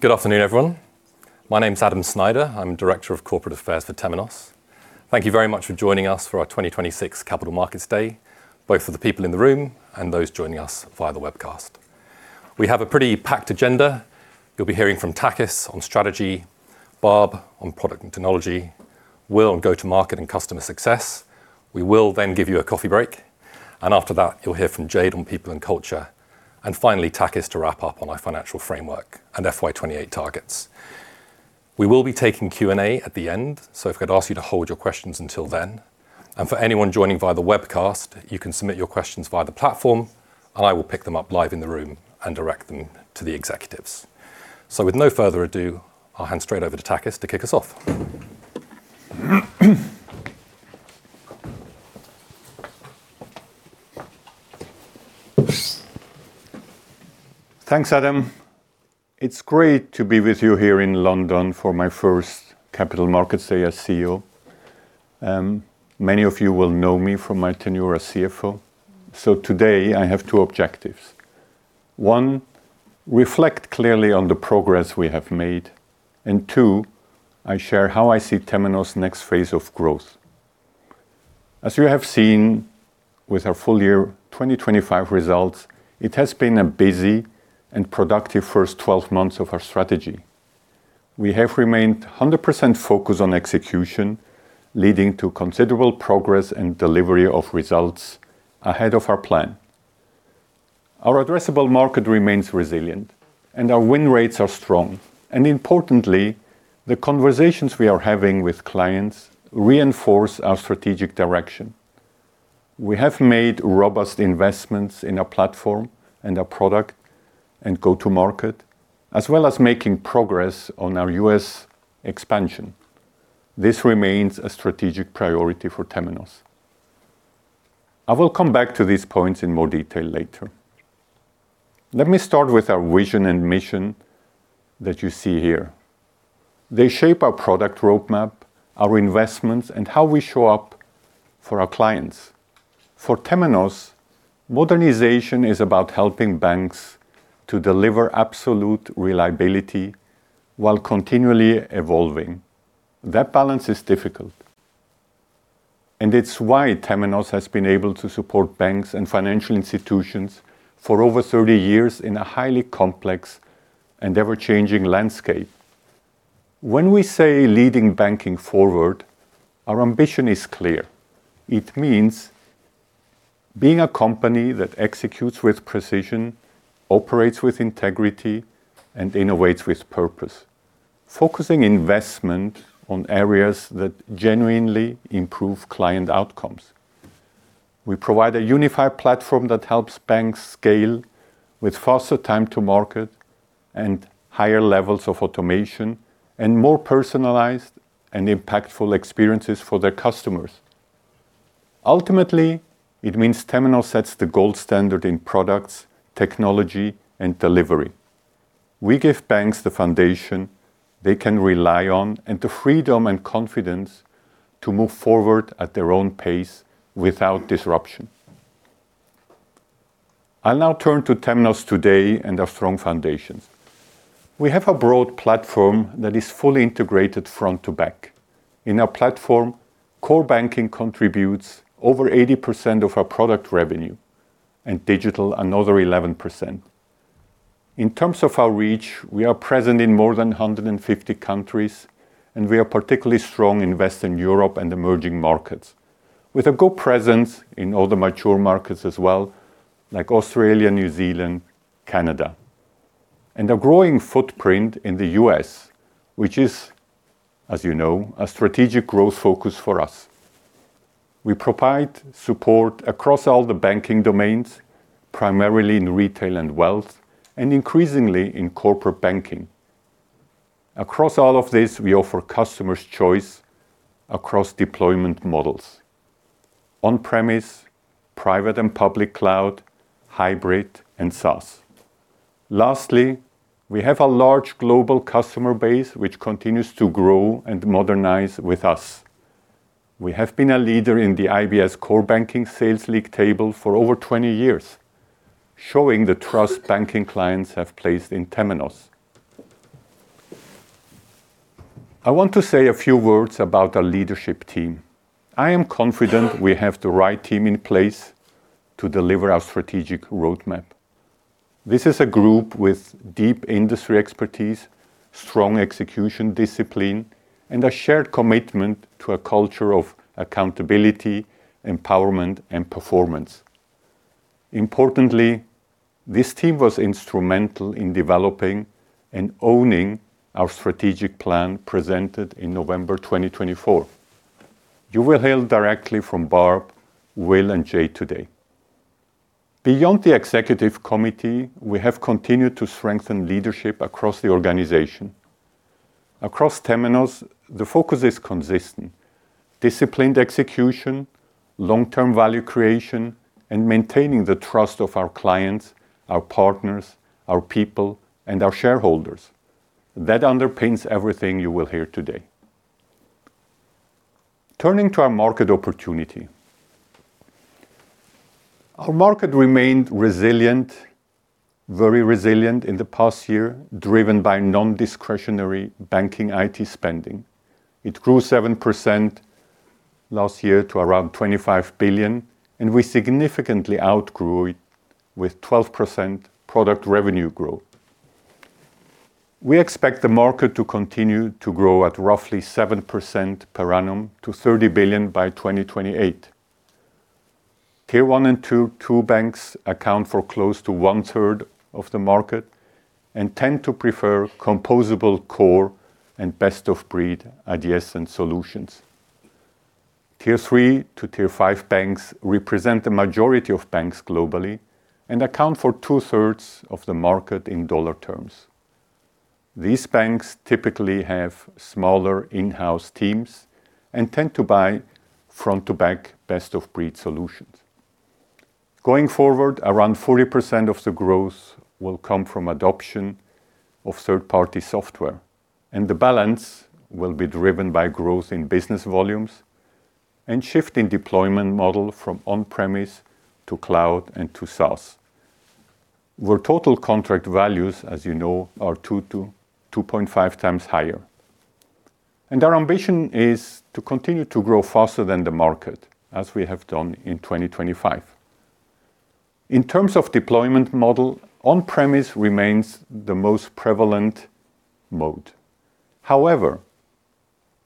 Good afternoon, everyone. My name is Adam Snyder. I'm Director of Corporate Affairs for Temenos. Thank you very much for joining us for our 2026 Capital Markets Day, both for the people in the room and those joining us via the webcast. We have a pretty packed agenda. You'll be hearing from Takis on strategy, Barb on product and technology, Will on go-to-market and customer success. We will give you a coffee break. After that, you'll hear from Jayde on people and culture, and finally, Takis to wrap up on our financial framework and FY 2028 targets. We will be taking Q&A at the end. If I could ask you to hold your questions until then. For anyone joining via the webcast, you can submit your questions via the platform, and I will pick them up live in the room and direct them to the executives. With no further ado, I'll hand straight over to Takis to kick us off. Thanks, Adam. It's great to be with you here in London for my first Capital Markets Day as CEO. Many of you will know me from my tenure as CFO. Today I have two objectives. One, reflect clearly on the progress we have made, and two, I share how I see Temenos' next phase of growth. As you have seen with our full year 2025 results, it has been a busy and productive first 12 months of our strategy. We have remained 100% focused on execution, leading to considerable progress and delivery of results ahead of our plan. Our addressable market remains resilient, and our win rates are strong. Importantly, the conversations we are having with clients reinforce our strategic direction. We have made robust investments in our platform and our product and go-to-market, as well as making progress on our U.S. expansion. This remains a strategic priority for Temenos. I will come back to these points in more detail later. Let me start with our vision and mission that you see here. They shape our product roadmap, our investments, and how we show up for our clients. For Temenos, modernization is about helping banks to deliver absolute reliability while continually evolving. That balance is difficult, and it's why Temenos has been able to support banks and financial institutions for over 30 years in a highly complex and ever-changing landscape. When we say leading banking forward, our ambition is clear. It means being a company that executes with precision, operates with integrity, and innovates with purpose, focusing investment on areas that genuinely improve client outcomes. We provide a unified platform that helps banks scale with faster time to market and higher levels of automation, and more personalized and impactful experiences for their customers. Ultimately, it means Temenos sets the gold standard in products, technology, and delivery. We give banks the foundation they can rely on and the freedom and confidence to move forward at their own pace without disruption. I'll now turn to Temenos today and our strong foundations. We have a broad platform that is fully integrated front to back. In our platform, core banking contributes over 80% of our product revenue, and digital another 11%. In terms of our reach, we are present in more than 150 countries, and we are particularly strong in Western Europe and emerging markets, with a good presence in all the mature markets as well, like Australia, New Zealand, Canada, and a growing footprint in the U.S., which is, as you know, a strategic growth focus for us. We provide support across all the banking domains, primarily in retail and wealth, and increasingly in corporate banking. Across all of this, we offer customers choice across deployment models: on-premise, private and public cloud, hybrid, and SaaS. Lastly, we have a large global customer base, which continues to grow and modernize with us. We have been a leader in the IBS Intelligence Sales League Table for over 20 years, showing the trust banking clients have placed in Temenos. I want to say a few words about our leadership team. I am confident we have the right team in place to deliver our strategic roadmap. This is a group with deep industry expertise, strong execution discipline, and a shared commitment to a culture of accountability, empowerment, and performance. Importantly, this team was instrumental in developing and owning our strategic plan presented in November 2024. You will hear directly from Barb, Will, and Jayde today. Beyond the executive committee, we have continued to strengthen leadership across the organization. Across Temenos, the focus is consistent: disciplined execution, long-term value creation, and maintaining the trust of our clients, our partners, our people, and our shareholders. That underpins everything you will hear today. Turning to our market opportunity. Our market remained resilient, very resilient in the past year, driven by non-discretionary banking IT spending. It grew 7% last year to around $25 billion, and we significantly outgrew it with 12% product revenue growth. We expect the market to continue to grow at roughly 7% per annum to $30 billion by 2028. Tier one and two banks account for close to 1/3 of the market and tend to prefer composable core and best-of-breed ideas and solutions. Tier 3 to Tier 5 banks represent the majority of banks globally and account for two-thirds of the market in dollar terms. These banks typically have smaller in-house teams and tend to buy front-to-back best-of-breed solutions. Going forward, around 40% of the growth will come from adoption of third-party software, and the balance will be driven by growth in business volumes and shift in deployment model from on-premise to cloud and to SaaS, where total contract values, as you know, are 2 to 2.5 times higher. Our ambition is to continue to grow faster than the market, as we have done in 2025. In terms of deployment model, on-premise remains the most prevalent mode. However,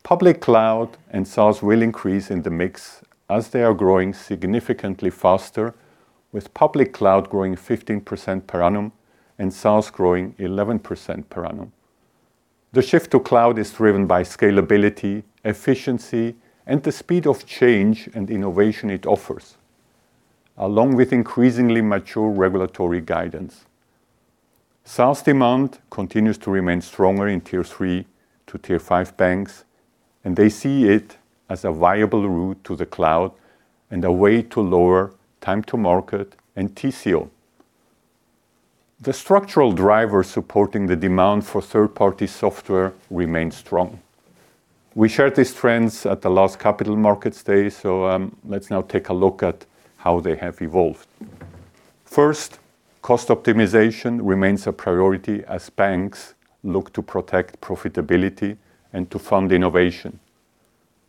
public cloud and SaaS will increase in the mix as they are growing significantly faster, with public cloud growing 15% per annum and SaaS growing 11% per annum. The shift to cloud is driven by scalability, efficiency, and the speed of change and innovation it offers, along with increasingly mature regulatory guidance. SaaS demand continues to remain stronger in tier three to tier five banks, and they see it as a viable route to the cloud and a way to lower time to market and TCO. The structural drivers supporting the demand for third-party software remain strong. We shared these trends at the last Capital Markets Day, so, let's now take a look at how they have evolved. First, cost optimization remains a priority as banks look to protect profitability and to fund innovation.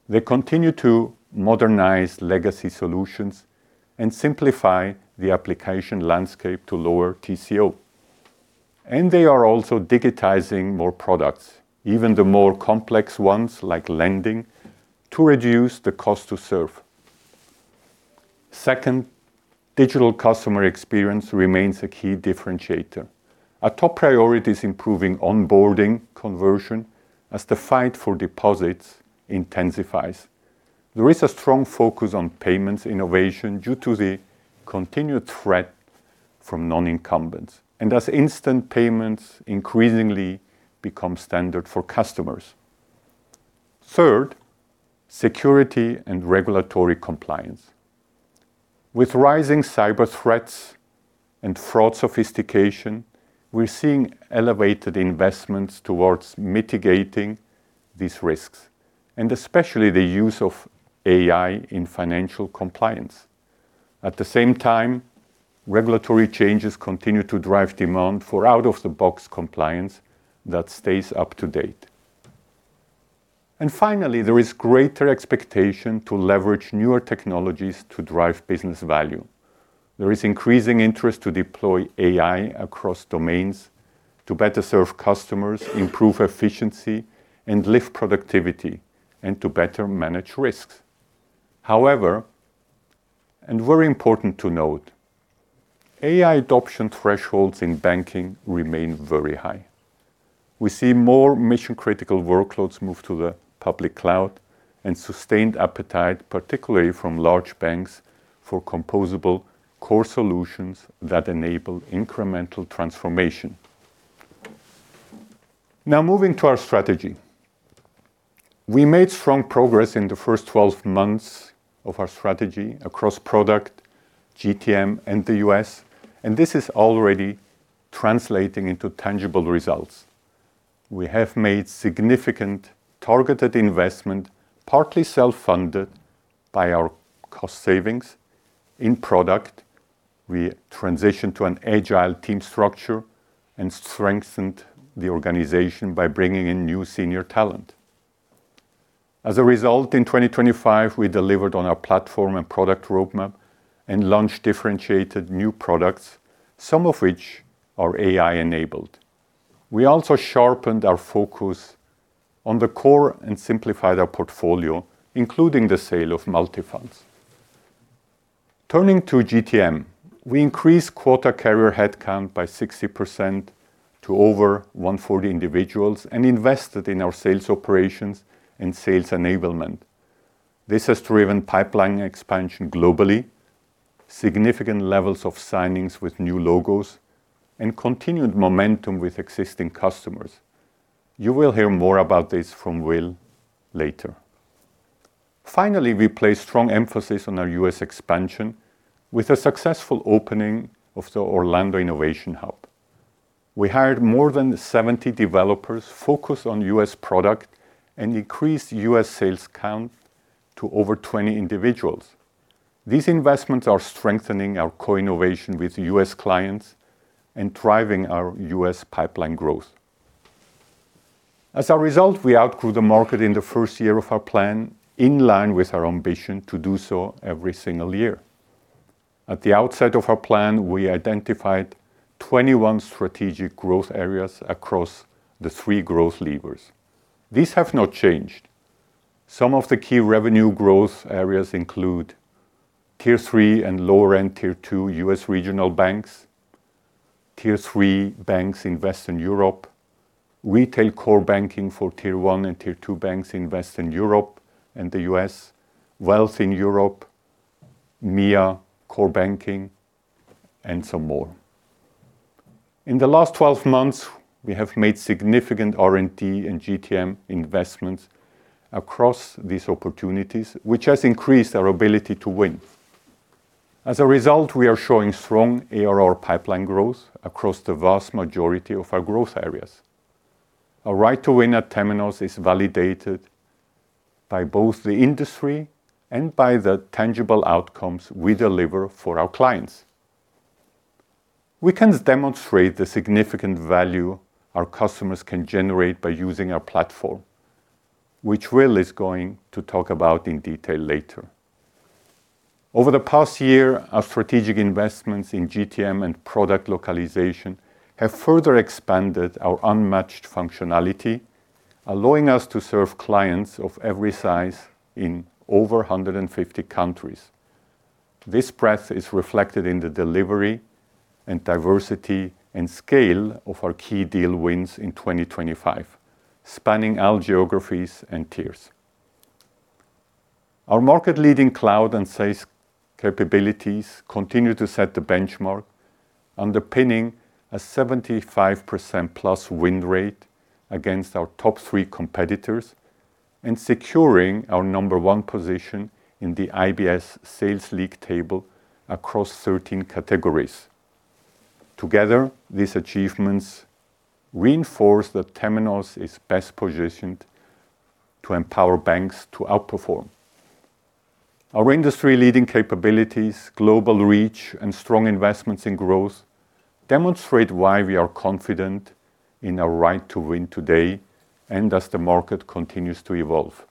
They continue to modernize legacy solutions and simplify the application landscape to lower TCO. They are also digitizing more products, even the more complex ones like lending, to reduce the cost to serve. Second, digital customer experience remains a key differentiator. Our top priority is improving onboarding conversion as the fight for deposits intensifies. There is a strong focus on payments innovation due to the continued threat from non-incumbents, and as instant payments increasingly become standard for customers. Third, security and regulatory compliance. With rising cyber threats and fraud sophistication, we're seeing elevated investments towards mitigating these risks, and especially the use of AI in financial compliance. At the same time, regulatory changes continue to drive demand for out-of-the-box compliance that stays up to date. Finally, there is greater expectation to leverage newer technologies to drive business value. There is increasing interest to deploy AI across domains to better serve customers, improve efficiency, and lift productivity, and to better manage risks. However, and very important to note, AI adoption thresholds in banking remain very high. We see more mission-critical workloads move to the public cloud and sustained appetite, particularly from large banks, for composable core solutions that enable incremental transformation. Now, moving to our strategy. We made strong progress in the first 12 months of our strategy across product, GTM, and the U.S., and this is already translating into tangible results. We have made significant targeted investment, partly self-funded by our cost savings. In product, we transitioned to an agile team structure and strengthened the organization by bringing in new senior talent. As a result, in 2025, we delivered on our platform and product roadmap and launched differentiated new products, some of which are AI-enabled. We also sharpened our focus on the core and simplified our portfolio, including the sale of Multifonds. Turning to GTM, we increased quota carrier headcount by 60% to over 140 individuals and invested in our sales operations and sales enablement. This has driven pipeline expansion globally, significant levels of signings with new logos, and continued momentum with existing customers. You will hear more about this from Will later. We placed strong emphasis on our U.S. expansion with a successful opening of the Orlando Innovation Hub. We hired more than 70 developers focused on U.S. product and increased U.S. sales count to over 20 individuals. These investments are strengthening our co-innovation with U.S. clients and driving our U.S. pipeline growth. We outgrew the market in the first year of our plan, in line with our ambition to do so every single year. At the outset of our plan, we identified 21 strategic growth areas across the three growth levers. These have not changed. Some of the key revenue growth areas include Tier 3 and lower-end Tier 2 US regional banks, Tier 3 banks in Western Europe, retail core banking for Tier 1 and Tier 2 banks in Western Europe and the U.S., wealth in Europe, MIA core banking, and some more. In the last 12 months, we have made significant R&D and GTM investments across these opportunities, which has increased our ability to win. As a result, we are showing strong ARR pipeline growth across the vast majority of our growth areas. Our right to win at Temenos is validated by both the industry and by the tangible outcomes we deliver for our clients. We can demonstrate the significant value our customers can generate by using our platform, which Will is going to talk about in detail later. Over the past year, our strategic investments in GTM and product localization have further expanded our unmatched functionality, allowing us to serve clients of every size in over 150 countries. This breadth is reflected in the delivery and diversity and scale of our key deal wins in 2025, spanning all geographies and tiers. Our market-leading cloud and SaaS capabilities continue to set the benchmark, underpinning a 75%+ win rate against our top three competitors and securing our number one position in the IBS Intelligence Sales League Table across 13 categories. Together, these achievements reinforce that Temenos is best positioned to empower banks to outperform. Our industry-leading capabilities, global reach, and strong investments in growth demonstrate why we are confident in our right to win today and as the market continues to evolve.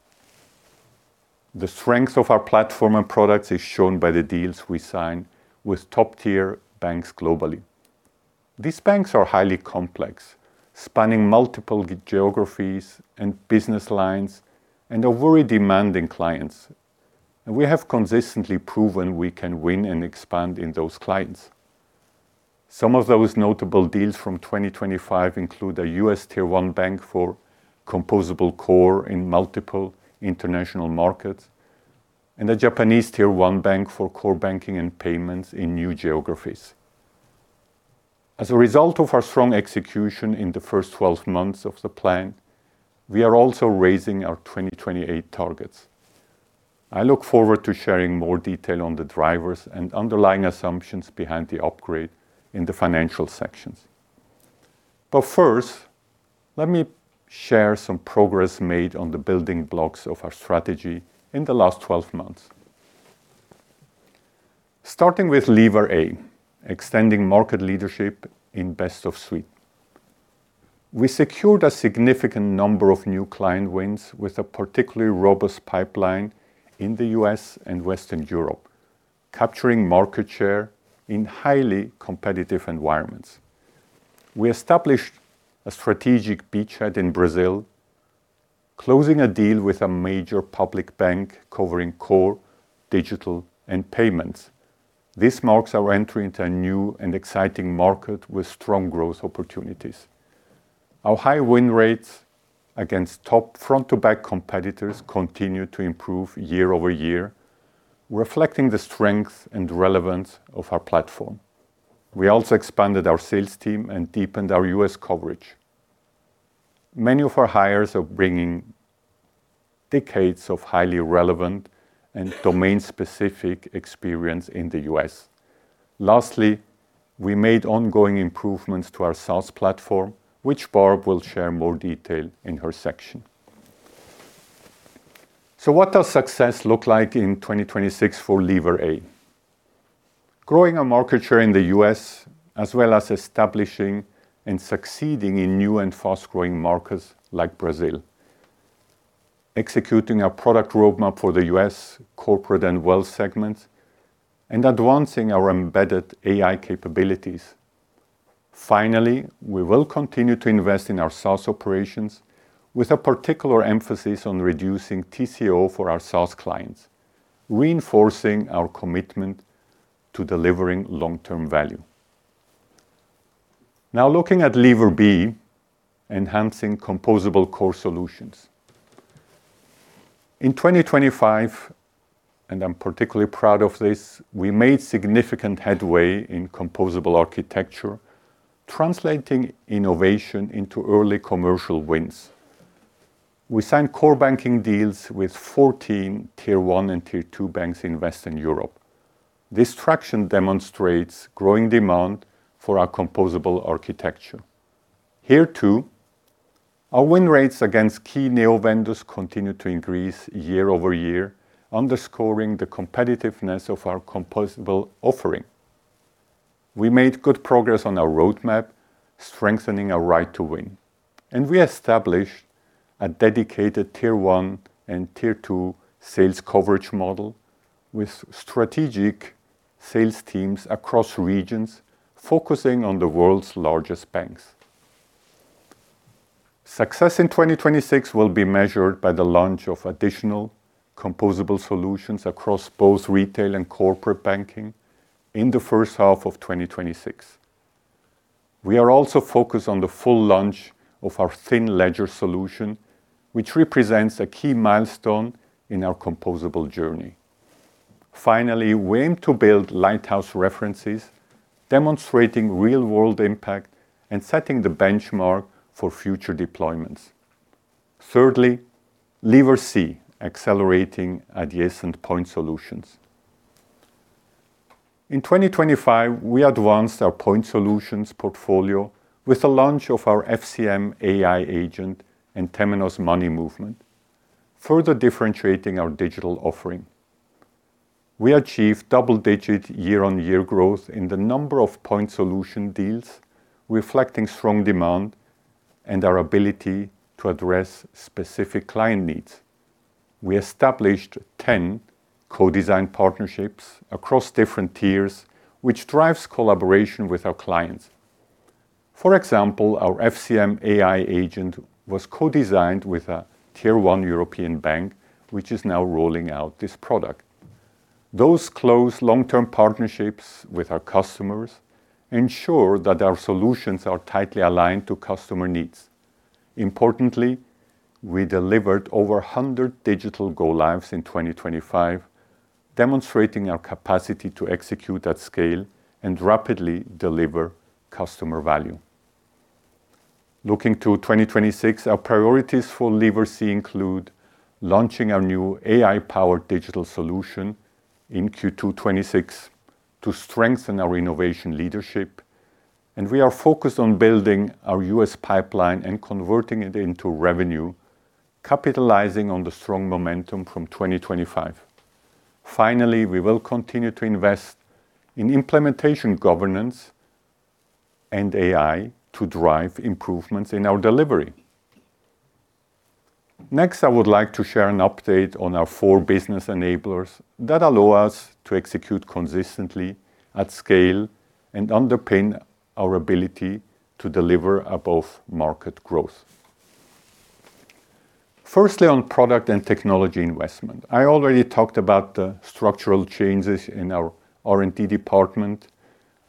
The strength of our platform and products is shown by the deals we sign with top-tier banks globally. These banks are highly complex, spanning multiple geographies and business lines, and are very demanding clients. We have consistently proven we can win and expand in those clients. Some of those notable deals from 2025 include a U.S. Tier 1 bank for composable core in multiple international markets and a Japanese Tier 1 bank for core banking and payments in new geographies. As a result of our strong execution in the first 12 months of the plan, we are also raising our 2028 targets. I look forward to sharing more detail on the drivers and underlying assumptions behind the upgrade in the financial sections. First, let me share some progress made on the building blocks of our strategy in the last 12 months. Starting with Lever A, extending market leadership in best of suite. We secured a significant number of new client wins with a particularly robust pipeline in the U.S. and Western Europe, capturing market share in highly competitive environments. We established a strategic beachhead in Brazil, closing a deal with a major public bank covering core, digital, and payments. This marks our entry into a new and exciting market with strong growth opportunities. Our high win rates against top front-to-back competitors continue to improve year-over-year, reflecting the strength and relevance of our platform. We also expanded our sales team and deepened our U.S. coverage. Many of our hires are bringing decades of highly relevant and domain-specific experience in the U.S. Lastly, we made ongoing improvements to our SaaS platform, which Barb will share more detail in her section. What does success look like in 2026 for Lever A? Growing our market share in the U.S., as well as establishing and succeeding in new and fast-growing markets like Brazil, executing our product roadmap for the U.S. corporate and wealth segments, and advancing our embedded AI capabilities. Finally, we will continue to invest in our SaaS operations with a particular emphasis on reducing TCO for our SaaS clients, reinforcing our commitment to delivering long-term value. Looking at Lever B, enhancing composable core solutions. In 2025, and I'm particularly proud of this, we made significant headway in composable architecture, translating innovation into early commercial wins. We signed core banking deals with 14 Tier 1 and Tier 2 banks in Western Europe. This traction demonstrates growing demand for our composable architecture. Here, too, our win rates against key neo vendors continued to increase year-over-year, underscoring the competitiveness of our composable offering. We made good progress on our roadmap, strengthening our right to win, and we established a dedicated Tier 1 and Tier 2 sales coverage model with strategic sales teams across regions focusing on the world's largest banks. Success in 2026 will be measured by the launch of additional composable solutions across both retail and corporate banking in the first half of 2026. We are also focused on the full launch of our thin ledger solution, which represents a key milestone in our composable journey. Finally, we aim to build lighthouse references, demonstrating real-world impact and setting the benchmark for future deployments. Thirdly, Lever C, accelerating adjacent point solutions. In 2025, we advanced our point solutions portfolio with the launch of our FCM AI Agent and Temenos Money Movement, further differentiating our digital offering. We achieved double-digit year-on-year growth in the number of point solution deals, reflecting strong demand and our ability to address specific client needs. We established 10 co-design partnerships across different tiers, which drives collaboration with our clients. For example, our FCM AI Agent was co-designed with a Tier one European bank, which is now rolling out this product. Those close long-term partnerships with our customers ensure that our solutions are tightly aligned to customer needs. Importantly, we delivered over 100 digital go-lives in 2025, demonstrating our capacity to execute at scale and rapidly deliver customer value. Looking to 2026, our priorities for Lever C include launching our new AI-powered digital solution in Q2 2026 to strengthen our innovation leadership. We are focused on building our U.S. pipeline and converting it into revenue, capitalizing on the strong momentum from 2025. Finally, we will continue to invest in implementation, governance, and AI to drive improvements in our delivery. Next, I would like to share an update on our four business enablers that allow us to execute consistently at scale and underpin our ability to deliver above-market growth. Firstly, on product and technology investment. I already talked about the structural changes in our R&D department.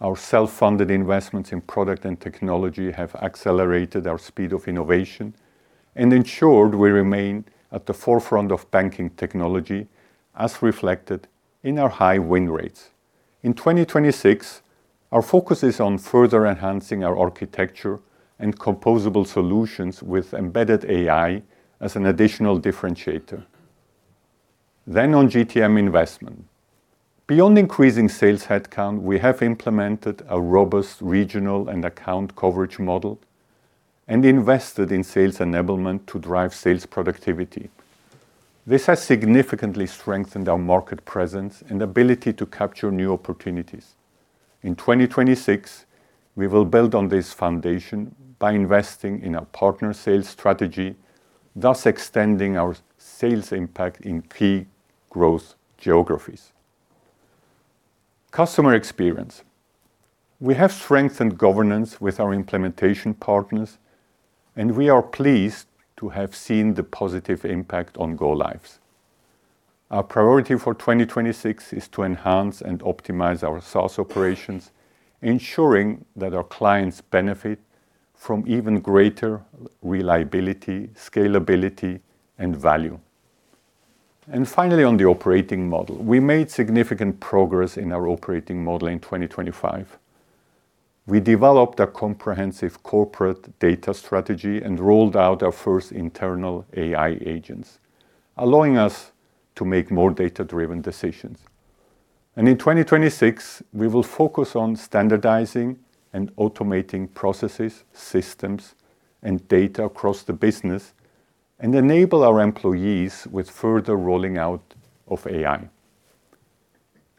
Our self-funded investments in product and technology have accelerated our speed of innovation and ensured we remain at the forefront of banking technology, as reflected in our high win rates. In 2026, our focus is on further enhancing our architecture and composable solutions with embedded AI as an additional differentiator. On GTM investment. Beyond increasing sales headcount, we have implemented a robust regional and account coverage model and invested in sales enablement to drive sales productivity. This has significantly strengthened our market presence and ability to capture new opportunities. In 2026, we will build on this foundation by investing in our partner sales strategy, thus extending our sales impact in key growth geographies. Customer experience. We have strengthened governance with our implementation partners, and we are pleased to have seen the positive impact on go-lives. Our priority for 2026 is to enhance and optimize our source operations, ensuring that our clients benefit from even greater reliability, scalability, and value. Finally, on the operating model. We made significant progress in our operating model in 2025. We developed a comprehensive corporate data strategy and rolled out our first internal AI agents, allowing us to make more data-driven decisions. In 2026, we will focus on standardizing and automating processes, systems, and data across the business and enable our employees with further rolling out of AI.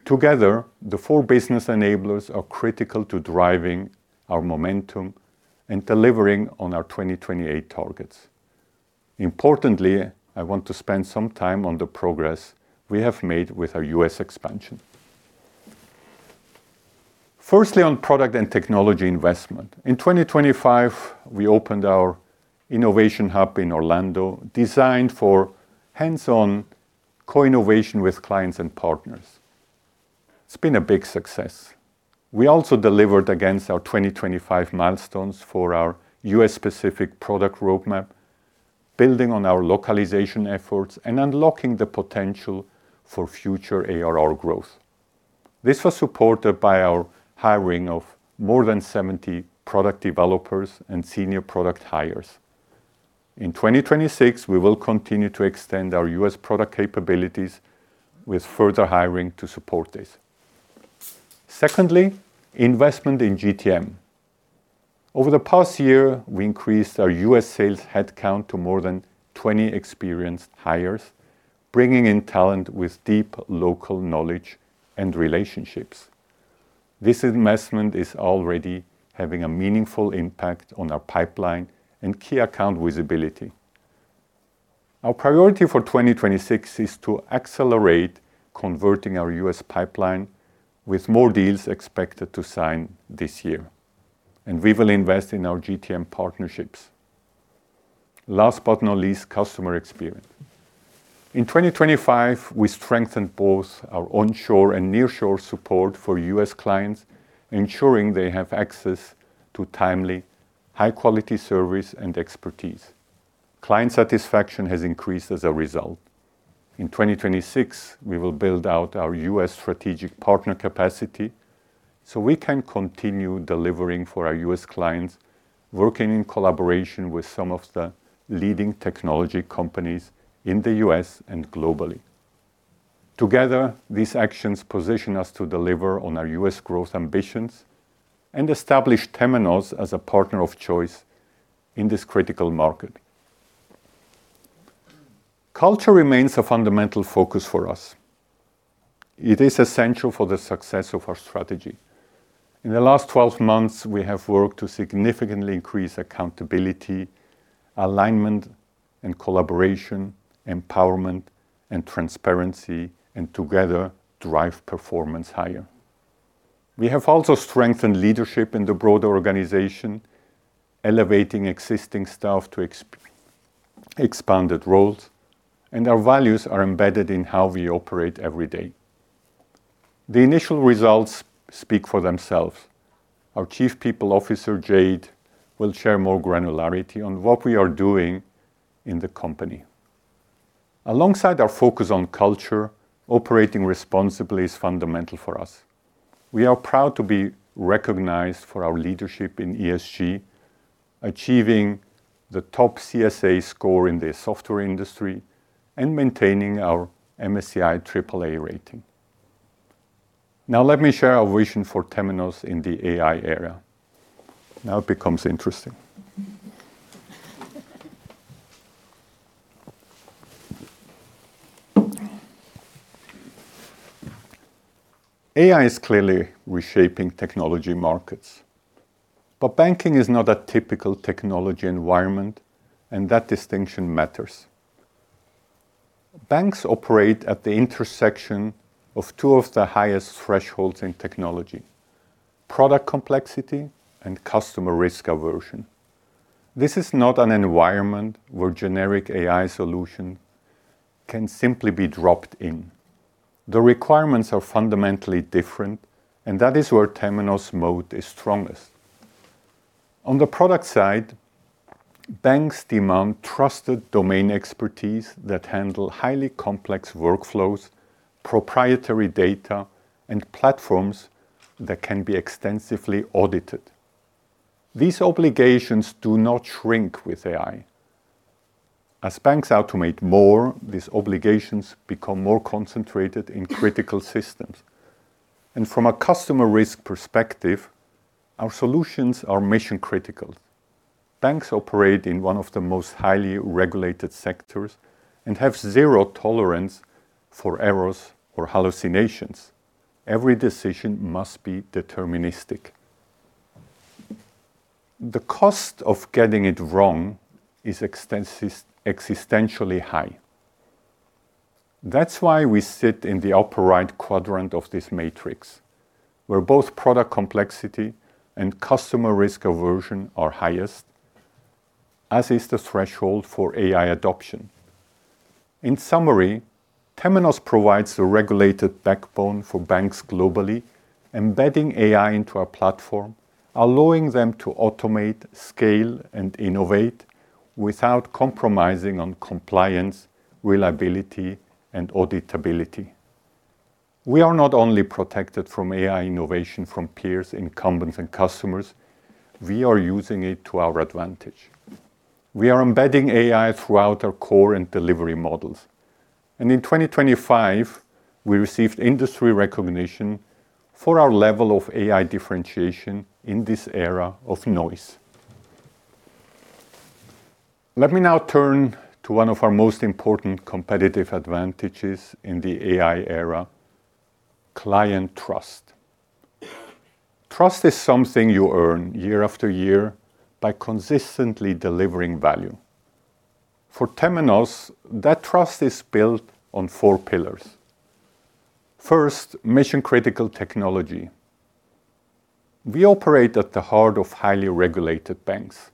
Together, the four business enablers are critical to driving our momentum and delivering on our 2028 targets. Importantly, I want to spend some time on the progress we have made with our U.S. expansion. Firstly, on product and technology investment. In 2025, we opened our innovation hub in Orlando, designed for hands-on co-innovation with clients and partners. It's been a big success. We also delivered against our 2025 milestones for our U.S.-specific product roadmap, building on our localization efforts and unlocking the potential for future ARR growth. This was supported by our hiring of more than 70 product developers and senior product hires. In 2026, we will continue to extend our U.S. product capabilities with further hiring to support this. Secondly, investment in GTM. Over the past year, we increased our U.S. sales headcount to more than 20 experienced hires, bringing in talent with deep local knowledge and relationships. This investment is already having a meaningful impact on our pipeline and key account visibility. Our priority for 2026 is to accelerate converting our U.S. pipeline, with more deals expected to sign this year, and we will invest in our GTM partnerships. Last but not least, customer experience. In 2025, we strengthened both our onshore and nearshore support for U.S. clients, ensuring they have access to timely, high-quality service and expertise. Client satisfaction has increased as a result. In 2026, we will build out our U.S. strategic partner capacity, so we can continue delivering for our U.S. clients, working in collaboration with some of the leading technology companies in the U.S. and globally. Together, these actions position us to deliver on our U.S. growth ambitions and establish Temenos as a partner of choice in this critical market. Culture remains a fundamental focus for us. It is essential for the success of our strategy. In the last 12 months, we have worked to significantly increase accountability, alignment and collaboration, empowerment, and transparency, and together, drive performance higher. We have also strengthened leadership in the broader organization, elevating existing staff to expanded roles, and our values are embedded in how we operate every day. The initial results speak for themselves. Our Chief People Officer, Jayde, will share more granularity on what we are doing in the company. Alongside our focus on culture, operating responsibly is fundamental for us. We are proud to be recognized for our leadership in ESG, achieving the top CSA score in the software industry and maintaining our MSCI Triple-A rating. Let me share our vision for Temenos in the AI era. It becomes interesting. AI is clearly reshaping technology markets, but banking is not a typical technology environment, and that distinction matters. Banks operate at the intersection of two of the highest thresholds in technology: product complexity and customer risk aversion. This is not an environment where generic AI solution can simply be dropped in. The requirements are fundamentally different, and that is where Temenos's moat is strongest. On the product side, banks demand trusted domain expertise that handle highly complex workflows, proprietary data, and platforms that can be extensively audited. These obligations do not shrink with AI. As banks automate more, these obligations become more concentrated in critical systems. From a customer risk perspective, our solutions are mission-critical. Banks operate in one of the most highly regulated sectors and have zero tolerance for errors or hallucinations. Every decision must be deterministic. The cost of getting it wrong is existentially high. That's why we sit in the upper-right quadrant of this matrix, where both product complexity and customer risk aversion are highest, as is the threshold for AI adoption. In summary, Temenos provides a regulated backbone for banks globally, embedding AI into our platform, allowing them to automate, scale, and innovate without compromising on compliance, reliability, and auditability. We are not only protected from AI innovation from peers, incumbents, and customers, we are using it to our advantage. We are embedding AI throughout our core and delivery models. In 2025, we received industry recognition for our level of AI differentiation in this era of noise. Let me now turn to one of our most important competitive advantages in the AI era: client trust. Trust is something you earn year after year by consistently delivering value. For Temenos, that trust is built on 4 pillars. First, mission-critical technology. We operate at the heart of highly regulated banks.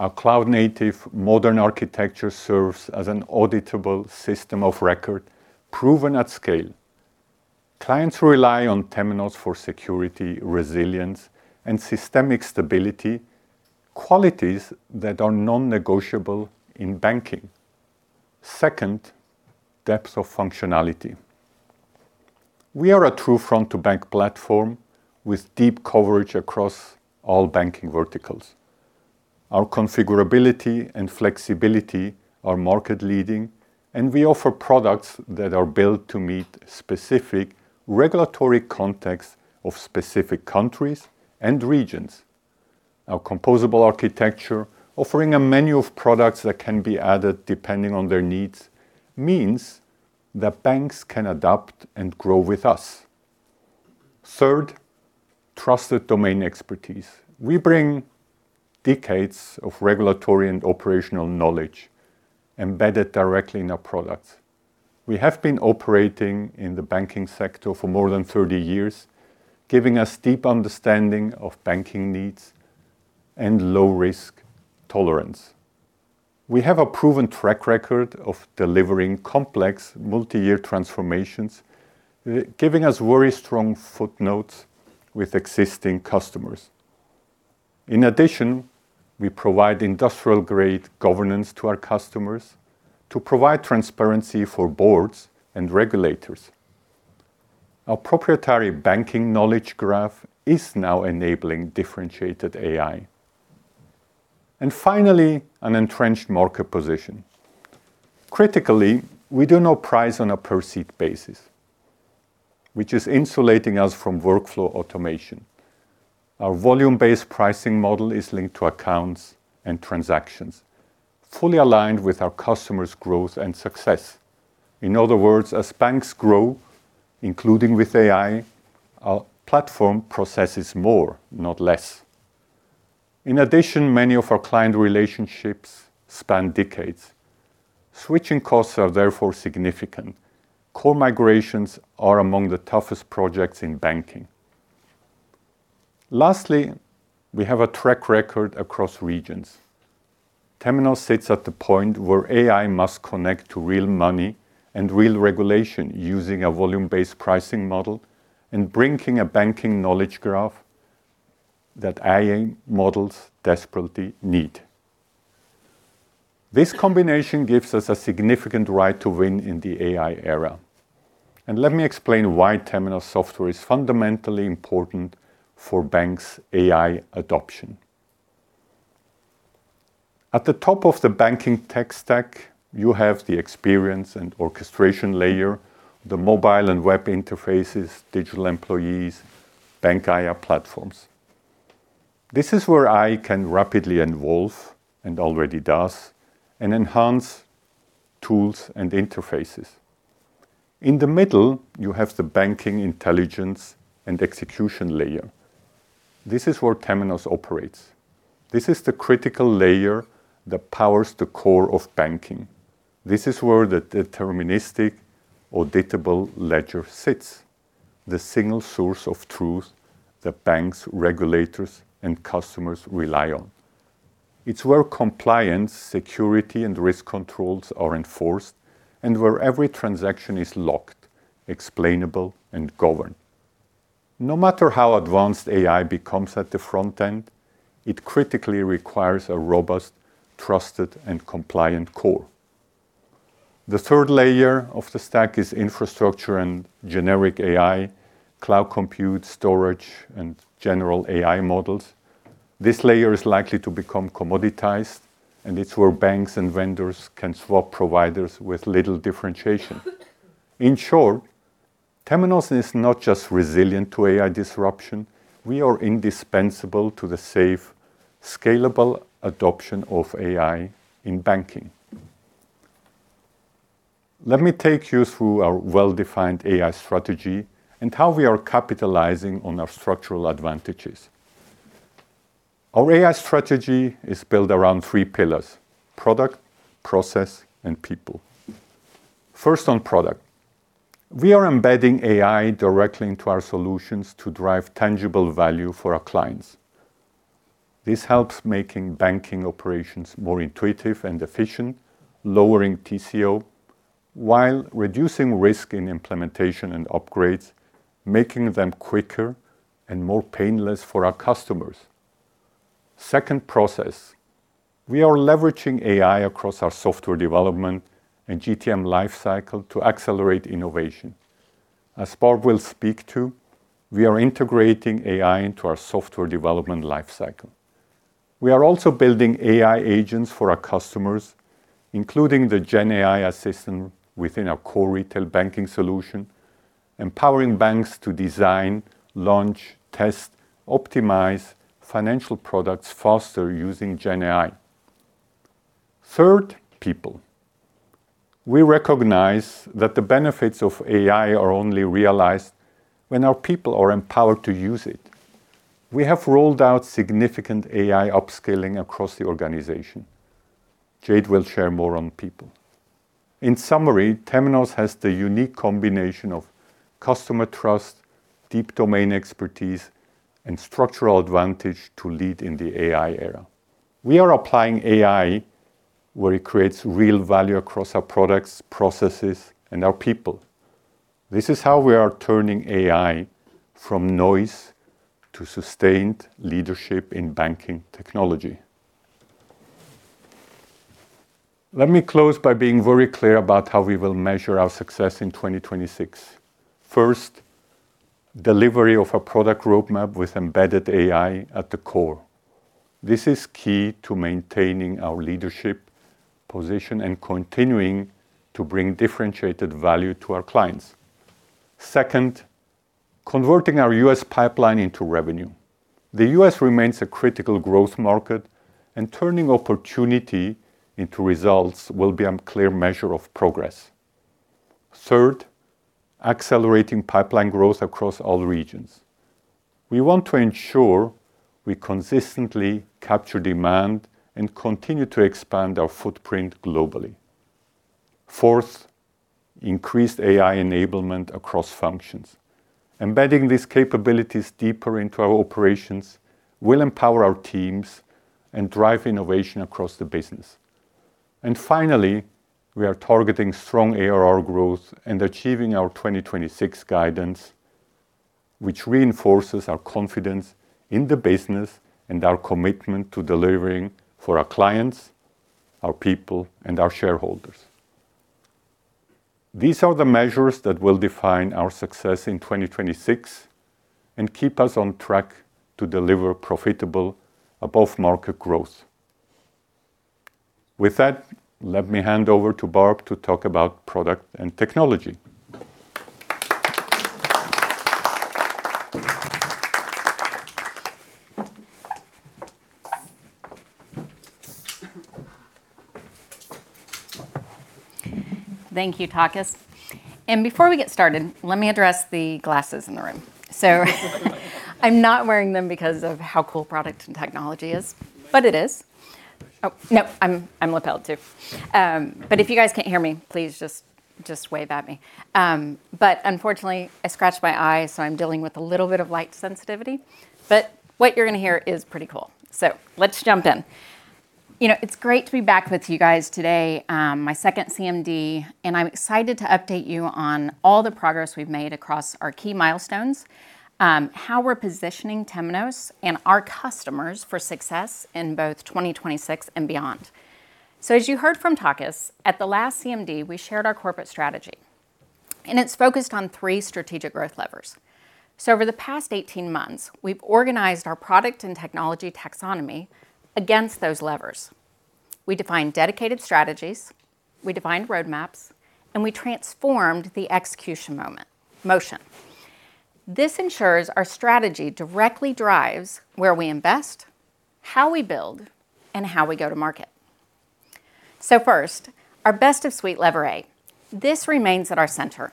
Our cloud-native modern architecture serves as an auditable system of record, proven at scale. Clients rely on Temenos for security, resilience, and systemic stability, qualities that are non-negotiable in banking. Second, depth of functionality. We are a true front-to-back platform with deep coverage across all banking verticals. Our configurability and flexibility are market-leading, and we offer products that are built to meet specific regulatory contexts of specific countries and regions. Our composable architecture, offering a menu of products that can be added depending on their needs, means that banks can adapt and grow with us. Third, trusted domain expertise. We bring decades of regulatory and operational knowledge embedded directly in our products. We have been operating in the banking sector for more than 30 years, giving us deep understanding of banking needs and low risk tolerance. We have a proven track record of delivering complex multi-year transformations, giving us very strong footnotes with existing customers. We provide industrial-grade governance to our customers to provide transparency for boards and regulators. Our proprietary banking knowledge graph is now enabling differentiated AI. Finally, an entrenched market position. Critically, we do not price on a per-seat basis, which is insulating us from workflow automation. Our volume-based pricing model is linked to accounts and transactions, fully aligned with our customers' growth and success. In other words, as banks grow, including with AI, our platform processes more, not less. Many of our client relationships span decades. Switching costs are therefore significant. Core migrations are among the toughest projects in banking. Lastly, we have a track record across regions. Temenos sits at the point where AI must connect to real money and real regulation using a volume-based pricing model and bringing a banking knowledge graph that AI models desperately need. This combination gives us a significant right to win in the AI era. Let me explain why Temenos software is fundamentally important for banks' AI adoption. At the top of the banking tech stack, you have the experience and orchestration layer, the mobile and web interfaces, digital employees, BankAI platforms. This is where AI can rapidly evolve, and already does, and enhance tools and interfaces. In the middle, you have the banking intelligence and execution layer. This is where Temenos operates. This is the critical layer that powers the core of banking. This is where the deterministic, auditable ledger sits, the single source of truth that banks, regulators, and customers rely on. It's where compliance, security, and risk controls are enforced, and where every transaction is locked, explainable, and governed. No matter how advanced AI becomes at the front end, it critically requires a robust, trusted, and compliant core. The third layer of the stack is infrastructure and generic AI, cloud compute, storage, and general AI models. This layer is likely to become commoditized, and it's where banks and vendors can swap providers with little differentiation. In short, Temenos is not just resilient to AI disruption, we are indispensable to the safe, scalable adoption of AI in banking. Let me take you through our well-defined AI strategy and how we are capitalizing on our structural advantages. Our AI strategy is built around three pillars: product, process, and people. First, on product. We are embedding AI directly into our solutions to drive tangible value for our clients. This helps making banking operations more intuitive and efficient, lowering TCO while reducing risk in implementation and upgrades, making them quicker and more painless for our customers. Second, process. We are leveraging AI across our software development and GTM lifecycle to accelerate innovation. As Barb will speak to, we are integrating AI into our software development lifecycle. We are also building AI agents for our customers, including the GenAI assistant within our core retail banking solution, empowering banks to design, launch, test, optimize financial products faster using GenAI. Third, people. We recognize that the benefits of AI are only realized when our people are empowered to use it. We have rolled out significant AI upskilling across the organization. Jayde will share more on people. In summary, Temenos has the unique combination of customer trust, deep domain expertise, and structural advantage to lead in the AI era. We are applying AI where it creates real value across our products, processes, and our people. This is how we are turning AI from noise to sustained leadership in banking technology. Let me close by being very clear about how we will measure our success in 2026. First, delivery of a product roadmap with embedded AI at the core. This is key to maintaining our leadership position and continuing to bring differentiated value to our clients. Second, converting our US pipeline into revenue. The US remains a critical growth market, turning opportunity into results will be a clear measure of progress. Third, accelerating pipeline growth across all regions. We want to ensure we consistently capture demand and continue to expand our footprint globally. Fourth, increased AI enablement across functions. Embedding these capabilities deeper into our operations will empower our teams and drive innovation across the business. Finally, we are targeting strong ARR growth and achieving our 2026 guidance, which reinforces our confidence in the business and our commitment to delivering for our clients, our people, and our shareholders. These are the measures that will define our success in 2026 and keep us on track to deliver profitable above-market growth. With that, let me hand over to Barb to talk about product and technology. Thank you, Takis. Before we get started, let me address the glasses in the room. I'm not wearing them because of how cool product and technology is, but it is. Nope, I'm lapelled, too. If you guys can't hear me, please just wave at me. Unfortunately, I scratched my eye, so I'm dealing with a little bit of light sensitivity, but what you're gonna hear is pretty cool. Let's jump in. You know, it's great to be back with you guys today, my second CMD, I'm excited to update you on all the progress we've made across our key milestones, how we're positioning Temenos and our customers for success in both 2026 and beyond. As you heard from Takis, at the last CMD, we shared our corporate strategy, and it's focused on 3 strategic growth levers. Over the past 18 months, we've organized our product and technology taxonomy against those levers. We defined dedicated strategies, we defined roadmaps, and we transformed the execution motion. This ensures our strategy directly drives where we invest, how we build, and how we go to market. First, our best of suite Lever A. This remains at our center.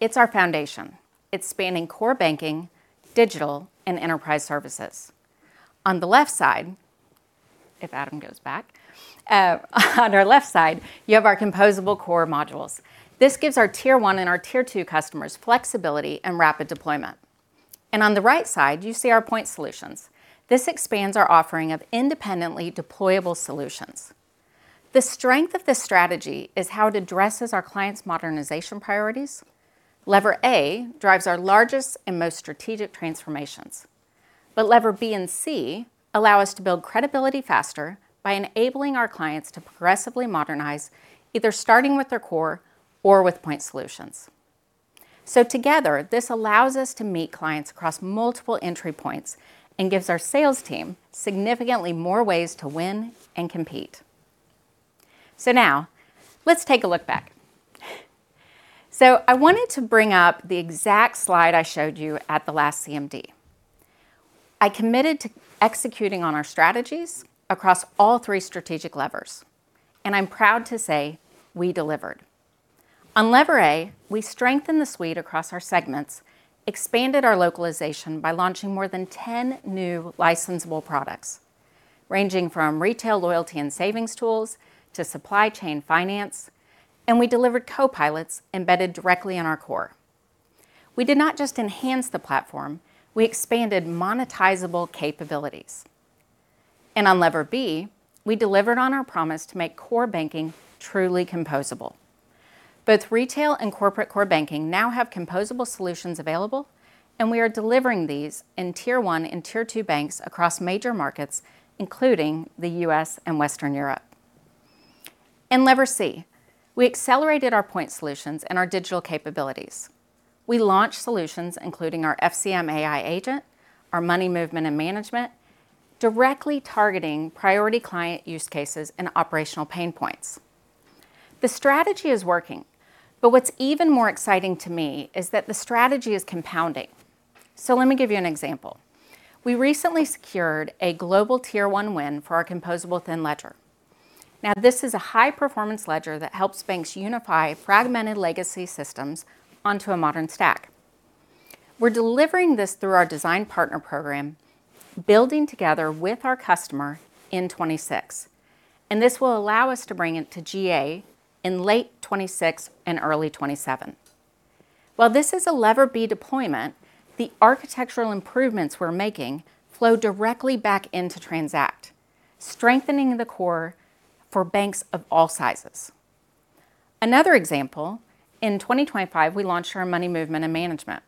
It's our foundation. It's spanning core banking, digital, and enterprise services. On the left side, if Adam goes back, you have our composable core modules. This gives our Tier One and our Tier Two customers flexibility and rapid deployment. On the right side, you see our point solutions. This expands our offering of independently deployable solutions. The strength of this strategy is how it addresses our clients' modernization priorities. Lever A drives our largest and most strategic transformations. Lever B and C allow us to build credibility faster by enabling our clients to progressively modernize, either starting with their core or with point solutions. Together, this allows us to meet clients across multiple entry points and gives our sales team significantly more ways to win and compete. Now let's take a look back. I wanted to bring up the exact slide I showed you at the last CMD. I committed to executing on our strategies across all three strategic levers, and I'm proud to say we delivered. On Lever A, we strengthened the suite across our segments, expanded our localization by launching more than 10 new licensable products, ranging from retail loyalty and savings tools to supply chain finance, and we delivered Copilots embedded directly in our core. We did not just enhance the platform, we expanded monetizable capabilities. On Lever B, we delivered on our promise to make core banking truly composable. Both retail and corporate core banking now have composable solutions available, and we are delivering these in Tier One and Tier Two banks across major markets, including the U.S. and Western Europe. In Lever C, we accelerated our point solutions and our digital capabilities. We launched solutions, including our FCM AI Agent, our Money Movement & Management, directly targeting priority client use cases and operational pain points. The strategy is working, what's even more exciting to me is that the strategy is compounding. Let me give you an example. We recently secured a global Tier One win for our composable thin ledger. This is a high-performance ledger that helps banks unify fragmented legacy systems onto a modern stack. We're delivering this through our Design Partner Program, building together with our customer in 2026, this will allow us to bring it to GA in late 2026 and early 2027. While this is a Lever B deployment, the architectural improvements we're making flow directly back into Transact, strengthening the core for banks of all sizes. Another example, in 2025, we launched our Money Movement and Management.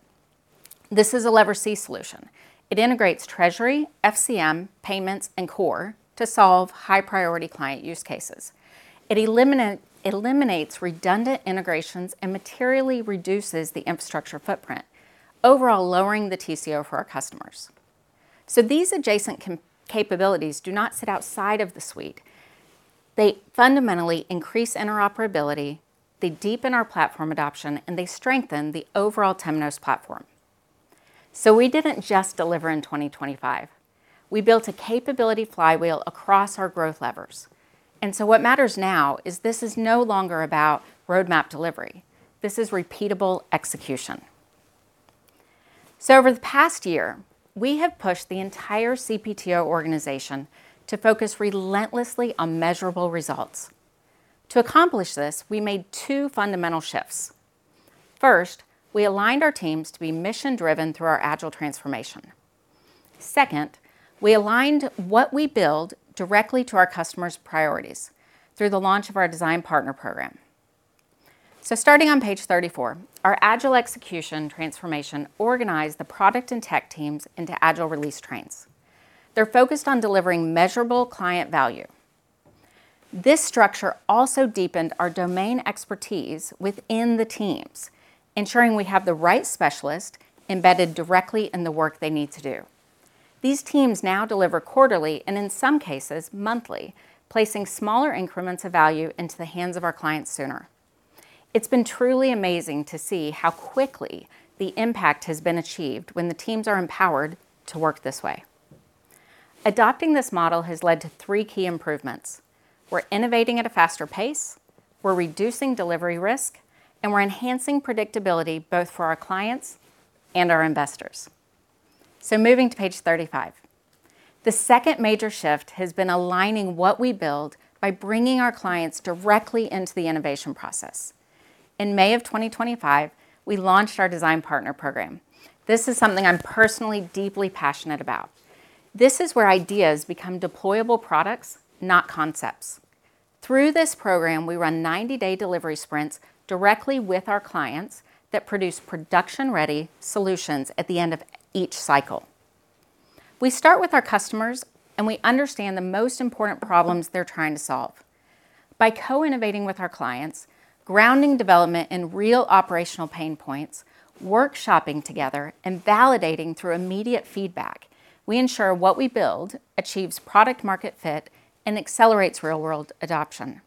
This is a Lever C solution. It integrates Treasury, FCM, Payments, and Core to solve high-priority client use cases. It eliminates redundant integrations and materially reduces the infrastructure footprint, overall lowering the TCO for our customers. These adjacent capabilities do not sit outside of the suite. They fundamentally increase interoperability, they deepen our platform adoption, and they strengthen the overall Temenos platform. We didn't just deliver in 2025, we built a capability flywheel across our growth levers. What matters now is this is no longer about roadmap delivery, this is repeatable execution. Over the past year, we have pushed the entire CPTO organization to focus relentlessly on measurable results. To accomplish this, we made two fundamental shifts: First, we aligned our teams to be mission-driven through our agile transformation. Second, we aligned what we build directly to our customers' priorities through the launch of our Design Partner Program. Starting on page 34, our agile execution transformation organized the product and tech teams into agile release trains. They're focused on delivering measurable client value. This structure also deepened our domain expertise within the teams, ensuring we have the right specialist embedded directly in the work they need to do. These teams now deliver quarterly, and in some cases, monthly, placing smaller increments of value into the hands of our clients sooner. It's been truly amazing to see how quickly the impact has been achieved when the teams are empowered to work this way. Adopting this model has led to 3 key improvements: We're innovating at a faster pace, we're reducing delivery risk, and we're enhancing predictability both for our clients and our investors. Moving to page 35. The second major shift has been aligning what we build by bringing our clients directly into the innovation process. In May of 2025, we launched our Design Partner Program. This is something I'm personally deeply passionate about. This is where ideas become deployable products, not concepts. Through this program, we run 90-day delivery sprints directly with our clients that produce production-ready solutions at the end of each cycle. We start with our customers, and we understand the most important problems they're trying to solve. By co-innovating with our clients, grounding development in real operational pain points, workshopping together, and validating through immediate feedback, we ensure what we build achieves product market fit and accelerates real-world adoption.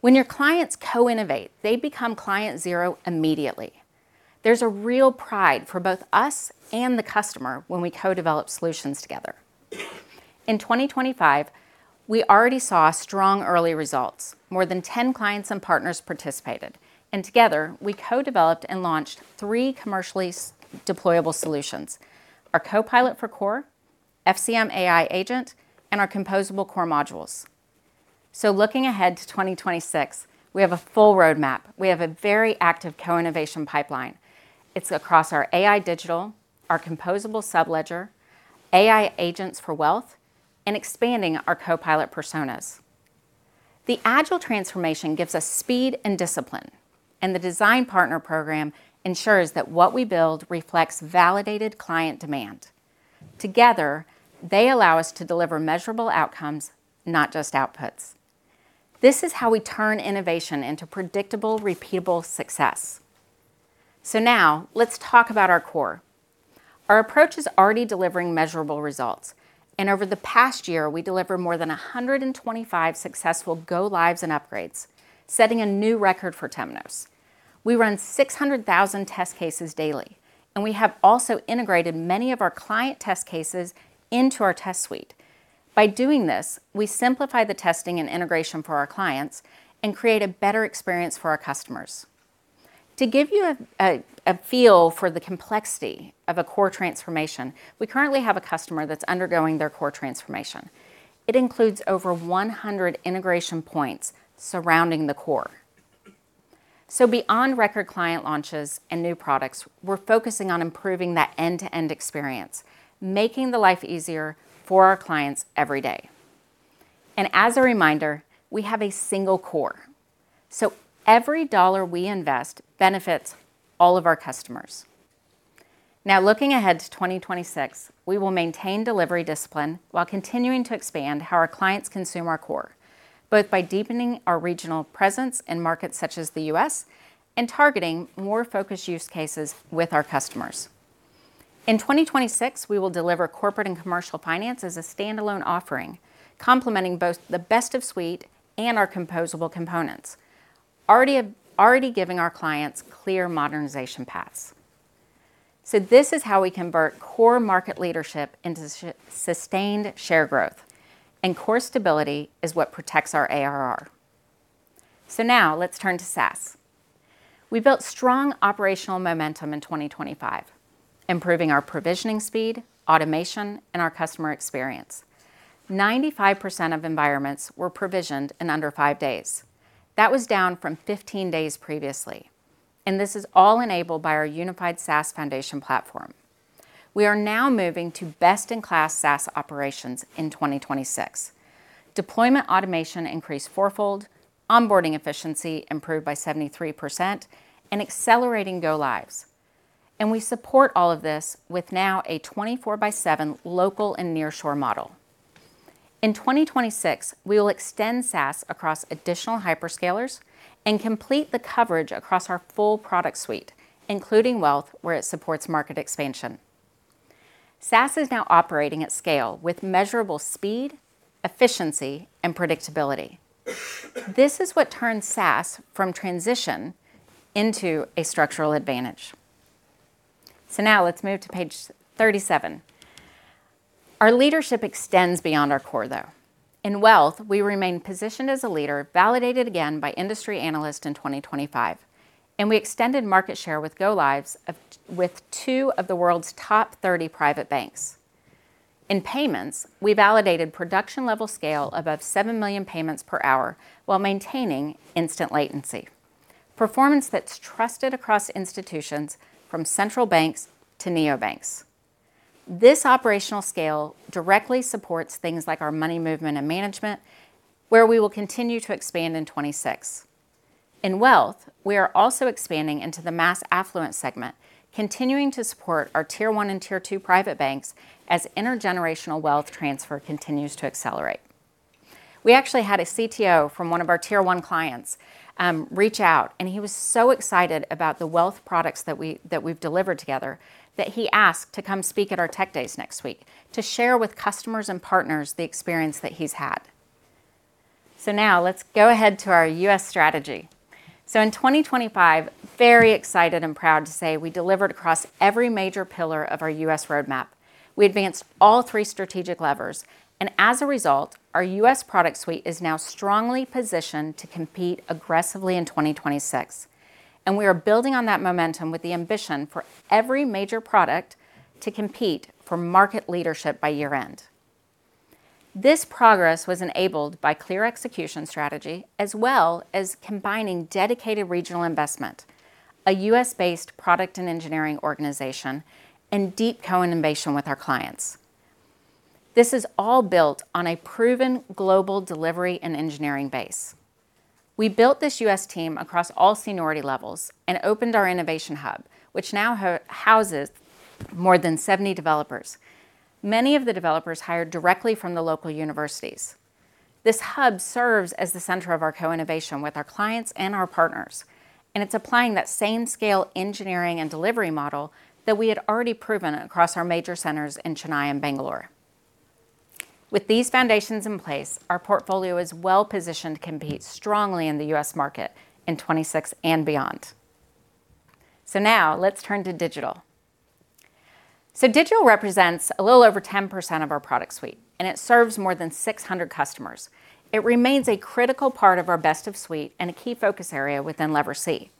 When your clients co-innovate, they become client zero immediately. There's a real pride for both us and the customer when we co-develop solutions together. In 2025, we already saw strong early results. More than 10 clients and partners participated, and together, we co-developed and launched 3 commercially deployable solutions: our Copilot for Core, FCM AI Agent, and our Composable Core Modules. Looking ahead to 2026, we have a full roadmap. We have a very active co-innovation pipeline. It's across our AI digital, our composable subledger, AI agents for wealth, and expanding our copilot personas. The agile transformation gives us speed and discipline, and the Design Partner Program ensures that what we build reflects validated client demand. Together, they allow us to deliver measurable outcomes, not just outputs. This is how we turn innovation into predictable, repeatable success. Now let's talk about our core. Our approach is already delivering measurable results, and over the past year, we delivered more than 125 successful go-lives and upgrades, setting a new record for Temenos. We run 600,000 test cases daily, and we have also integrated many of our client test cases into our test suite. By doing this, we simplify the testing and integration for our clients and create a better experience for our customers. To give you a feel for the complexity of a core transformation, we currently have a customer that's undergoing their core transformation. It includes over 100 integration points surrounding the core. Beyond record client launches and new products, we're focusing on improving that end-to-end experience, making the life easier for our clients every day. As a reminder, we have a single core, so every dollar we invest benefits all of our customers. Looking ahead to 2026, we will maintain delivery discipline while continuing to expand how our clients consume our core, both by deepening our regional presence in markets such as the U.S. and targeting more focused use cases with our customers. In 2026, we will deliver corporate and commercial finance as a standalone offering, complementing both the best of suite and our composable components, already giving our clients clear modernization paths. This is how we convert core market leadership into sustained share growth, and core stability is what protects our ARR. Now let's turn to SaaS. We built strong operational momentum in 2025, improving our provisioning speed, automation, and our customer experience. 95% of environments were provisioned in under five days. That was down from 15 days previously. This is all enabled by our unified SaaS foundation platform. We are now moving to best-in-class SaaS operations in 2026. Deployment automation increased fourfold, onboarding efficiency improved by 73%, accelerating go-lives. We support all of this with now a 24/7 local and nearshore model. In 2026, we will extend SaaS across additional hyperscalers and complete the coverage across our full product suite, including wealth, where it supports market expansion. SaaS is now operating at scale with measurable speed, efficiency, and predictability. This is what turns SaaS from transition into a structural advantage. Now let's move to page 37. Our leadership extends beyond our core, though. In wealth, we remain positioned as a leader, validated again by industry analysts in 2025, and we extended market share with go-lives with two of the world's top 30 private banks. In payments, we validated production-level scale above 7 million payments per hour while maintaining instant latency, performance that's trusted across institutions from central banks to neobanks. This operational scale directly supports things like our Money Movement & Management, where we will continue to expand in 2026. In wealth, we are also expanding into the mass affluent segment, continuing to support our Tier One and Tier Two private banks as intergenerational wealth transfer continues to accelerate. We actually had a CTO from one of our Tier One clients, reach out, and he was so excited about the wealth products that we've delivered together, that he asked to come speak at our Tech Days next week to share with customers and partners the experience that he's had. Now let's go ahead to our U.S. strategy. In 2025, very excited and proud to say we delivered across every major pillar of our U.S. roadmap. We advanced all 3 strategic levers. As a result, our U.S. product suite is now strongly positioned to compete aggressively in 2026. We are building on that momentum with the ambition for every major product to compete for market leadership by year-end. This progress was enabled by clear execution strategy, as well as combining dedicated regional investment, a U.S.-based product and engineering organization, and deep co-innovation with our clients. This is all built on a proven global delivery and engineering base. We built this U.S. team across all seniority levels and opened our innovation hub, which now houses more than 70 developers, many of the developers hired directly from the local universities. This hub serves as the center of our co-innovation with our clients and our partners, and it's applying that same scale engineering and delivery model that we had already proven across our major centers in Chennai and Bangalore. With these foundations in place, our portfolio is well-positioned to compete strongly in the U.S. market in 2026 and beyond. Now let's turn to digital. Digital represents a little over 10% of our product suite, and it serves more than 600 customers. It remains a critical part of our best of suite and a key focus area within Lever C.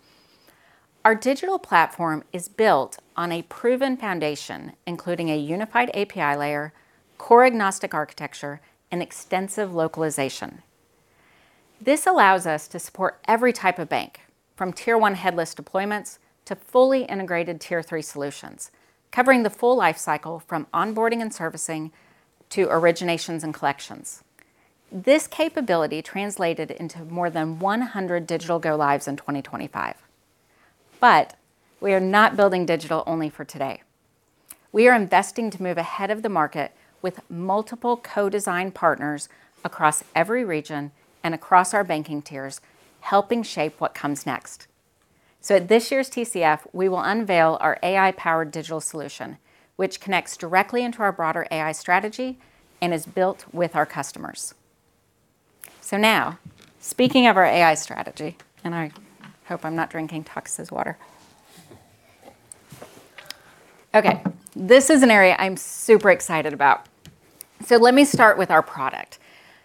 Our digital platform is built on a proven foundation, including a unified API layer, core agnostic architecture, and extensive localization. This allows us to support every type of bank, from Tier 1 headless deployments to fully integrated Tier 3 solutions, covering the full life cycle from onboarding and servicing to originations and collections. This capability translated into more than 100 digital go-lives in 2025. We are not building digital only for today. We are investing to move ahead of the market with multiple co-design partners across every region and across our banking tiers, helping shape what comes next. At this year's TCF, we will unveil our AI-powered digital solution, which connects directly into our broader AI strategy and is built with our customers. Speaking of our AI strategy, and I hope I'm not drinking Takis' water. This is an area I'm super excited about. Let me start with our product.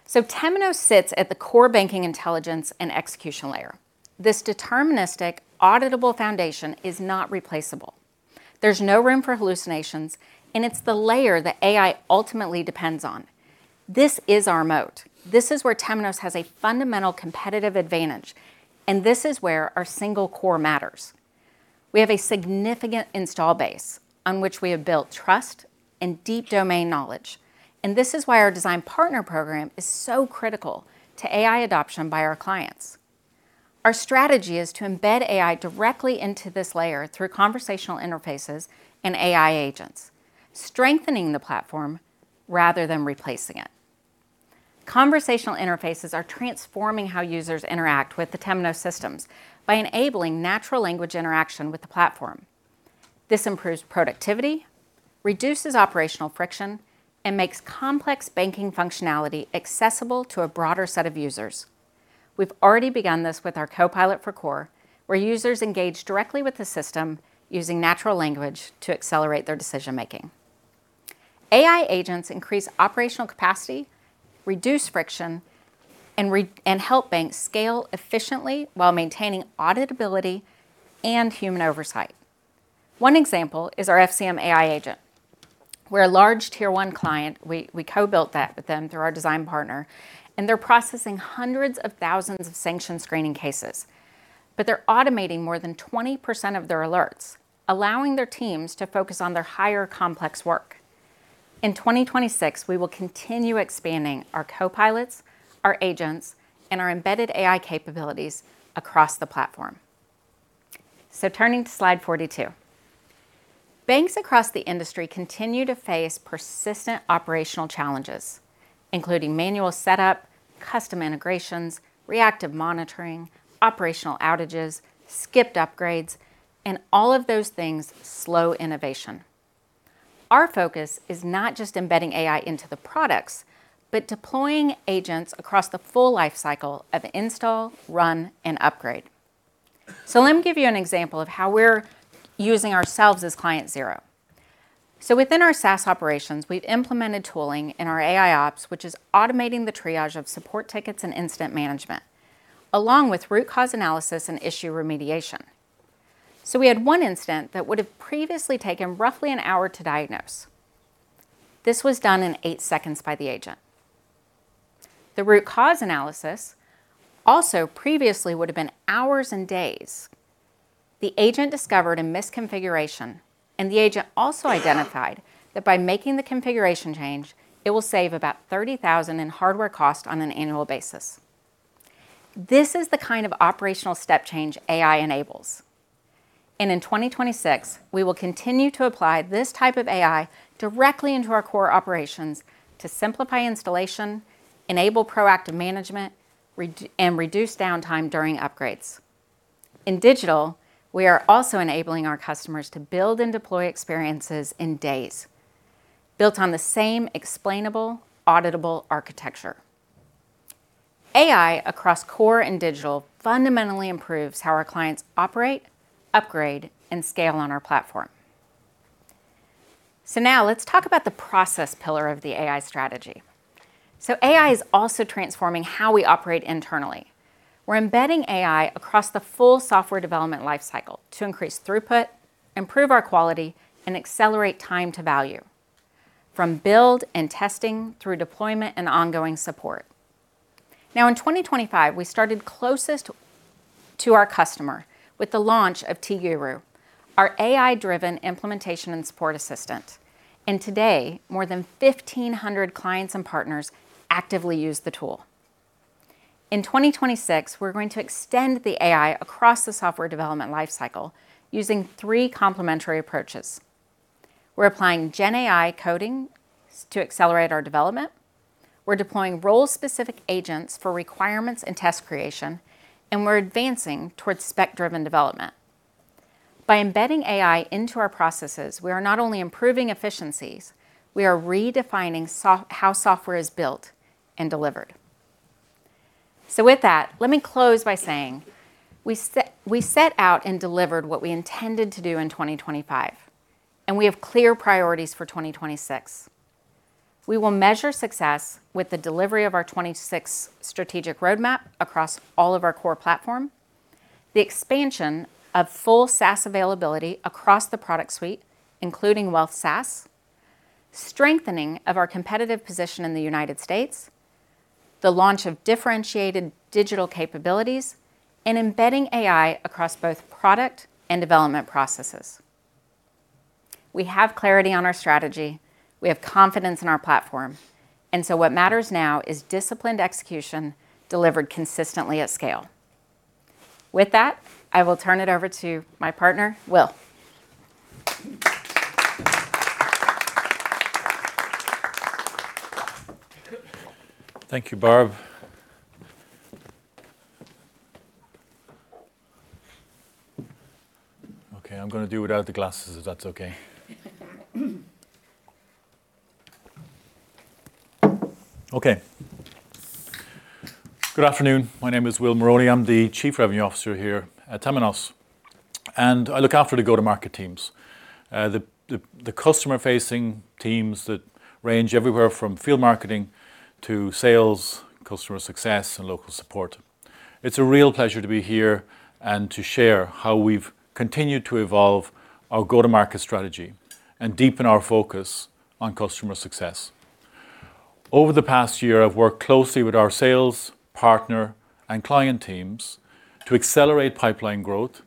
Temenos sits at the core banking intelligence and execution layer. This deterministic, auditable foundation is not replaceable. There's no room for hallucinations. It's the layer that AI ultimately depends on. This is our moat. This is where Temenos has a fundamental competitive advantage. This is where our single core matters. We have a significant install base on which we have built trust and deep domain knowledge. This is why our Design Partner Program is so critical to AI adoption by our clients. Our strategy is to embed AI directly into this layer through conversational interfaces and AI agents, strengthening the platform rather than replacing it. Conversational interfaces are transforming how users interact with the Temenos systems by enabling natural language interaction with the platform. This improves productivity, reduces operational friction, makes complex banking functionality accessible to a broader set of users. We've already begun this with our Copilot for Core, where users engage directly with the system using natural language to accelerate their decision-making. AI agents increase operational capacity, reduce friction, and help banks scale efficiently while maintaining auditability and human oversight. One example is our FCM AI agent. We're a large Tier One client. We co-built that with them through our Design Partner, they're processing hundreds of thousands of sanction screening cases. They're automating more than 20% of their alerts, allowing their teams to focus on their higher complex work. In 2026, we will continue expanding our copilots, our agents, and our embedded AI capabilities across the platform. Turning to slide 42. Banks across the industry continue to face persistent operational challenges, including manual setup, custom integrations, reactive monitoring, operational outages, skipped upgrades, and all of those things slow innovation. Our focus is not just embedding AI into the products, but deploying agents across the full life cycle of install, run, and upgrade. Let me give you an example of how we're using ourselves as client zero. Within our SaaS operations, we've implemented tooling in our AIOps, which is automating the triage of support tickets and incident management, along with root cause analysis and issue remediation. We had one incident that would have previously taken roughly an hour to diagnose. This was done in 8 seconds by the agent. The root cause analysis also previously would have been hours and days. The agent discovered a misconfiguration, and the agent also identified that by making the configuration change, it will save about $30,000 in hardware cost on an annual basis. This is the kind of operational step change AI enables. In 2026, we will continue to apply this type of AI directly into our core operations to simplify installation, enable proactive management, and reduce downtime during upgrades. In digital, we are also enabling our customers to build and deploy experiences in days, built on the same explainable, auditable architecture. AI across core and digital fundamentally improves how our clients operate, upgrade, and scale on our platform. Now let's talk about the process pillar of the AI strategy. AI is also transforming how we operate internally. We're embedding AI across the full software development life cycle to increase throughput, improve our quality, and accelerate time to value, from build and testing through deployment and ongoing support. In 2025, we started closest to our customer with the launch of t-Guru, our AI-driven implementation and support assistant. Today, more than 1,500 clients and partners actively use the tool. In 2026, we're going to extend the AI across the software development life cycle using three complementary approaches. We're applying GenAI coding to accelerate our development, we're deploying role-specific agents for requirements and test creation. We're advancing towards spec-driven development. By embedding AI into our processes, we are not only improving efficiencies, we are redefining how software is built and delivered. With that, let me close by saying, we set out and delivered what we intended to do in 2025. We have clear priorities for 2026. We will measure success with the delivery of our 26 strategic roadmap across all of our core platform, the expansion of full SaaS availability across the product suite, including Wealth SaaS, strengthening of our competitive position in the United States, the launch of differentiated digital capabilities, and embedding AI across both product and development processes. We have clarity on our strategy, we have confidence in our platform. What matters now is disciplined execution delivered consistently at scale. With that, I will turn it over to my partner, Will. Thank you, Barb. Okay, I'm gonna do without the glasses, if that's okay. Okay. Good afternoon. My name is William Moroney. I'm the Chief Revenue Officer here at Temenos, I look after the go-to-market teams, the customer-facing teams that range everywhere from field marketing to sales, customer success, and local support. It's a real pleasure to be here and to share how we've continued to evolve our go-to-market strategy and deepen our focus on customer success. Over the past year, I've worked closely with our sales, partner, and client teams to accelerate pipeline growth,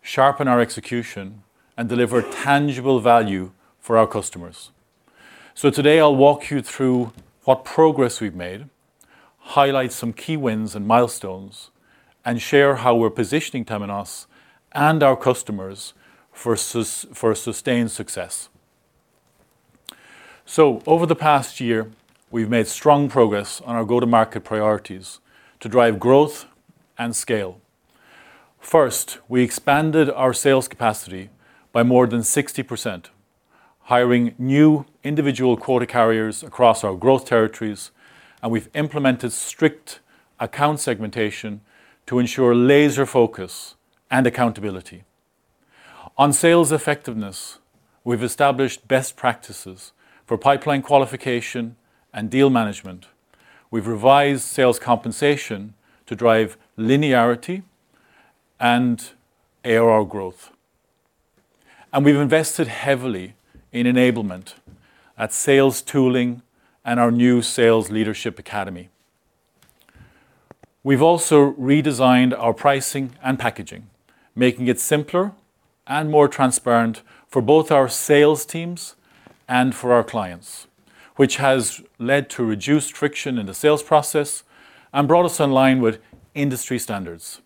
sharpen our execution, and deliver tangible value for our customers. Today, I'll walk you through what progress we've made, highlight some key wins and milestones, and share how we're positioning Temenos and our customers for sustained success. Over the past year, we've made strong progress on our go-to-market priorities to drive growth and scale. First, we expanded our sales capacity by more than 60%, hiring new individual quota carriers across our growth territories, and we've implemented strict account segmentation to ensure laser focus and accountability. On sales effectiveness, we've established best practices for pipeline qualification and deal management. We've revised sales compensation to drive linearity and ARR growth. We've invested heavily in enablement at sales tooling and our new sales leadership academy. We've also redesigned our pricing and packaging, making it simpler and more transparent for both our sales teams and for our clients, which has led to reduced friction in the sales process and brought us in line with industry standards.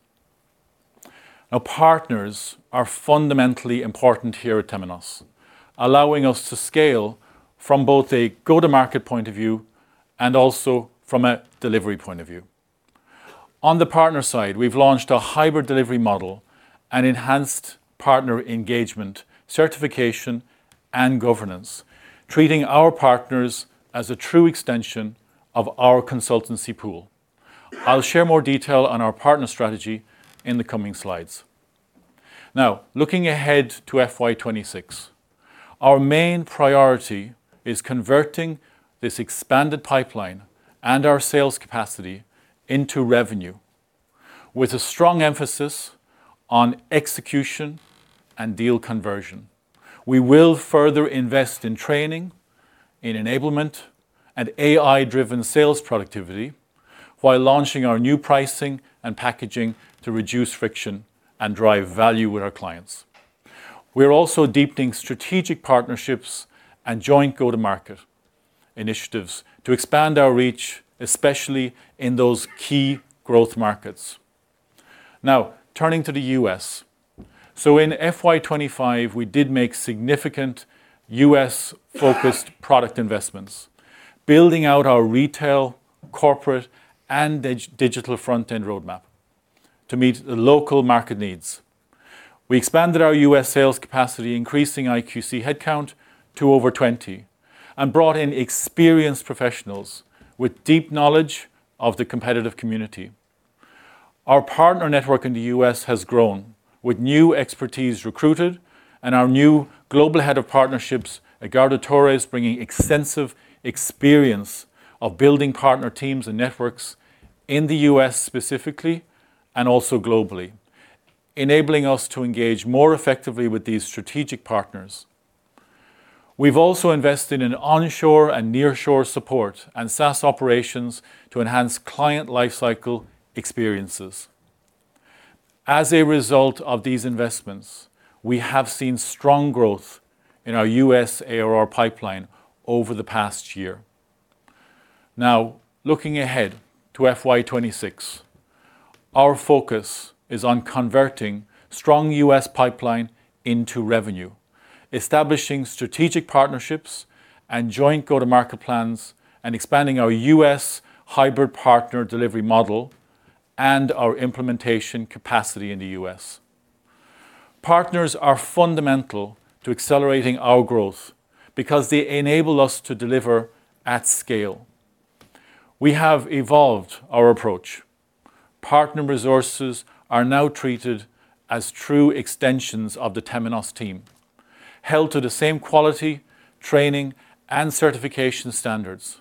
Partners are fundamentally important here at Temenos, allowing us to scale from both a go-to-market point of view and also from a delivery point of view. On the partner side, we've launched a hybrid delivery model and enhanced partner engagement, certification, and governance, treating our partners as a true extension of our consultancy pool. I'll share more detail on our partner strategy in the coming slides. Looking ahead to FY 2026, our main priority is converting this expanded pipeline and our sales capacity into revenue, with a strong emphasis on execution and deal conversion. We will further invest in training, in enablement, and AI-driven sales productivity, while launching our new pricing and packaging to reduce friction and drive value with our clients. We're also deepening strategic partnerships and joint go-to-market initiatives to expand our reach, especially in those key growth markets. Turning to the US. In FY 2025, we did make significant U.S.-focused product investments, building out our retail, corporate, and digital front-end roadmap to meet the local market needs. We expanded our U.S. sales capacity, increasing IQC headcount to over 20, and brought in experienced professionals with deep knowledge of the competitive community. Our partner network in the U.S. has grown, with new expertise recruited and our new Global Head of Partnerships, Edgardo Torres-Caballero, bringing extensive experience of building partner teams and networks in the U.S. specifically, and also globally, enabling us to engage more effectively with these strategic partners. We've also invested in onshore and nearshore support and SaaS operations to enhance client lifecycle experiences. As a result of these investments, we have seen strong growth in our U.S. ARR pipeline over the past year. Looking ahead to FY 2026, our focus is on converting strong U.S. pipeline into revenue, establishing strategic partnerships and joint go-to-market plans, and expanding our U.S. hybrid partner delivery model and our implementation capacity in the U.S. Partners are fundamental to accelerating our growth because they enable us to deliver at scale. We have evolved our approach. Partner resources are now treated as true extensions of the Temenos team, held to the same quality, training, and certification standards.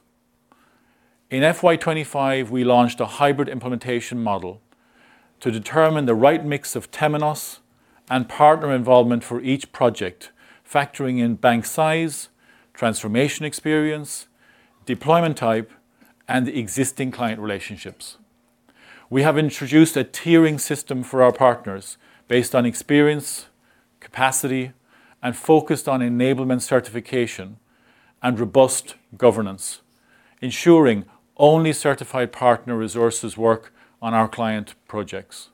In FY 2025, we launched a hybrid implementation model to determine the right mix of Temenos and partner involvement for each project, factoring in bank size, transformation experience, deployment type, and existing client relationships. We have introduced a tiering system for our partners based on experience, capacity, and focused on enablement certification and robust governance, ensuring only certified partner resources work on our client projects.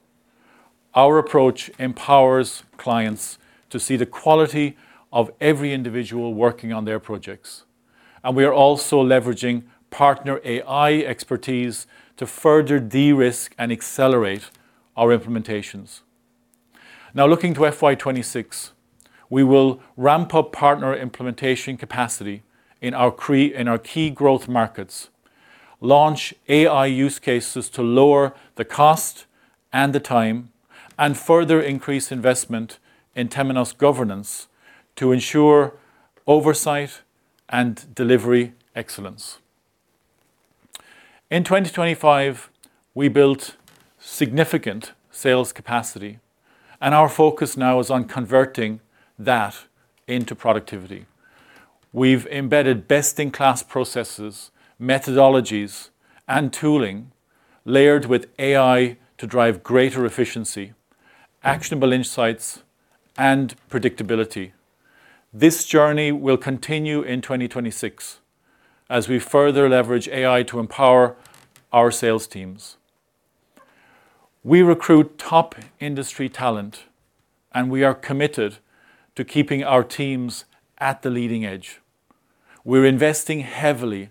Our approach empowers clients to see the quality of every individual working on their projects. We are also leveraging partner AI expertise to further de-risk and accelerate our implementations. Looking to FY 2026, we will ramp up partner implementation capacity in our key growth markets, launch AI use cases to lower the cost and the time, and further increase investment in Temenos governance to ensure oversight and delivery excellence. In 2025, we built significant sales capacity, and our focus now is on converting that into productivity. We've embedded best-in-class processes, methodologies, and tooling, layered with AI to drive greater efficiency, actionable insights, and predictability. This journey will continue in 2026 as we further leverage AI to empower our sales teams. We recruit top industry talent, and we are committed to keeping our teams at the leading edge. We're investing heavily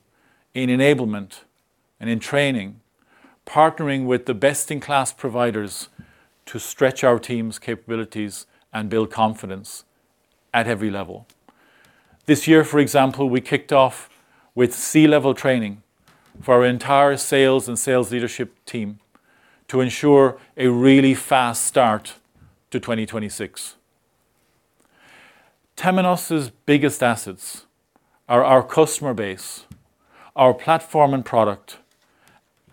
in enablement and in training, partnering with the best-in-class providers to stretch our team's capabilities and build confidence at every level. This year, for example, we kicked off with C-level training for our entire sales and sales leadership team to ensure a really fast start to 2026. Temenos' biggest assets are our customer base, our platform and product,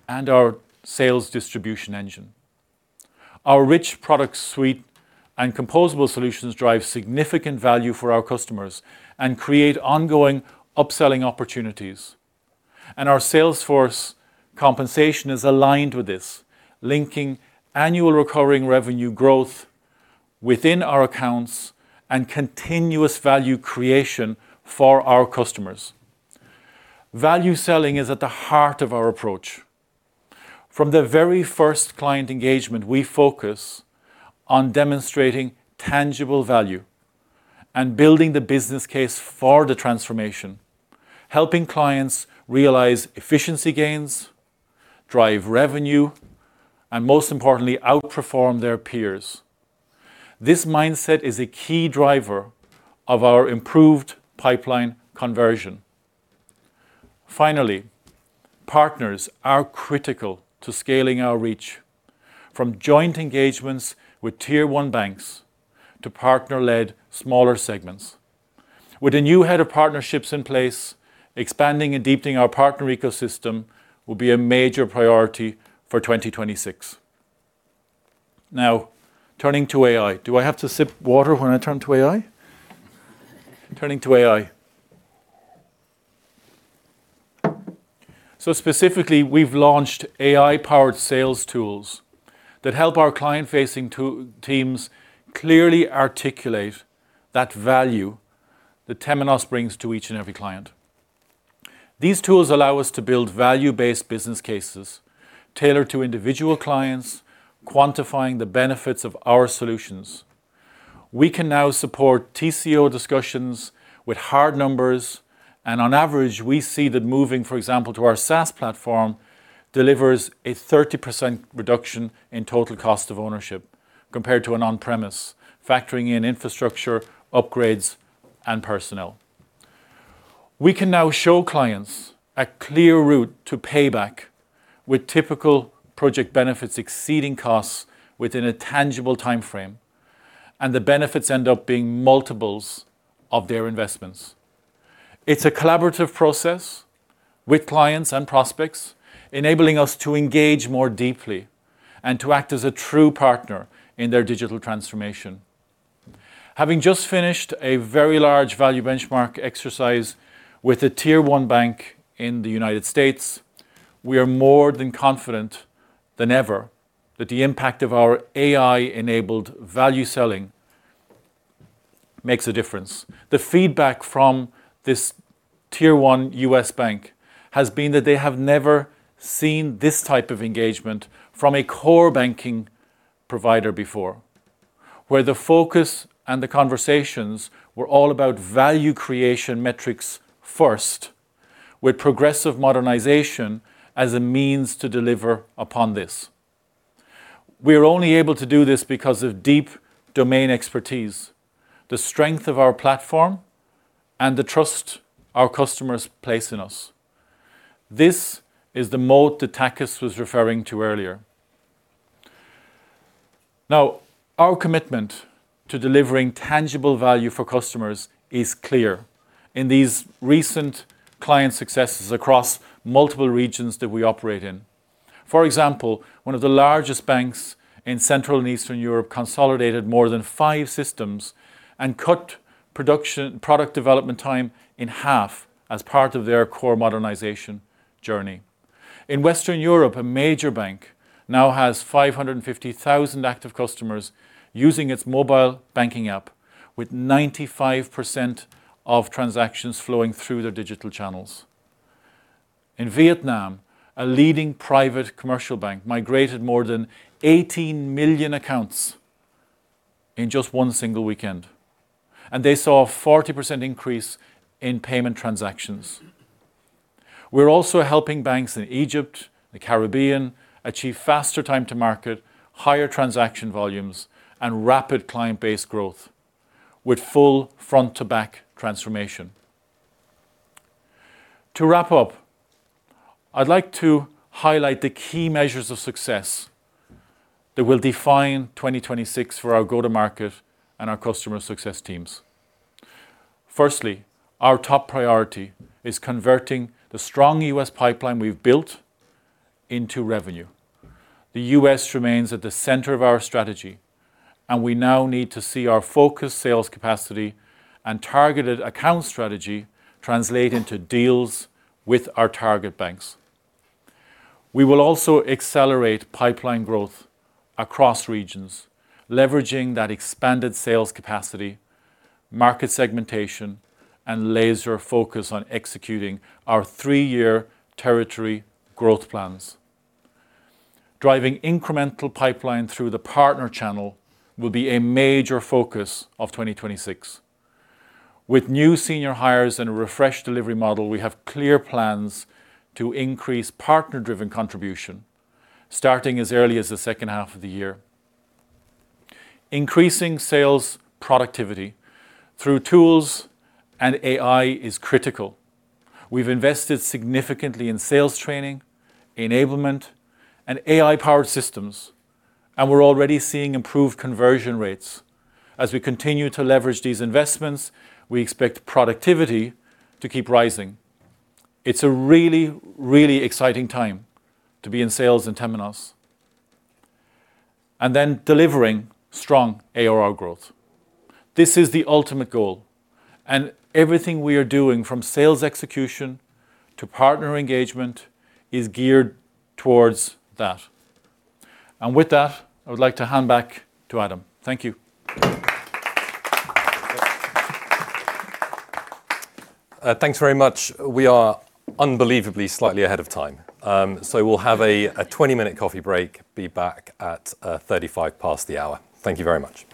and our sales distribution engine. Our rich product suite and composable solutions drive significant value for our customers and create ongoing upselling opportunities. Our sales force compensation is aligned with this, linking annual recurring revenue growth within our accounts and continuous value creation for our customers. Value selling is at the heart of our approach. From the very first client engagement, we focus on demonstrating tangible value and building the business case for the transformation, helping clients realize efficiency gains, drive revenue, and most importantly, outperform their peers. This mindset is a key driver of our improved pipeline conversion. Finally, partners are critical to scaling our reach, from joint engagements with Tier One banks to partner-led smaller segments. With a new head of partnerships in place, expanding and deepening our partner ecosystem will be a major priority for 2026. Turning to AI. Do I have to sip water when I turn to AI? Turning to AI. Specifically, we've launched AI-powered sales tools that help our client-facing teams clearly articulate that value that Temenos brings to each and every client. These tools allow us to build value-based business cases tailored to individual clients, quantifying the benefits of our solutions. We can now support TCO discussions with hard numbers. On average, we see that moving, for example, to our SaaS platform, delivers a 30% reduction in total cost of ownership compared to an on-premise, factoring in infrastructure, upgrades, and personnel. We can now show clients a clear route to payback, with typical project benefits exceeding costs within a tangible timeframe. The benefits end up being multiples of their investments. It's a collaborative process with clients and prospects, enabling us to engage more deeply and to act as a true partner in their digital transformation. Having just finished a very large value benchmark exercise with a Tier One bank in the United States, we are more than confident than ever that the impact of our AI-enabled value selling makes a difference. The feedback from this Tier One U.S. bank has been that they have never seen this type of engagement from a core banking provider before, where the focus and the conversations were all about value creation metrics first, with progressive modernization as a means to deliver upon this. We are only able to do this because of deep domain expertise, the strength of our platform, and the trust our customers place in us. This is the moat that Takis was referring to earlier. Our commitment to delivering tangible value for customers is clear in these recent client successes across multiple regions that we operate in. For example, one of the largest banks in Central and Eastern Europe consolidated more than 5 systems and cut product development time in half as part of their core modernization journey. In Western Europe, a major bank now has 550,000 active customers using its mobile banking app, with 95% of transactions flowing through their digital channels. In Vietnam, a leading private commercial bank migrated more than 18 million accounts in just one single weekend. They saw a 40% increase in payment transactions. We're also helping banks in Egypt, the Caribbean, achieve faster time to market, higher transaction volumes, and rapid client-based growth with full front-to-back transformation. To wrap up, I'd like to highlight the key measures of success that will define 2026 for our go-to-market and our customer success teams. Firstly, our top priority is converting the strong US pipeline we've built into revenue. The U.S. remains at the center of our strategy, and we now need to see our focused sales capacity and targeted account strategy translate into deals with our target banks. We will also accelerate pipeline growth across regions, leveraging that expanded sales capacity, market segmentation, and laser focus on executing our three-year territory growth plans. Driving incremental pipeline through the partner channel will be a major focus of 2026. With new senior hires and a refreshed delivery model, we have clear plans to increase partner-driven contribution, starting as early as the second half of the year. Increasing sales productivity through tools and AI is critical. We've invested significantly in sales training, enablement, and AI-powered systems, and we're already seeing improved conversion rates. As we continue to leverage these investments, we expect productivity to keep rising. It's a really, really exciting time to be in sales in Temenos. Delivering strong ARR growth. This is the ultimate goal, and everything we are doing, from sales execution to partner engagement, is geared towards that. I would like to hand back to Adam. Thank you. Thanks very much. We are unbelievably, slightly ahead of time. We'll have a 20-minute coffee break. Be back at 35 past the hour. Thank you very much.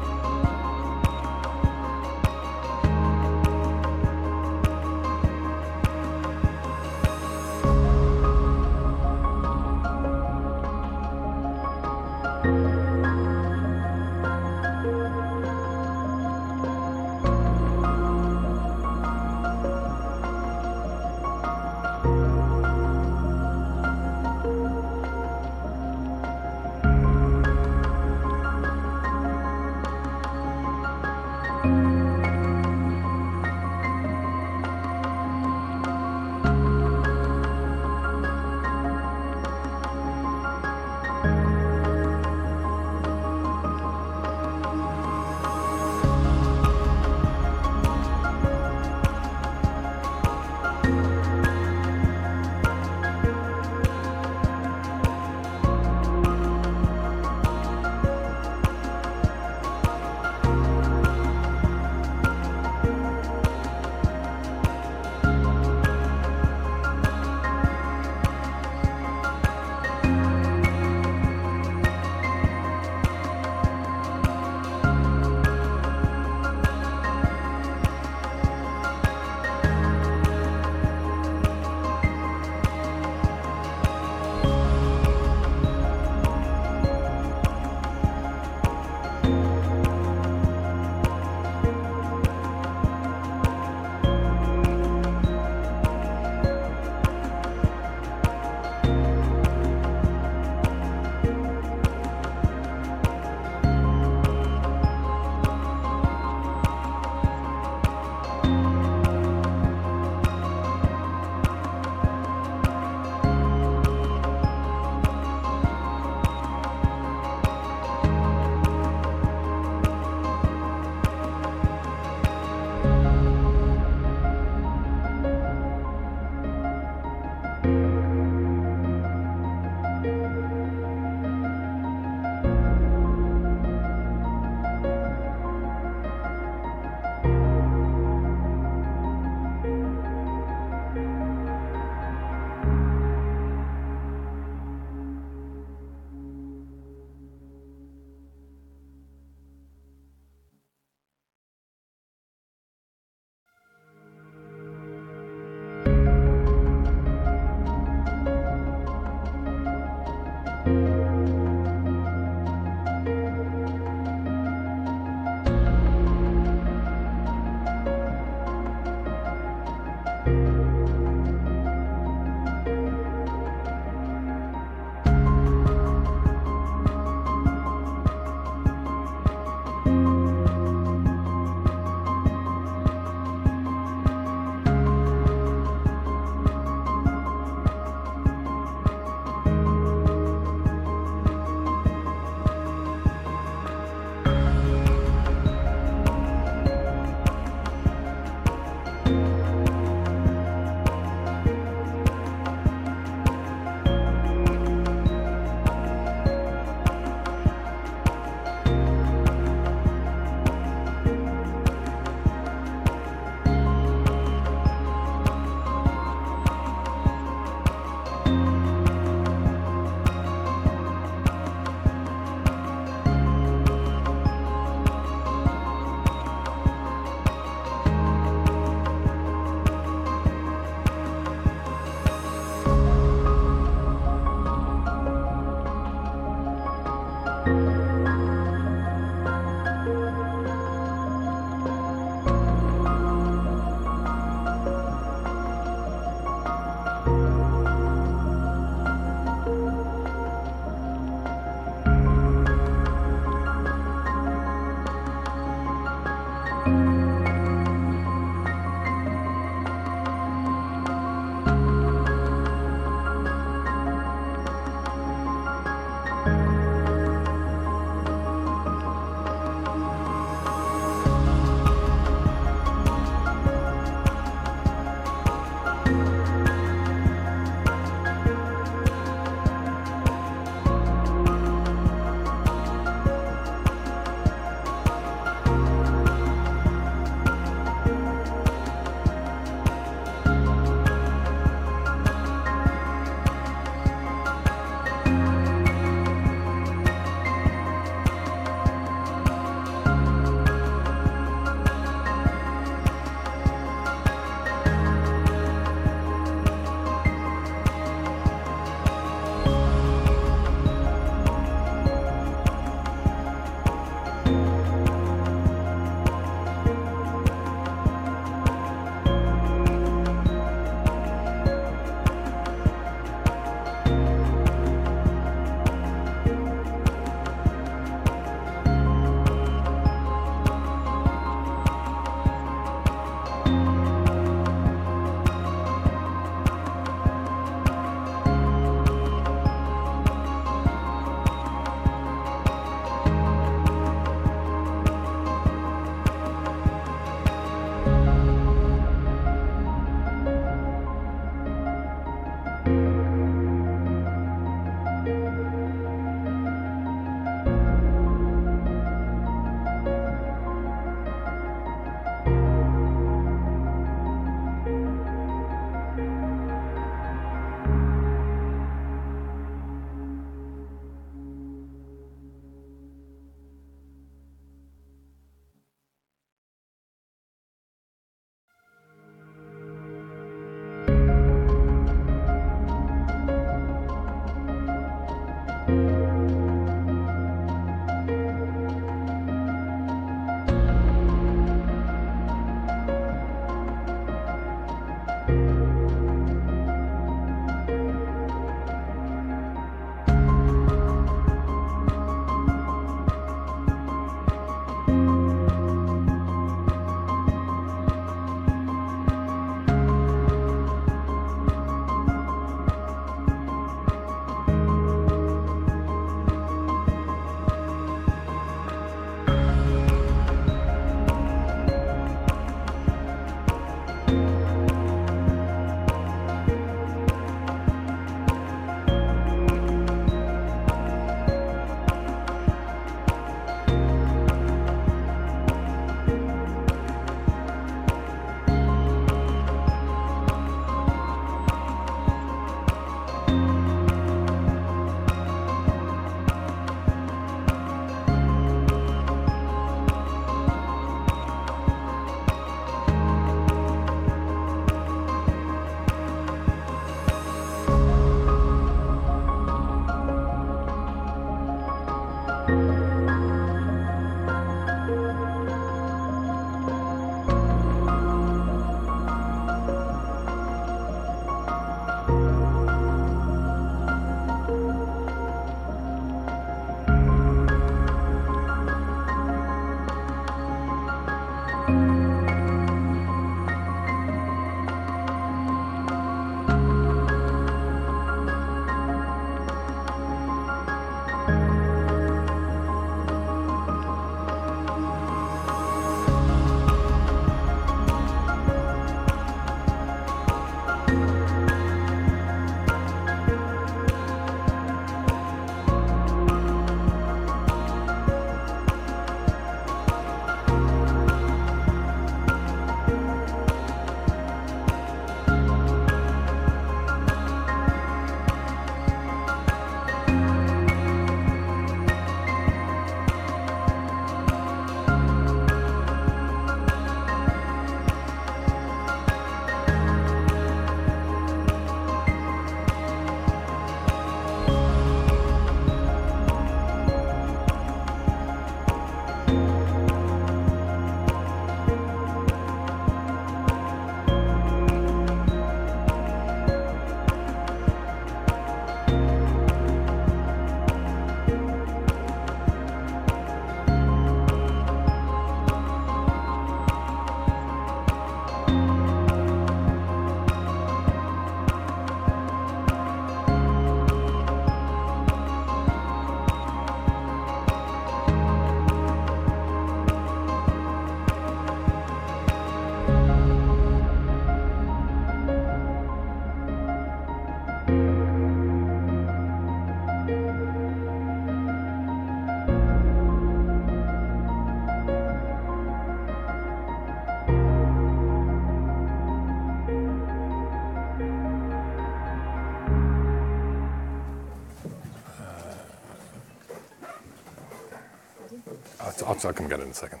I can get it in a second.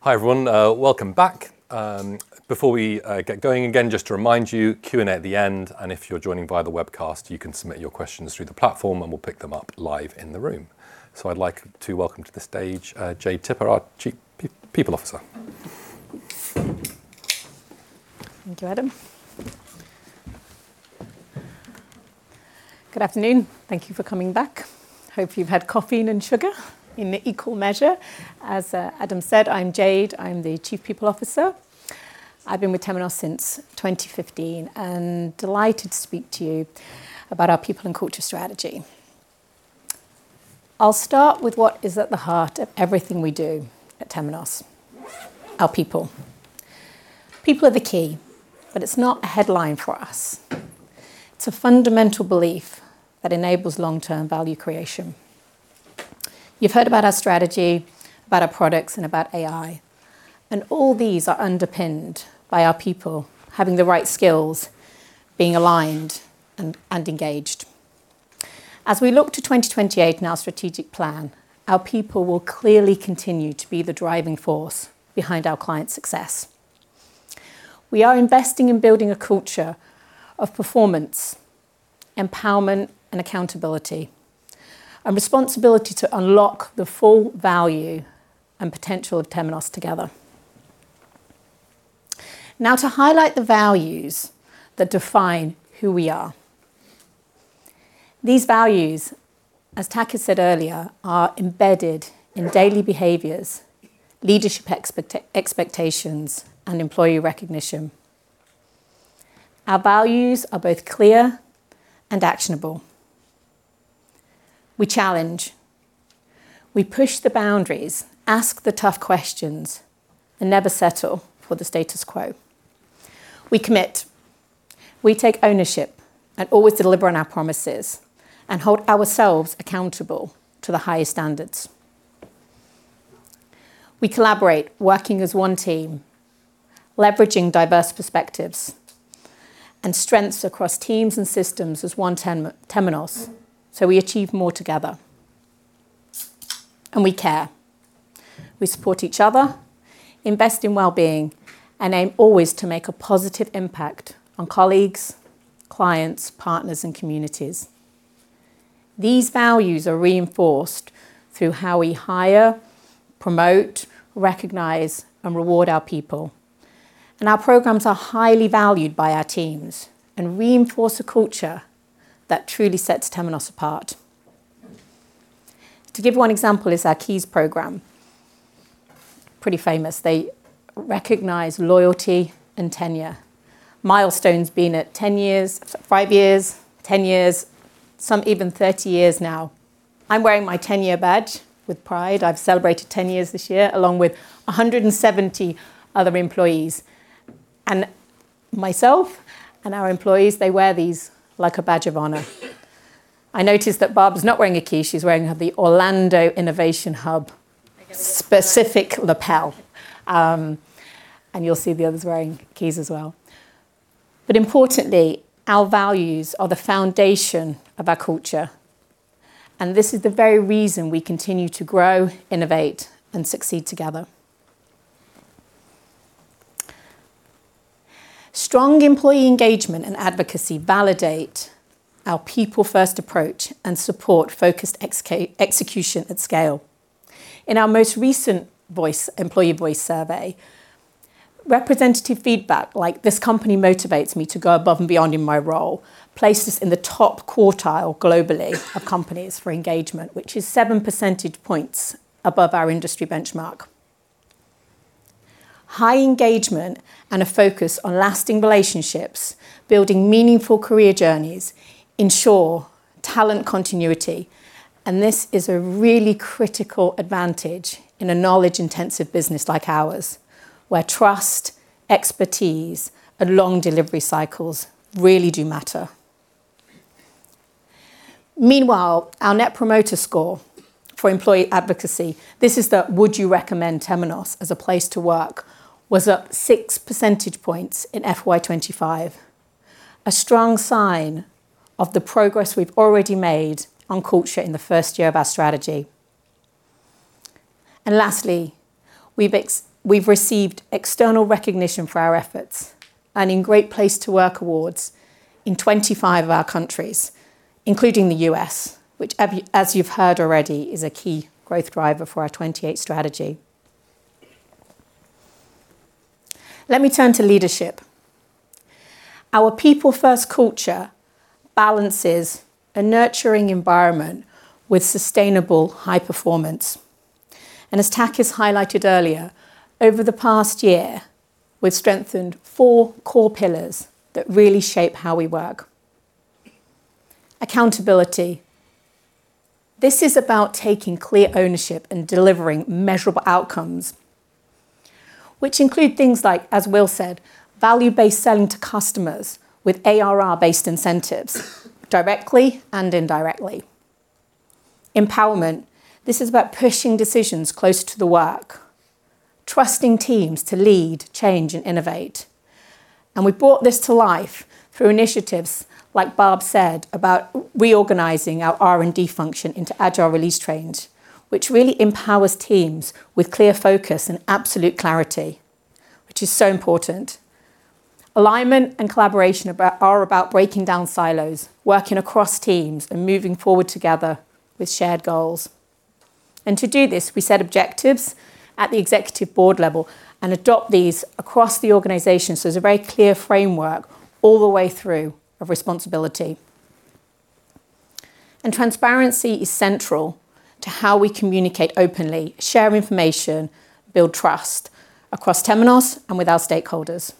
Hi, everyone, welcome back. Before we get going again, just to remind you, Q&A at the end, and if you're joining via the webcast, you can submit your questions through the platform, and we'll pick them up live in the room. I'd like to welcome to the stage, Jayde Tipper, our Chief People Officer. Thank you, Adam. Good afternoon. Thank you for coming back. Hope you've had caffeine and sugar in equal measure. As Adam said, I'm Jayde. I'm the Chief People Officer. I've been with Temenos since 2015, delighted to speak to you about our people and culture strategy. I'll start with what is at the heart of everything we do at Temenos, our people. People are the key, it's not a headline for us. It's a fundamental belief that enables long-term value creation. You've heard about our strategy, about our products, and about AI, all these are underpinned by our people having the right skills, being aligned and engaged. As we look to 2028 in our strategic plan, our people will clearly continue to be the driving force behind our clients' success. We are investing in building a culture of performance, empowerment, and accountability, and responsibility to unlock the full value and potential of Temenos together. To highlight the values that define who we are. These values, as Taki said earlier, are embedded in daily behaviors, leadership expectations, and employee recognition. Our values are both clear and actionable. We challenge, we push the boundaries, ask the tough questions, and never settle for the status quo. We commit, we take ownership, and always deliver on our promises, and hold ourselves accountable to the highest standards. We collaborate, working as one team, leveraging diverse perspectives and strengths across teams and systems as one Temenos, so we achieve more together. We care. We support each other, invest in well-being, and aim always to make a positive impact on colleagues, clients, partners, and communities. These values are reinforced through how we hire, promote, recognize, and reward our people, and our programs are highly valued by our teams and reinforce a culture that truly sets Temenos apart. To give one example is our Keys program. Pretty famous. They recognize loyalty and tenure. Milestones being at 10 years, five years, 10 years, some even 30 years now. I'm wearing my 10-year badge with pride. I've celebrated 10 years this year, along with 170 other employees. Myself and our employees, they wear these like a badge of honor. I noticed that Barb's not wearing a key. She's wearing the Orlando Innovation Hub. I got a specific lapel. You'll see the others wearing Keys as well. Importantly, our values are the foundation of our culture. This is the very reason we continue to grow, innovate, and succeed together. Strong employee engagement and advocacy validate our people-first approach and support focused execution at scale. In our most recent voice, employee voice survey, representative feedback like, "This company motivates me to go above and beyond in my role," place us in the top quartile globally of companies for engagement, which is 7 percentage points above our industry benchmark. High engagement and a focus on lasting relationships, building meaningful career journeys, ensure talent continuity. This is a really critical advantage in a knowledge-intensive business like ours, where trust, expertise, and long delivery cycles really do matter. Our Net Promoter Score for employee advocacy, this is the, "Would you recommend Temenos as a place to work?" Was up 6 percentage points in FY 2025, a strong sign of the progress we've already made on culture in the first year of our strategy. Lastly, we've received external recognition for our efforts and in Great Place to Work awards in 25 of our countries, including the US, which as you've heard already, is a key growth driver for our 28 strategy. Let me turn to leadership. Our people-first culture balances a nurturing environment with sustainable high performance. As Takis highlighted earlier, over the past year, we've strengthened 4 core pillars that really shape how we work. Accountability. This is about taking clear ownership and delivering measurable outcomes, which include things like, as Will said, value-based selling to customers with ARR-based incentives, directly and indirectly. Empowerment. This is about pushing decisions closer to the work, trusting teams to lead, change, and innovate. We brought this to life through initiatives, like Barb said, about reorganizing our R&D function into agile release trains, which really empowers teams with clear focus and absolute clarity, which is so important. Alignment and collaboration are about breaking down silos, working across teams, and moving forward together with shared goals. To do this, we set objectives at the executive board level and adopt these across the organization, so there's a very clear framework all the way through of responsibility. Transparency is central to how we communicate openly, share information, build trust across Temenos and with our stakeholders.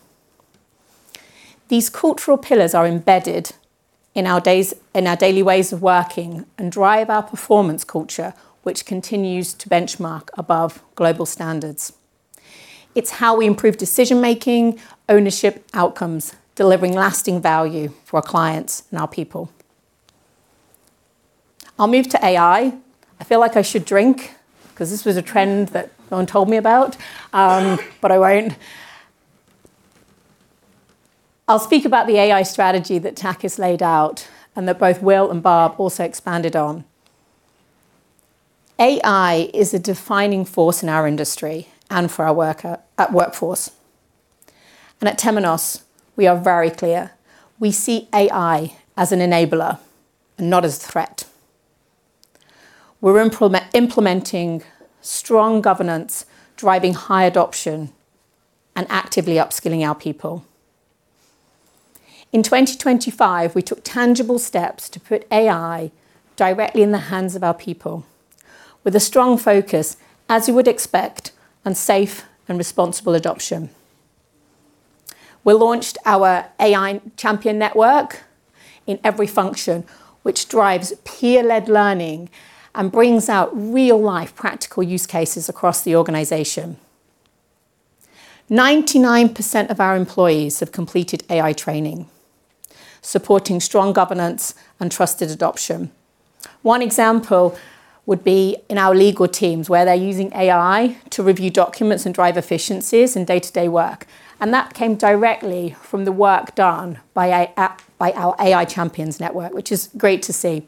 These cultural pillars are embedded in our daily ways of working and drive our performance culture, which continues to benchmark above global standards. It's how we improve decision-making, ownership, outcomes, delivering lasting value for our clients and our people. I'll move to AI. I feel like I should drink, 'cause this was a trend that no one told me about, but I won't. I'll speak about the AI strategy that Takis laid out and that both Will and Barb also expanded on. AI is a defining force in our industry and for our workforce, and at Temenos, we are very clear: we see AI as an enabler and not as a threat. We're implementing strong governance, driving high adoption, and actively upskilling our people. In 2025, we took tangible steps to put AI directly in the hands of our people, with a strong focus, as you would expect, on safe and responsible adoption. We launched our AI Champion Network in every function, which drives peer-led learning and brings out real-life practical use cases across the organization. 99% of our employees have completed AI training, supporting strong governance and trusted adoption. One example would be in our legal teams, where they're using AI to review documents and drive efficiencies in day-to-day work, and that came directly from the work done by our AI Champion Network, which is great to see.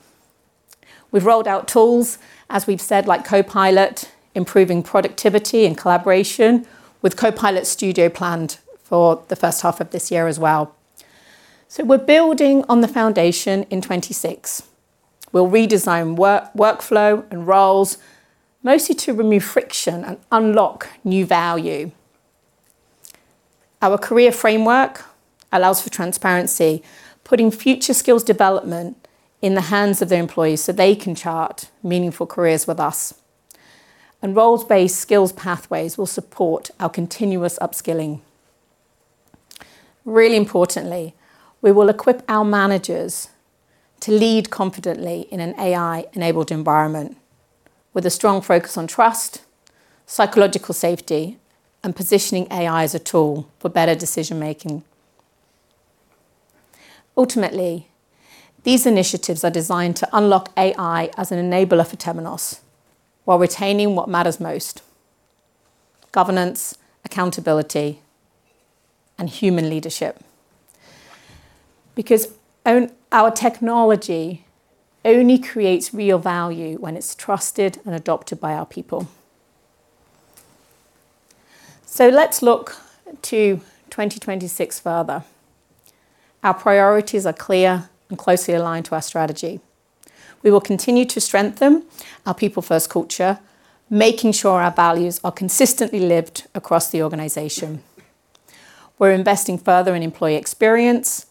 We've rolled out tools, as we've said, like Copilot, improving productivity and collaboration, with Copilot Studio planned for the first half of this year as well. We're building on the foundation in 2026. We'll redesign work, workflow and roles, mostly to remove friction and unlock new value. Our career framework allows for transparency, putting future skills development in the hands of the employees so they can chart meaningful careers with us. Roles-based skills pathways will support our continuous upskilling. Really importantly, we will equip our managers to lead confidently in an AI-enabled environment, with a strong focus on trust, psychological safety, and positioning AI as a tool for better decision-making. Ultimately, these initiatives are designed to unlock AI as an enabler for Temenos, while retaining what matters most: governance, accountability, and human leadership. Because our technology only creates real value when it's trusted and adopted by our people. Let's look to 2026 further. Our priorities are clear and closely aligned to our strategy. We will continue to strengthen our people-first culture, making sure our values are consistently lived across the organization. We're investing further in employee experience,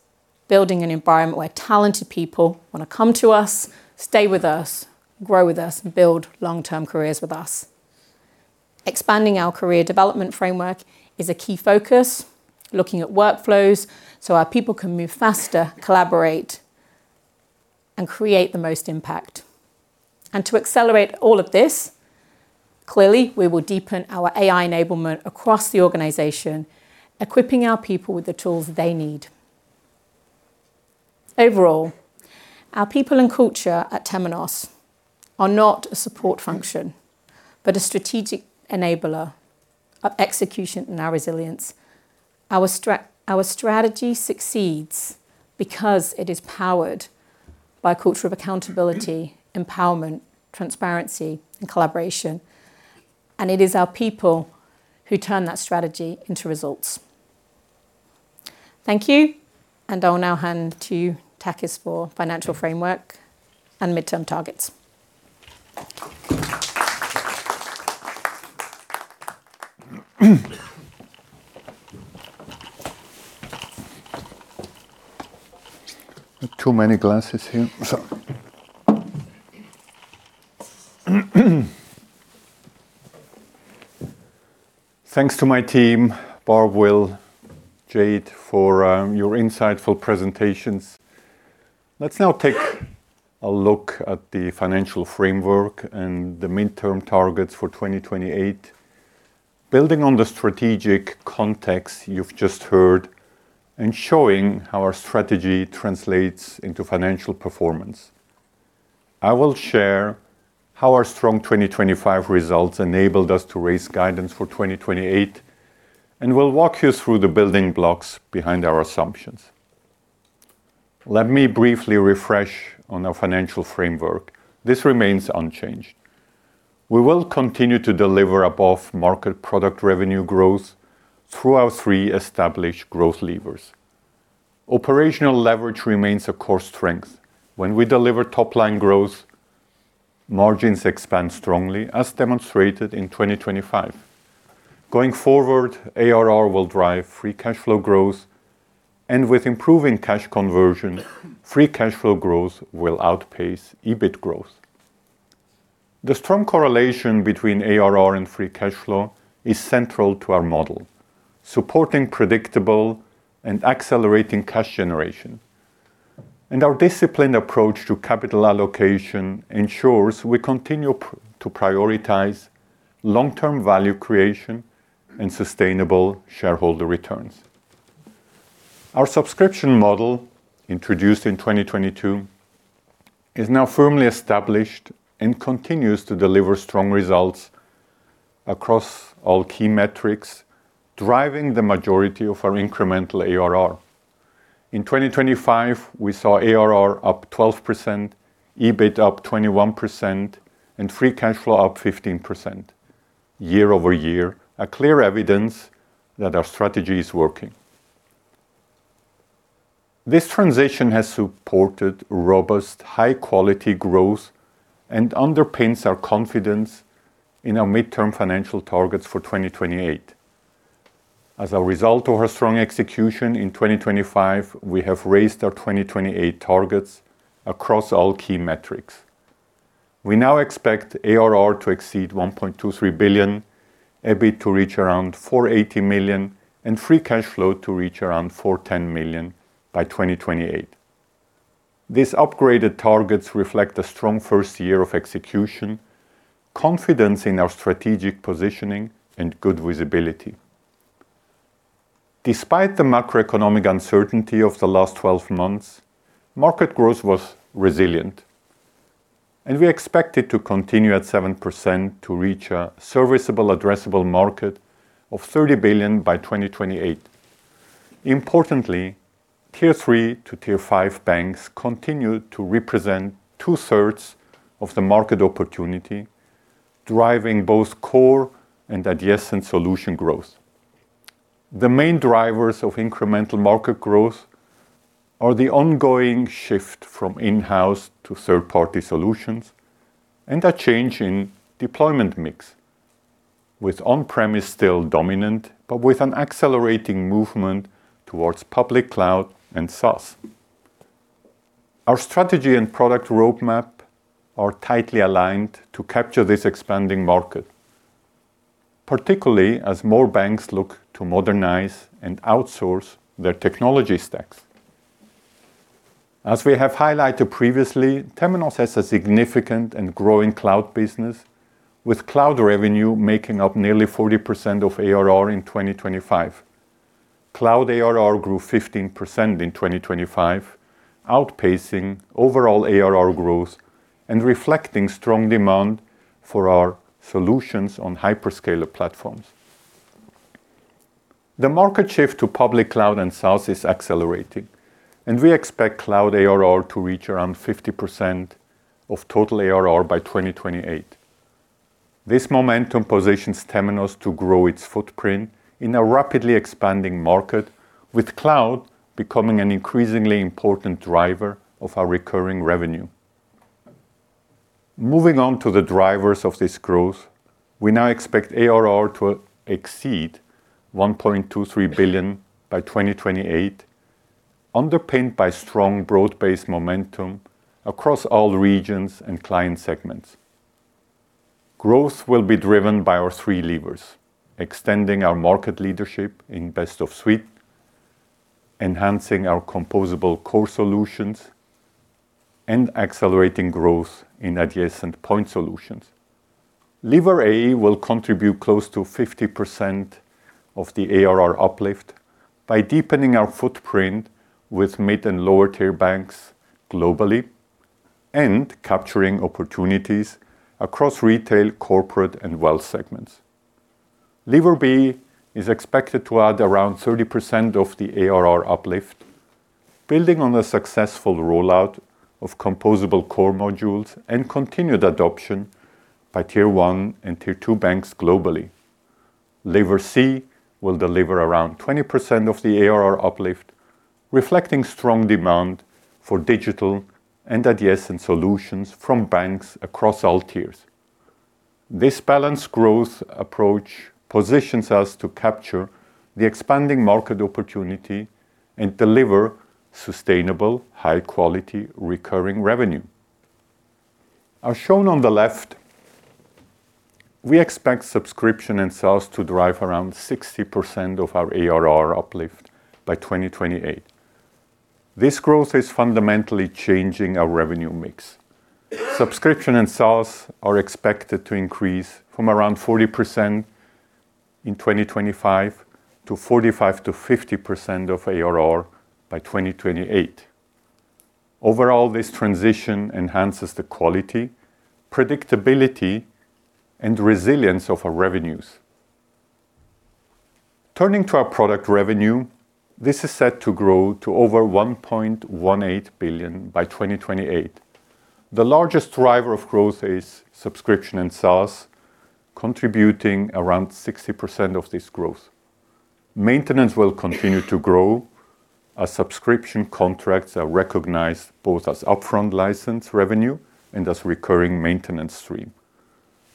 building an environment where talented people want to come to us, stay with us, grow with us, and build long-term careers with us. Expanding our career development framework is a key focus, looking at workflows so our people can move faster, collaborate, and create the most impact. To accelerate all of this, clearly, we will deepen our AI enablement across the organization, equipping our people with the tools they need. Overall, our people and culture at Temenos are not a support function, but a strategic enabler of execution and our resilience. Our strategy succeeds because it is powered by a culture of accountability, empowerment, transparency, and collaboration. It is our people who turn that strategy into results. Thank you. I'll now hand to Takis for financial framework and midterm targets. Too many glasses here. Thanks to my team, Barb, Will, Jayde, for your insightful presentations. Let's now take a look at the financial framework and the midterm targets for 2028, building on the strategic context you've just heard and showing how our strategy translates into financial performance. I will share how our strong 2025 results enabled us to raise guidance for 2028, and we'll walk you through the building blocks behind our assumptions. Let me briefly refresh on our financial framework. This remains unchanged. We will continue to deliver above-market product revenue growth through our three established growth levers. Operational leverage remains a core strength. When we deliver top-line growth, margins expand strongly, as demonstrated in 2025. Going forward, ARR will drive free cash flow growth, and with improving cash conversion, free cash flow growth will outpace EBIT growth. The strong correlation between ARR and free cash flow is central to our model, supporting predictable and accelerating cash generation. Our disciplined approach to capital allocation ensures we continue to prioritize long-term value creation and sustainable shareholder returns. Our subscription model, introduced in 2022, is now firmly established and continues to deliver strong results across all key metrics, driving the majority of our incremental ARR. In 2025, we saw ARR up 12%, EBIT up 21%, and free cash flow up 15% year-over-year, a clear evidence that our strategy is working. This transition has supported robust, high-quality growth and underpins our confidence in our midterm financial targets for 2028. As a result of our strong execution in 2025, we have raised our 2028 targets across all key metrics. We now expect ARR to exceed $1.23 billion, EBIT to reach around $480 million, and free cash flow to reach around $410 million by 2028. These upgraded targets reflect a strong first year of execution, confidence in our strategic positioning, and good visibility. Despite the macroeconomic uncertainty of the last 12 months, market growth was resilient, and we expect it to continue at 7% to reach a serviceable addressable market of $30 billion by 2028. Importantly, Tier 3-Tier 5 banks continue to represent two-thirds of the market opportunity, driving both core and adjacent solution growth. The main drivers of incremental market growth are the ongoing shift from in-house to third-party solutions, and a change in deployment mix, with on-premise still dominant, but with an accelerating movement towards public cloud and SaaS. Our strategy and product roadmap are tightly aligned to capture this expanding market, particularly as more banks look to modernize and outsource their technology stacks. As we have highlighted previously, Temenos has a significant and growing cloud business, with cloud revenue making up nearly 40% of ARR in 2025. Cloud ARR grew 15% in 2025, outpacing overall ARR growth and reflecting strong demand for our solutions on hyperscaler platforms. The market shift to public cloud and SaaS is accelerating, and we expect cloud ARR to reach around 50% of total ARR by 2028. This momentum positions Temenos to grow its footprint in a rapidly expanding market, with cloud becoming an increasingly important driver of our recurring revenue. Moving on to the drivers of this growth, we now expect ARR to exceed $1.23 billion by 2028, underpinned by strong, broad-based momentum across all regions and client segments. Growth will be driven by our three levers: extending our market leadership in best of suite, enhancing our composable core solutions, and accelerating growth in adjacent point solutions. Lever A will contribute close to 50% of the ARR uplift by deepening our footprint with mid and lower-tier banks globally and capturing opportunities across retail, corporate, and wealth segments. Lever B is expected to add around 30% of the ARR uplift, building on the successful rollout of composable core modules and continued adoption by Tier one and Tier two banks globally. Lever C will deliver around 20% of the ARR uplift, reflecting strong demand for digital and adjacent solutions from banks across all tiers. This balanced growth approach positions us to capture the expanding market opportunity and deliver sustainable, high-quality, recurring revenue. As shown on the left, we expect subscription and SaaS to drive around 60% of our ARR uplift by 2028. This growth is fundamentally changing our revenue mix. Subscription and SaaS are expected to increase from around 40% in 2025 to 45%-50% of ARR by 2028. Overall, this transition enhances the quality, predictability, and resilience of our revenues. Turning to our product revenue, this is set to grow to over $1.18 billion by 2028. The largest driver of growth is subscription and SaaS, contributing around 60% of this growth. Maintenance will continue to grow as subscription contracts are recognized both as upfront license revenue and as recurring maintenance stream.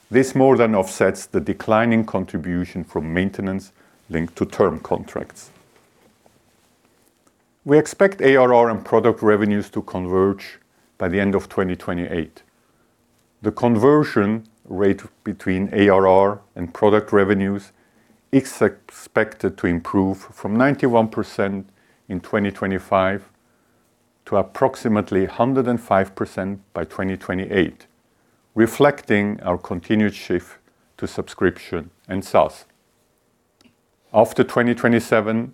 This more than offsets the declining contribution from maintenance linked to term contracts. We expect ARR and product revenues to converge by the end of 2028. The conversion rate between ARR and product revenues is expected to improve from 91% in 2025 to approximately 105% by 2028, reflecting our continued shift to subscription and SaaS. After 2027,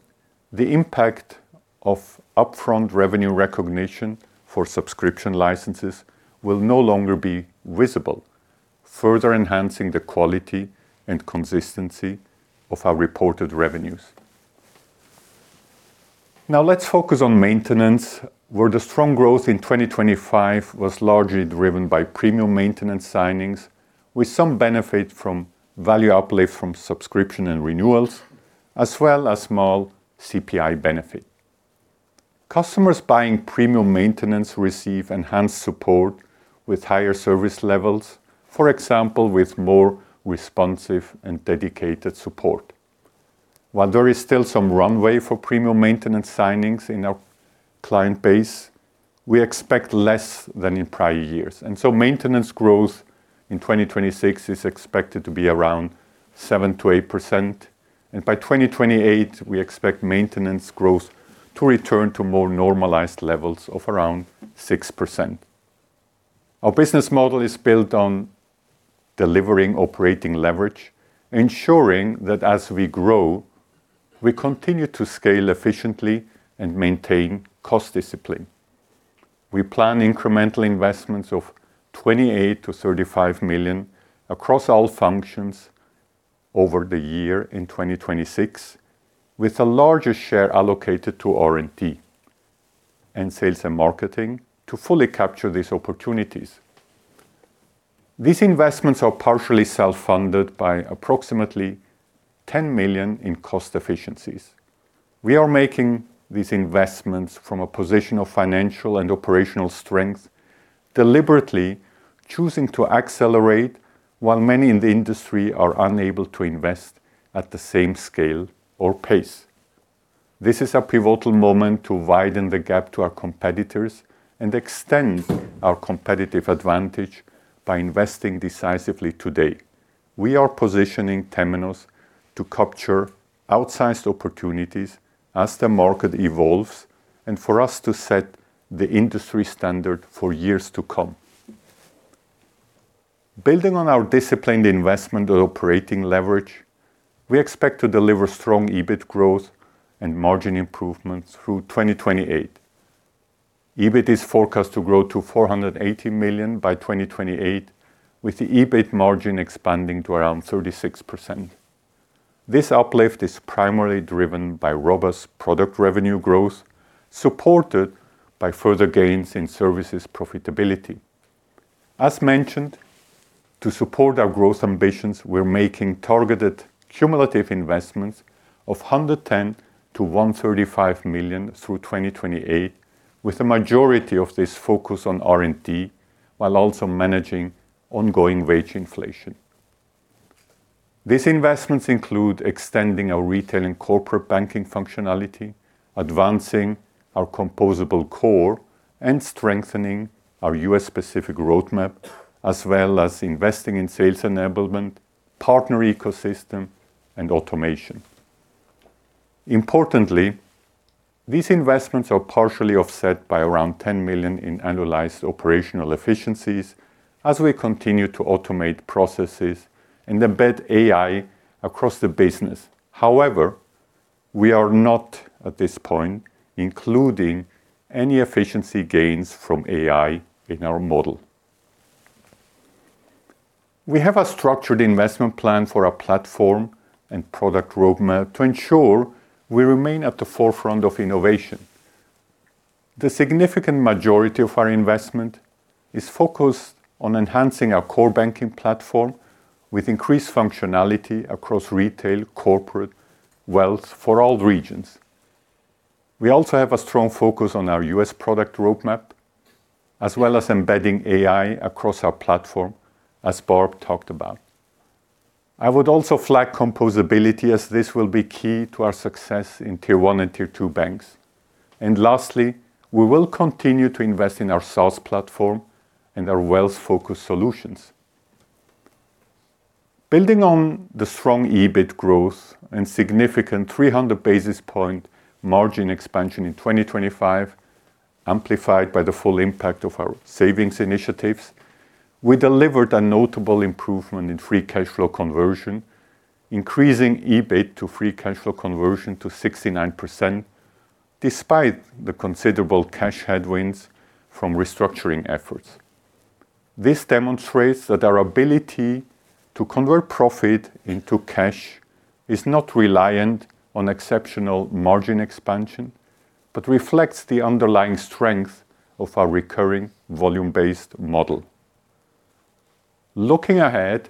the impact of upfront revenue recognition for subscription licenses will no longer be visible, further enhancing the quality and consistency of our reported revenues. Now, let's focus on maintenance, where the strong growth in 2025 was largely driven by premium maintenance signings, with some benefit from value uplift from subscription and renewals, as well as small CPI benefit. Customers buying premium maintenance receive enhanced support with higher service levels, for example, with more responsive and dedicated support. While there is still some runway for premium maintenance signings in our client base, we expect less than in prior years. Maintenance growth in 2026 is expected to be around 7%-8%, and by 2028, we expect maintenance growth to return to more normalized levels of around 6%. Our business model is built on delivering operating leverage, ensuring that as we grow, we continue to scale efficiently and maintain cost discipline. We plan incremental investments of $28 million-$35 million across all functions over the year in 2026, with a larger share allocated to R&D and sales and marketing to fully capture these opportunities. These investments are partially self-funded by approximately $10 million in cost efficiencies. We are making these investments from a position of financial and operational strength, deliberately choosing to accelerate, while many in the industry are unable to invest at the same scale or pace. This is a pivotal moment to widen the gap to our competitors and extend our competitive advantage by investing decisively today. We are positioning Temenos to capture outsized opportunities as the market evolves, and for us to set the industry standard for years to come. Building on our disciplined investment and operating leverage, we expect to deliver strong EBIT growth and margin improvement through 2028. EBIT is forecast to grow to $480 million by 2028, with the EBIT margin expanding to around 36%. This uplift is primarily driven by robust product revenue growth, supported by further gains in services profitability. As mentioned, to support our growth ambitions, we're making targeted cumulative investments of $110 million-$135 million through 2028, with the majority of this focus on R&D, while also managing ongoing wage inflation. These investments include extending our retail and corporate banking functionality, advancing our composable core, and strengthening our U.S.-specific roadmap, as well as investing in sales enablement, partner ecosystem, and automation. Importantly, these investments are partially offset by around $10 million in annualized operational efficiencies as we continue to automate processes and embed AI across the business. However, we are not, at this point, including any efficiency gains from AI in our model. We have a structured investment plan for our platform and product roadmap to ensure we remain at the forefront of innovation. The significant majority of our investment is focused on enhancing our core banking platform with increased functionality across retail, corporate, wealth for all regions. We also have a strong focus on our U.S. product roadmap, as well as embedding AI across our platform, as Barb talked about. I would also flag composability, as this will be key to our success in Tier one and Tier two banks. Lastly, we will continue to invest in our SaaS platform and our wealth-focused solutions. Building on the strong EBIT growth and significant 300 basis point margin expansion in 2025, amplified by the full impact of our savings initiatives, we delivered a notable improvement in free cash flow conversion, increasing EBIT to free cash flow conversion to 69%, despite the considerable cash headwinds from restructuring efforts. This demonstrates that our ability to convert profit into cash is not reliant on exceptional margin expansion, but reflects the underlying strength of our recurring volume-based model. Looking ahead,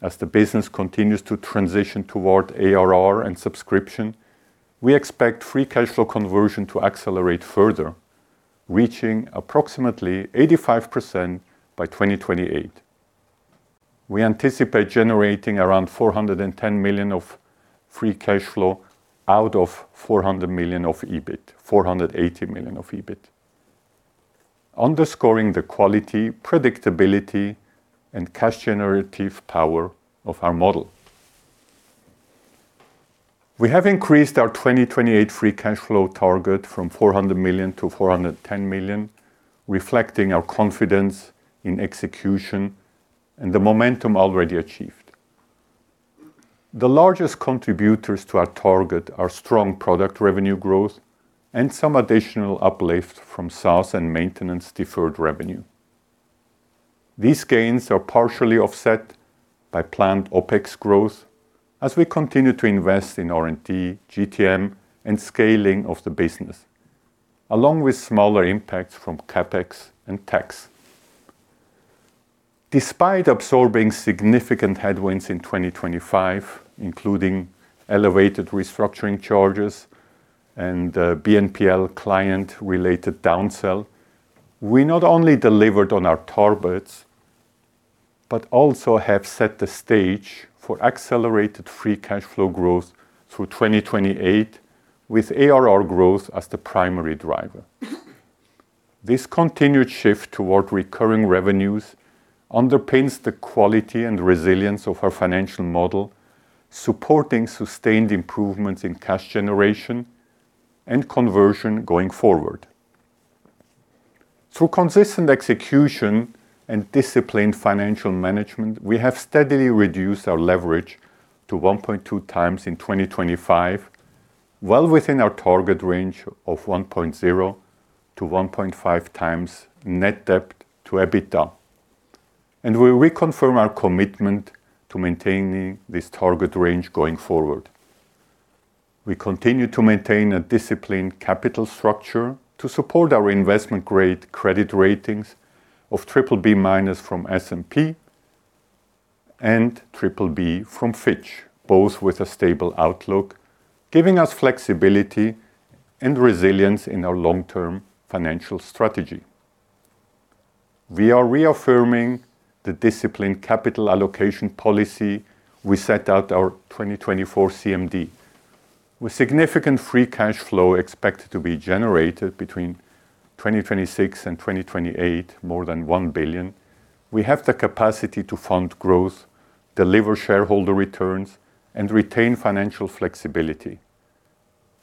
as the business continues to transition toward ARR and subscription, we expect free cash flow conversion to accelerate further, reaching approximately 85% by 2028. We anticipate generating around $410 million of free cash flow out of $480 million of EBIT, underscoring the quality, predictability, and cash generative power of our model. We have increased our 2028 free cash flow target from $400 million to $410 million, reflecting our confidence in execution and the momentum already achieved. The largest contributors to our target are strong product revenue growth and some additional uplift from SaaS and maintenance deferred revenue. These gains are partially offset by planned OpEx growth as we continue to invest in R&D, GTM, and scaling of the business, along with smaller impacts from CapEx and tax. Despite absorbing significant headwinds in 2025, including elevated restructuring charges and BNPL client-related downsell, we not only delivered on our targets, but also have set the stage for accelerated free cash flow growth through 2028, with ARR growth as the primary driver. This continued shift toward recurring revenues underpins the quality and resilience of our financial model, supporting sustained improvements in cash generation and conversion going forward. Through consistent execution and disciplined financial management, we have steadily reduced our leverage to 1.2 times in 2025. Within our target range of 1.0-1.5 times net debt to EBITDA. We reconfirm our commitment to maintaining this target range going forward. We continue to maintain a disciplined capital structure to support our investment-grade credit ratings of triple B- from S&P and triple B from Fitch, both with a stable outlook, giving us flexibility and resilience in our long-term financial strategy. We are reaffirming the disciplined capital allocation policy we set out our 2024 CMD. With significant free cash flow expected to be generated between 2026 and 2028, more than $1 billion, we have the capacity to fund growth, deliver shareholder returns, and retain financial flexibility.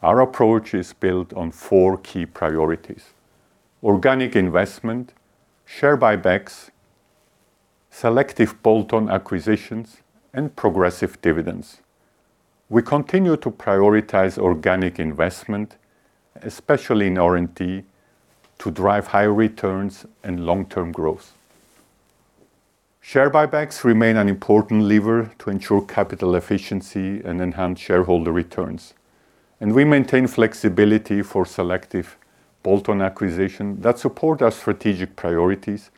Our approach is built on four key priorities: organic investment, share buybacks, selective bolt-on acquisitions, and progressive dividends. We continue to prioritize organic investment, especially in R&D, to drive higher returns and long-term growth. Share buybacks remain an important lever to ensure capital efficiency and enhance shareholder returns, and we maintain flexibility for selective bolt-on acquisition that support our strategic priorities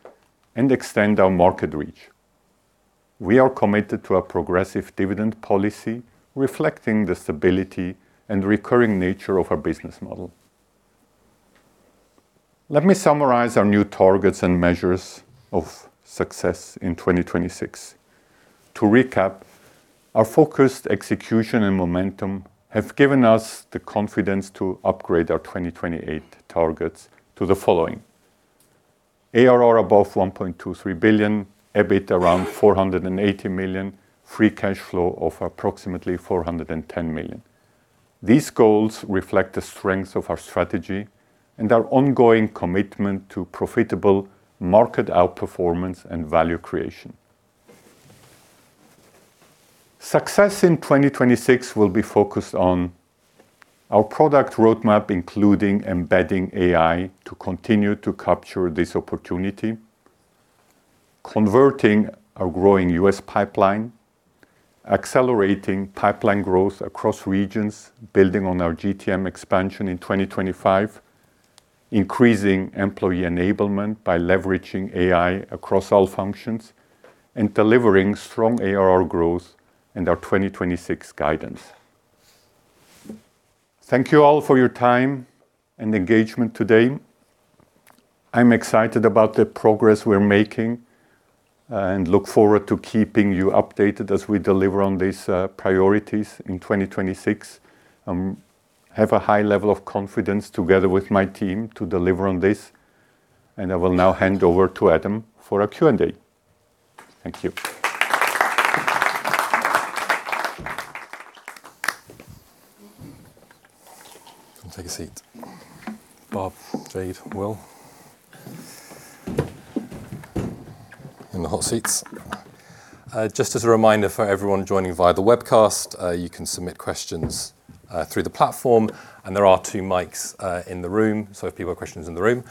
and extend our market reach. We are committed to a progressive dividend policy, reflecting the stability and recurring nature of our business model. Let me summarize our new targets and measures of success in 2026. To recap, our focused execution and momentum have given us the confidence to upgrade our 2028 targets to the following: ARR above $1.23 billion, EBIT around $480 million, free cash flow of approximately $410 million. These goals reflect the strength of our strategy and our ongoing commitment to profitable market outperformance and value creation. Success in 2026 will be focused on our product roadmap, including embedding AI, to continue to capture this opportunity, converting our growing US pipeline, accelerating pipeline growth across regions, building on our GTM expansion in 2025, increasing employee enablement by leveraging AI across all functions, and delivering strong ARR growth in our 2026 guidance. Thank you all for your time and engagement today. I'm excited about the progress we're making and look forward to keeping you updated as we deliver on these priorities in 2026. I have a high level of confidence together with my team to deliver on this, I will now hand over to Adam for a Q&A. Thank you. Take a seat. Barb, Jayde, Will. In the hot seats. Just as a reminder for everyone joining via the webcast, you can submit questions through the platform, and there are two mics in the room, so if people have questions in the room.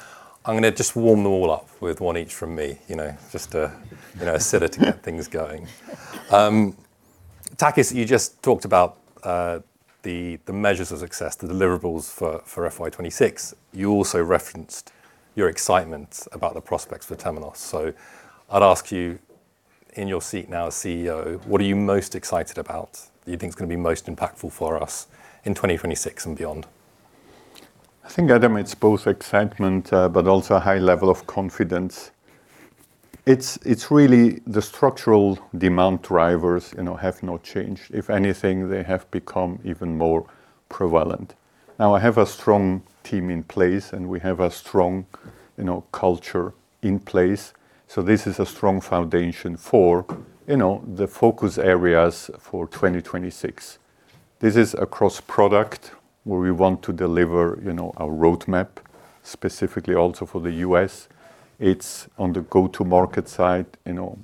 I'm gonna just warm them all up with one each from me, you know, just to, you know, set it to get things going. Takis, you just talked about the measures of success, the deliverables for FY 2026. You also referenced your excitement about the prospects for Temenos. I'd ask you, in your seat now as CEO, what are you most excited about that you think is gonna be most impactful for us in 2026 and beyond? I think, Adam, it's both excitement, but also a high level of confidence. It's really the structural demand drivers, you know, have not changed. If anything, they have become even more prevalent. Now, I have a strong team in place, and we have a strong, you know, culture in place, so this is a strong foundation for, you know, the focus areas for 2026. This is across product, where we want to deliver, you know, our roadmap, specifically also for the U.S. It's on the go-to-market side, you know,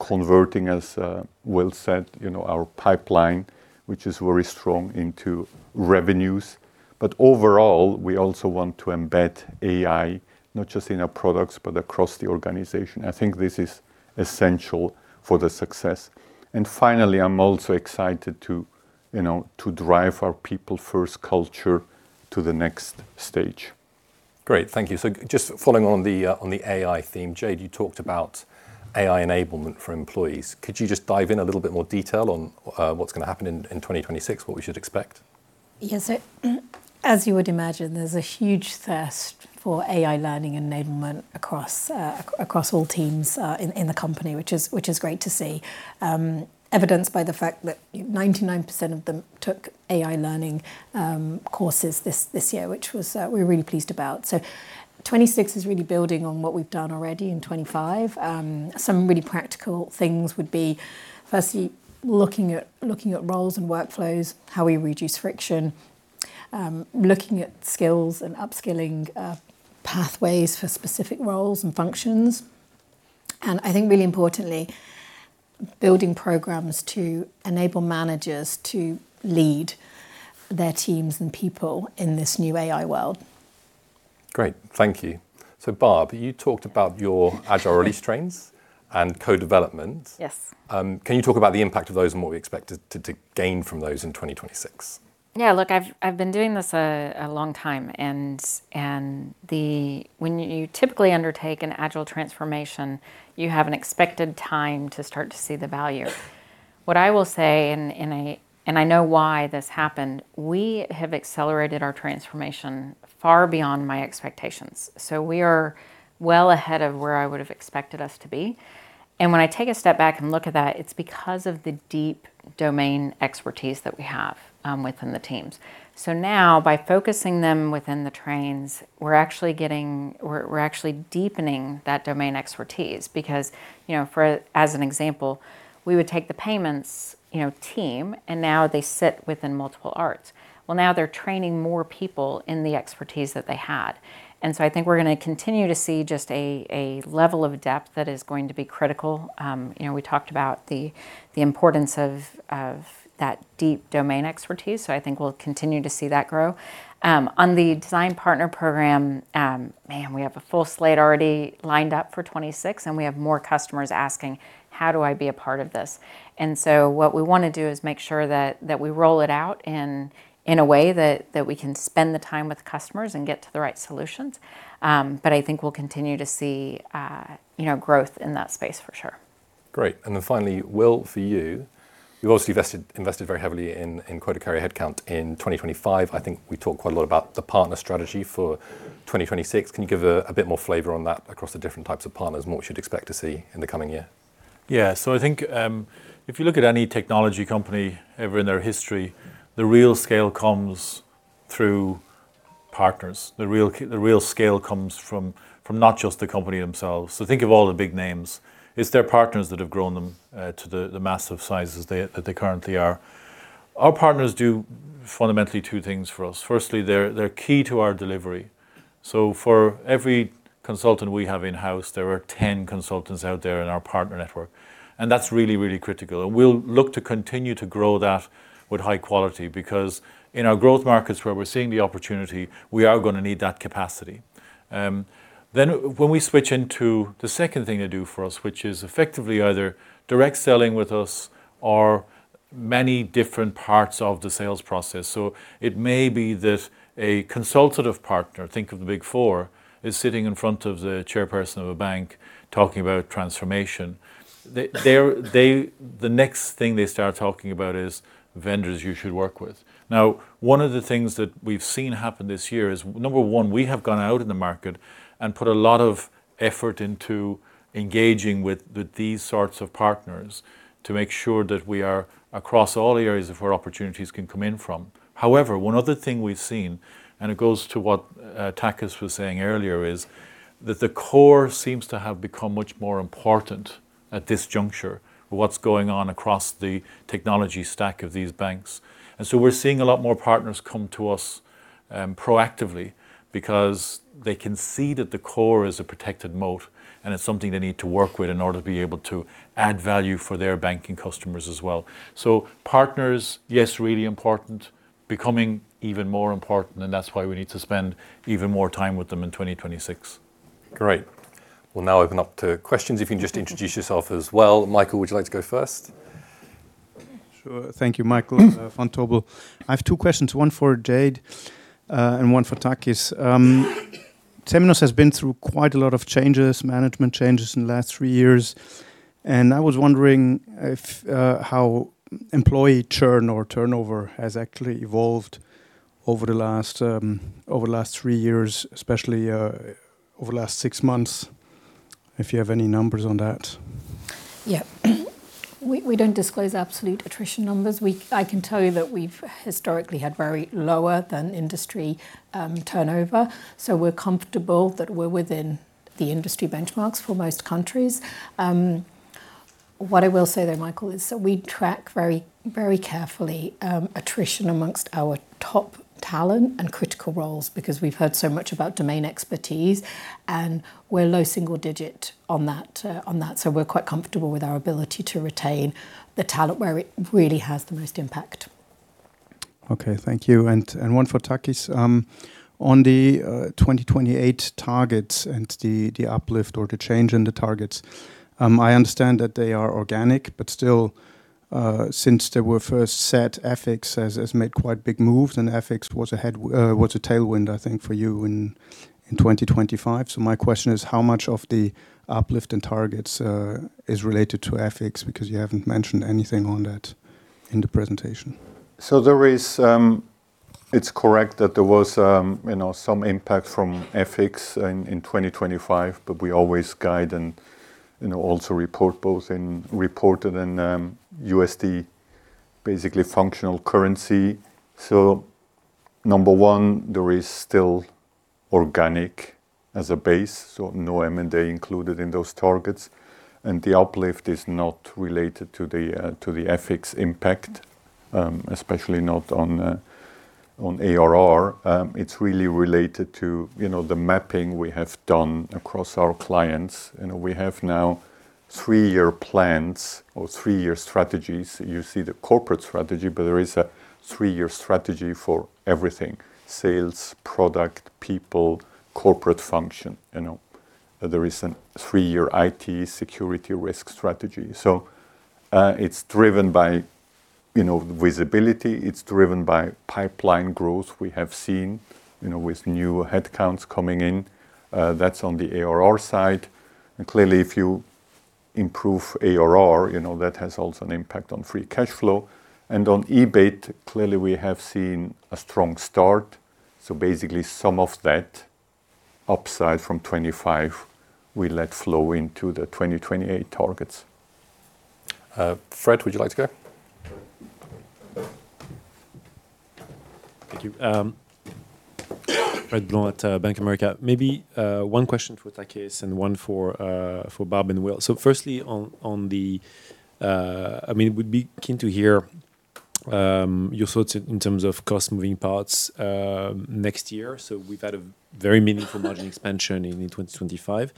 converting, as Will said, you know, our pipeline, which is very strong, into revenues. Overall, we also want to embed AI, not just in our products, but across the organization. I think this is essential for the success. Finally, I'm also excited to, you know, to drive our people-first culture to the next stage. Great. Thank you. Just following on the AI theme, Jayde, you talked about AI enablement for employees. Could you just dive in a little bit more detail on what's gonna happen in 2026, what we should expect? As you would imagine, there's a huge thirst for AI learning enablement across all teams in the company, which is great to see. Evidenced by the fact that 99% of them took AI learning courses this year, which was. We're really pleased about. 2026 is really building on what we've done already in 2025. Some really practical things would be, firstly, looking at roles and workflows, how we reduce friction, looking at skills and upskilling pathways for specific roles and functions. I think really importantly, building programs to enable managers to lead their teams and people in this new AI world. Great, thank you. Barb, you talked about your agile release trains and co-development. Yes. Can you talk about the impact of those and what we expect to gain from those in 2026? Yeah, look, I've been doing this a long time, and when you typically undertake an agile transformation, you have an expected time to start to see the value. What I will say and I know why this happened, we have accelerated our transformation far beyond my expectations. We are well ahead of where I would have expected us to be. When I take a step back and look at that, it's because of the deep domain expertise that we have within the teams. Now, by focusing them within the trains, we're actually deepening that domain expertise because, as an example, we would take the payments team, and now they sit within multiple arts. Now they're training more people in the expertise that they had. I think we're gonna continue to see just a level of depth that is going to be critical. We talked about the importance of that deep domain expertise, so I think we'll continue to see that grow. On the Design Partner Program, man, we have a full slate already lined up for 2026, and we have more customers asking: "How do I be a part of this?" What we wanna do is make sure that we roll it out in a way that we can spend the time with customers and get to the right solutions. I think we'll continue to see growth in that space for sure. Great. Finally, Will, for you've obviously invested very heavily in QuotaCarrier headcount in 2025. I think we talked quite a lot about the partner strategy for 2026. Can you give a bit more flavor on that across the different types of partners and what we should expect to see in the coming year? Yeah. I think, if you look at any technology company ever in their history, the real scale comes through partners. The real scale comes from not just the company themselves. Think of all the big names, it's their partners that have grown them to the massive sizes they that they currently are. Our partners do fundamentally two things for us. Firstly, they're key to our delivery. For every consultant we have in-house, there are 10 consultants out there in our partner network, and that's really, really critical. We'll look to continue to grow that with high quality, because in our growth markets where we're seeing the opportunity, we are gonna need that capacity. When we switch into the second thing they do for us, which is effectively either direct selling with us or many different parts of the sales process. It may be that a consultative partner, think of the Big Four, is sitting in front of the chairperson of a bank talking about transformation. The next thing they start talking about is vendors you should work with. One of the things that we've seen happen this year is, number one, we have gone out in the market and put a lot of effort into engaging with these sorts of partners to make sure that we are across all the areas of where opportunities can come in from. One other thing we've seen, and it goes to what Takis was saying earlier, is that the core seems to have become much more important at this juncture of what's going on across the technology stack of these banks. We're seeing a lot more partners come to us proactively because they can see that the core is a protected moat, and it's something they need to work with in order to be able to add value for their banking customers as well. Partners, yes, really important, becoming even more important, and that's why we need to spend even more time with them in 2026. Great. We'll now open up to questions, if you can just introduce yourself as well. Michael, would you like to go first? Sure. Thank you, Michael Vontobel. I have 2 questions, one for Jayde, and one for Takis. Temenos has been through quite a lot of changes, management changes in the last 3 years, and I was wondering if how employee churn or turnover has actually evolved over the last, over the last 6 months, if you have any numbers on that? We don't disclose absolute attrition numbers. I can tell you that we've historically had very lower than industry turnover, so we're comfortable that we're within the industry benchmarks for most countries. What I will say, though, Michael, is that we track very, very carefully attrition amongst our top talent and critical roles because we've heard so much about domain expertise, and we're low single digit on that, on that, so we're quite comfortable with our ability to retain the talent where it really has the most impact. Okay, thank you. One for Takis. On the 2028 targets and the uplift or the change in the targets, I understand that they are organic, but still, since they were first set, FX has made quite big moves, and FX was a tailwind, I think, for you in 2025. My question is, how much of the uplift in targets is related to FX? Because you haven't mentioned anything on that in the presentation. It's correct that there was, you know, some impact from FX in 2025, but we always guide and also report it in USD, basically functional currency. Number one, there is still organic as a base, so no M&A included in those targets, and the uplift is not related to the FX impact, especially not on ARR. It's really related to the mapping we have done across our clients, and we have now three-year plans or three-year strategies. You see the corporate strategy, but there is a three-year strategy for everything: sales, product, people, corporate function. You know, there is a three-year IT security risk strategy. It's driven by, you know, visibility, it's driven by pipeline growth we have seen with new headcounts coming in. That's on the ARR side. Clearly, if you improve ARR, that has also an impact on free cash flow. On EBIT, clearly, we have seen a strong start, basically some of that upside from 25, we let flow into the 2028 targets. Fred, would you like to go? Thank you. Frederic Boulan at Bank of America. Maybe one question for Takis and one for Barb and Will. Firstly, on the I mean, we'd be keen to hear your thoughts in terms of cost-moving parts next year. We've had a very meaningful margin expansion in 2025.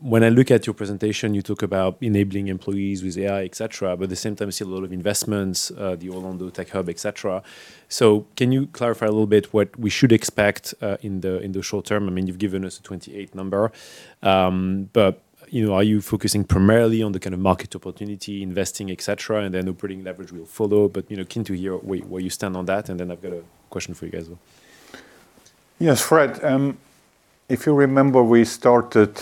When I look at your presentation, you talk about enabling employees with AI, et cetera, but at the same time, you see a lot of investments, the Orlando Tech Hub, et cetera. Can you clarify a little bit what we should expect in the short term? I mean, you've given us a 28 number, but are you focusing primarily on the kind of market opportunity, investing, et cetera, and then operating leverage will follow? you know, keen to hear where you stand on that, and then I've got a question for you guys as well. Yes, Fred Blanc, if you remember, we started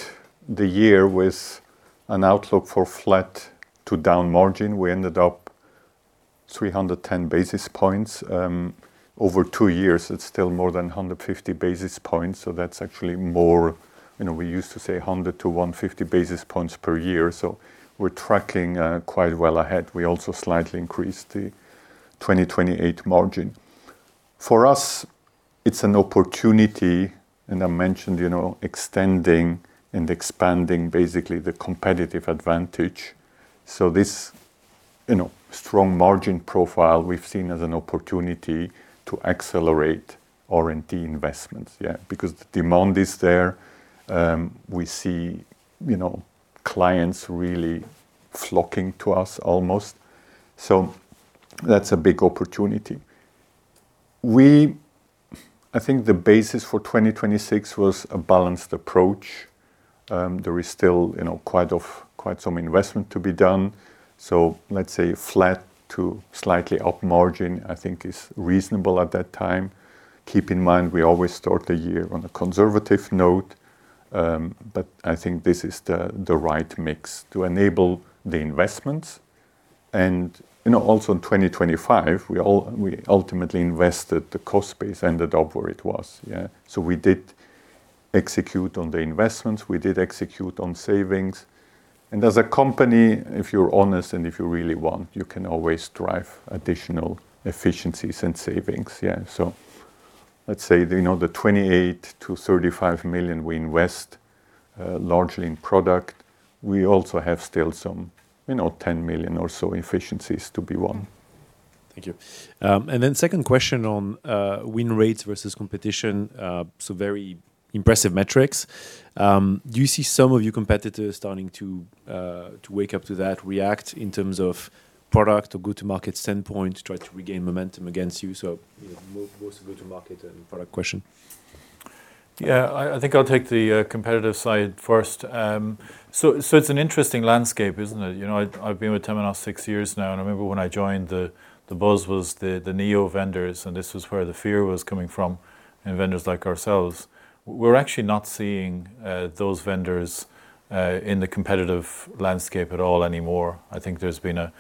the year with an outlook for flat to down margin. We ended up 310 basis points over 2 years. It's still more than 150 basis points, so that's actually more. We used to say 100-150 basis points per year, so we're tracking quite well ahead. We also slightly increased the 2028 margin. For us, it's an opportunity, and I mentioned extending and expanding basically the competitive advantage. This strong margin profile we've seen as an opportunity to accelerate R&D investments. The demand is there, we see clients really flocking to us almost. That's a big opportunity. I think the basis for 2026 was a balanced approach. There is still quite some investment to be done. Let's say flat to slightly up margin, I think is reasonable at that time. Keep in mind, we always start the year on a conservative note. I think this is the right mix to enable the investments. Also in 2025, we ultimately invested the cost base, ended up where it was. We did execute on the investments, we did execute on savings, and as a company, if you're honest, and if you really want, you can always drive additional efficiencies and savings. Let's say, the $28 million-$35 million we invest, largely in product, we also have still some, you know, $10 million or so efficiencies to be won. Thank you. Second question on win rates versus competition? Very impressive metrics. Do you see some of your competitors starting to wake up to that, react in terms of product or go-to-market standpoint, to try to regain momentum against you? More so go-to-market and product question. Yeah, I think I'll take the competitive side first. It's an interesting landscape, isn't it? You know, I've been with Temenos six years now, and I remember when I joined the buzz was the neo vendors, and this was where the fear was coming from in vendors like ourselves. We're actually not seeing those vendors in the competitive landscape at all anymore. I think there's been a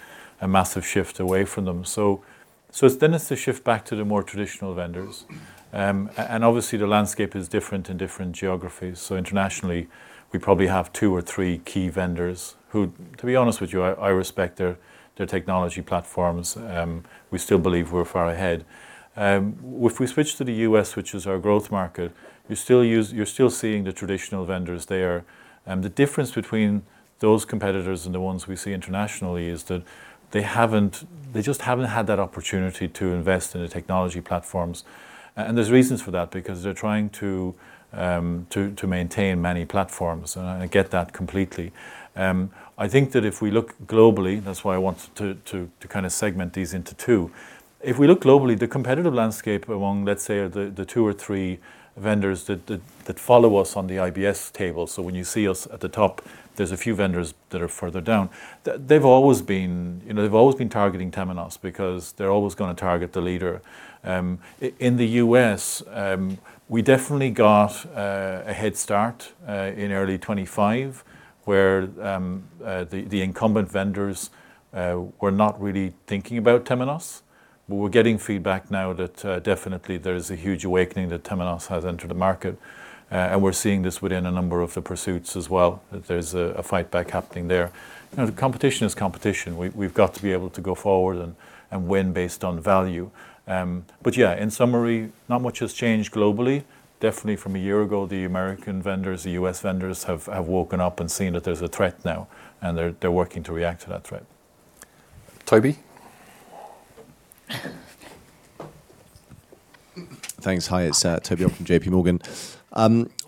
massive shift away from them. It's then it's a shift back to the more traditional vendors. And obviously, the landscape is different in different geographies. Internationally, we probably have two or three key vendors who, to be honest with you, I respect their technology platforms, we still believe we're far ahead. If we switch to the U.S., which is our growth market, you're still seeing the traditional vendors there. The difference between those competitors and the ones we see internationally is that they haven't, they just haven't had that opportunity to invest in the technology platforms. There's reasons for that, because they're trying to maintain many platforms, and I get that completely. I think that if we look globally, that's why I want to kind of segment these into two. If we look globally, the competitive landscape among, let's say, the two or three vendors that follow us on the IBS table, so when you see us at the top, there's a few vendors that are further down. They've always been, you know, they've always been targeting Temenos because they're always gonna target the leader. In the U.S., we definitely got a head start in early 2025, where the incumbent vendors were not really thinking about Temenos. We're getting feedback now that definitely there is a huge awakening that Temenos has entered the market, and we're seeing this within a number of the pursuits as well, that there's a fight back happening there. You know, competition is competition. We've got to be able to go forward and win based on value. Yeah, in summary, not much has changed globally. Definitely from a year ago, the American vendors, the U.S. vendors, have woken up and seen that there's a threat now, and they're working to react to that threat. Toby? Thanks. Hi, it's Toby Ogg from JPMorgan.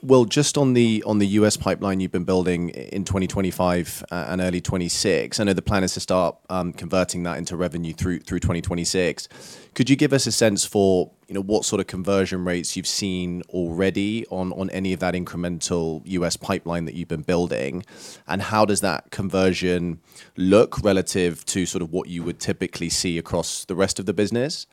Well, just on the U.S. pipeline you've been building in 2025 and early 2026, I know the plan is to start converting that into revenue through 2026. Could you give us a sense for, you know, what sort of conversion rates you've seen already on any of that incremental US pipeline that you've been building? How does that conversion look relative to sort of what you would typically see across the rest of the business?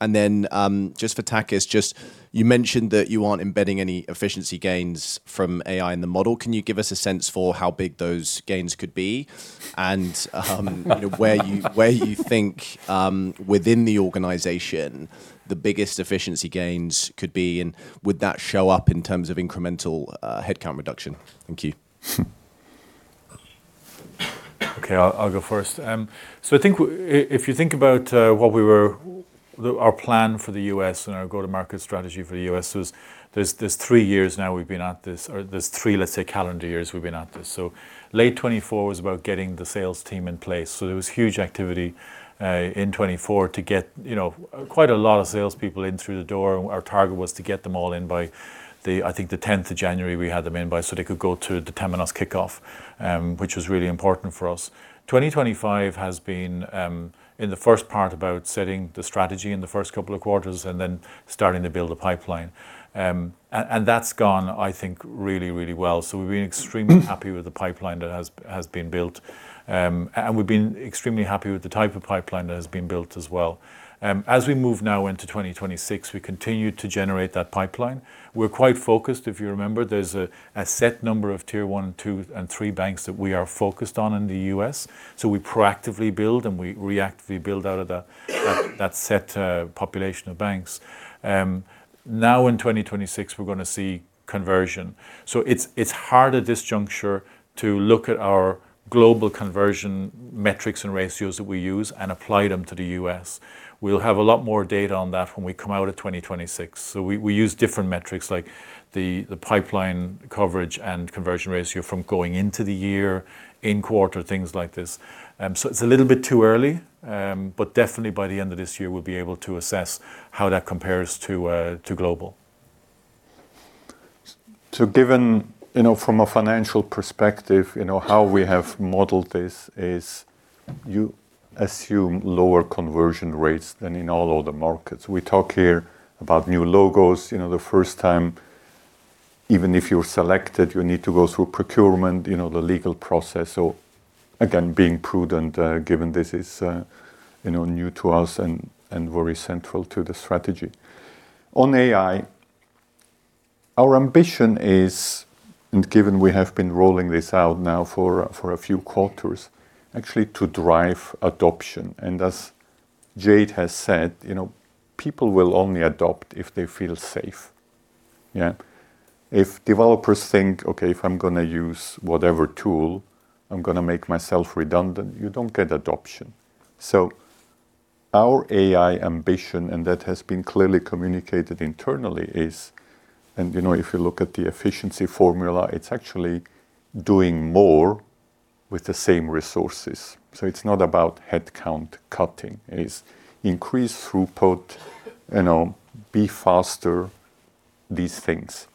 Just for Takis, you mentioned that you aren't embedding any efficiency gains from AI in the model. Can you give us a sense for how big those gains could be? You know, where you think, within the organization, the biggest efficiency gains could be, and would that show up in terms of incremental, headcount reduction? Thank you. Okay, I'll go first. I think if you think about Our plan for the U.S. and our go-to-market strategy for the U.S. was there's 3 years now we've been at this, or there's 3, let's say, calendar years we've been at this. Late 2024 was about getting the sales team in place. There was huge activity in 2024 to get, you know, quite a lot of salespeople in through the door. Our target was to get them all in by the, I think, the 10th of January, we had them in by so they could go to the Temenos kickoff, which was really important for us. 2025 has been in the first part about setting the strategy in the first couple of quarters and then starting to build a pipeline. That's gone, I think, really, really well. We've been extremely happy with the pipeline that has been built. We've been extremely happy with the type of pipeline that has been built as well. As we move now into 2026, we continue to generate that pipeline. We're quite focused. If you remember, there's a set number of Tier One, Two, and Three banks that we are focused on in the U.S., we proactively build, and we reactively build out of that set population of banks. Now in 2026, we're going to see conversion. It's hard at this juncture to look at our global conversion metrics and ratios that we use and apply them to the U.S. We'll have a lot more data on that when we come out of 2026. We use different metrics like the pipeline coverage and conversion ratio from going into the year, in quarter, things like this. It's a little bit too early, but definitely by the end of this year, we'll be able to assess how that compares to global. Given, you know, from a financial perspective, you know, how we have modeled this is you assume lower conversion rates than in all other markets. We talk here about new logos. You know, the first time, even if you're selected, you need to go through procurement, you know, the legal process. Again, being prudent, given this is, you know, new to us and very central to the strategy. On AI, our ambition is, and given we have been rolling this out now for a few quarters, actually to drive adoption. As Jayde has said, you know, people will only adopt if they feel safe. Yeah. If developers think, "Okay, if I'm going to use whatever tool, I'm going to make myself redundant," you don't get adoption. Our AI ambition, and that has been clearly communicated internally, is... You know, if you look at the efficiency formula, it's actually doing more with the same resources. It's not about headcount cutting. It is increase throughput, you know, be faster, these things.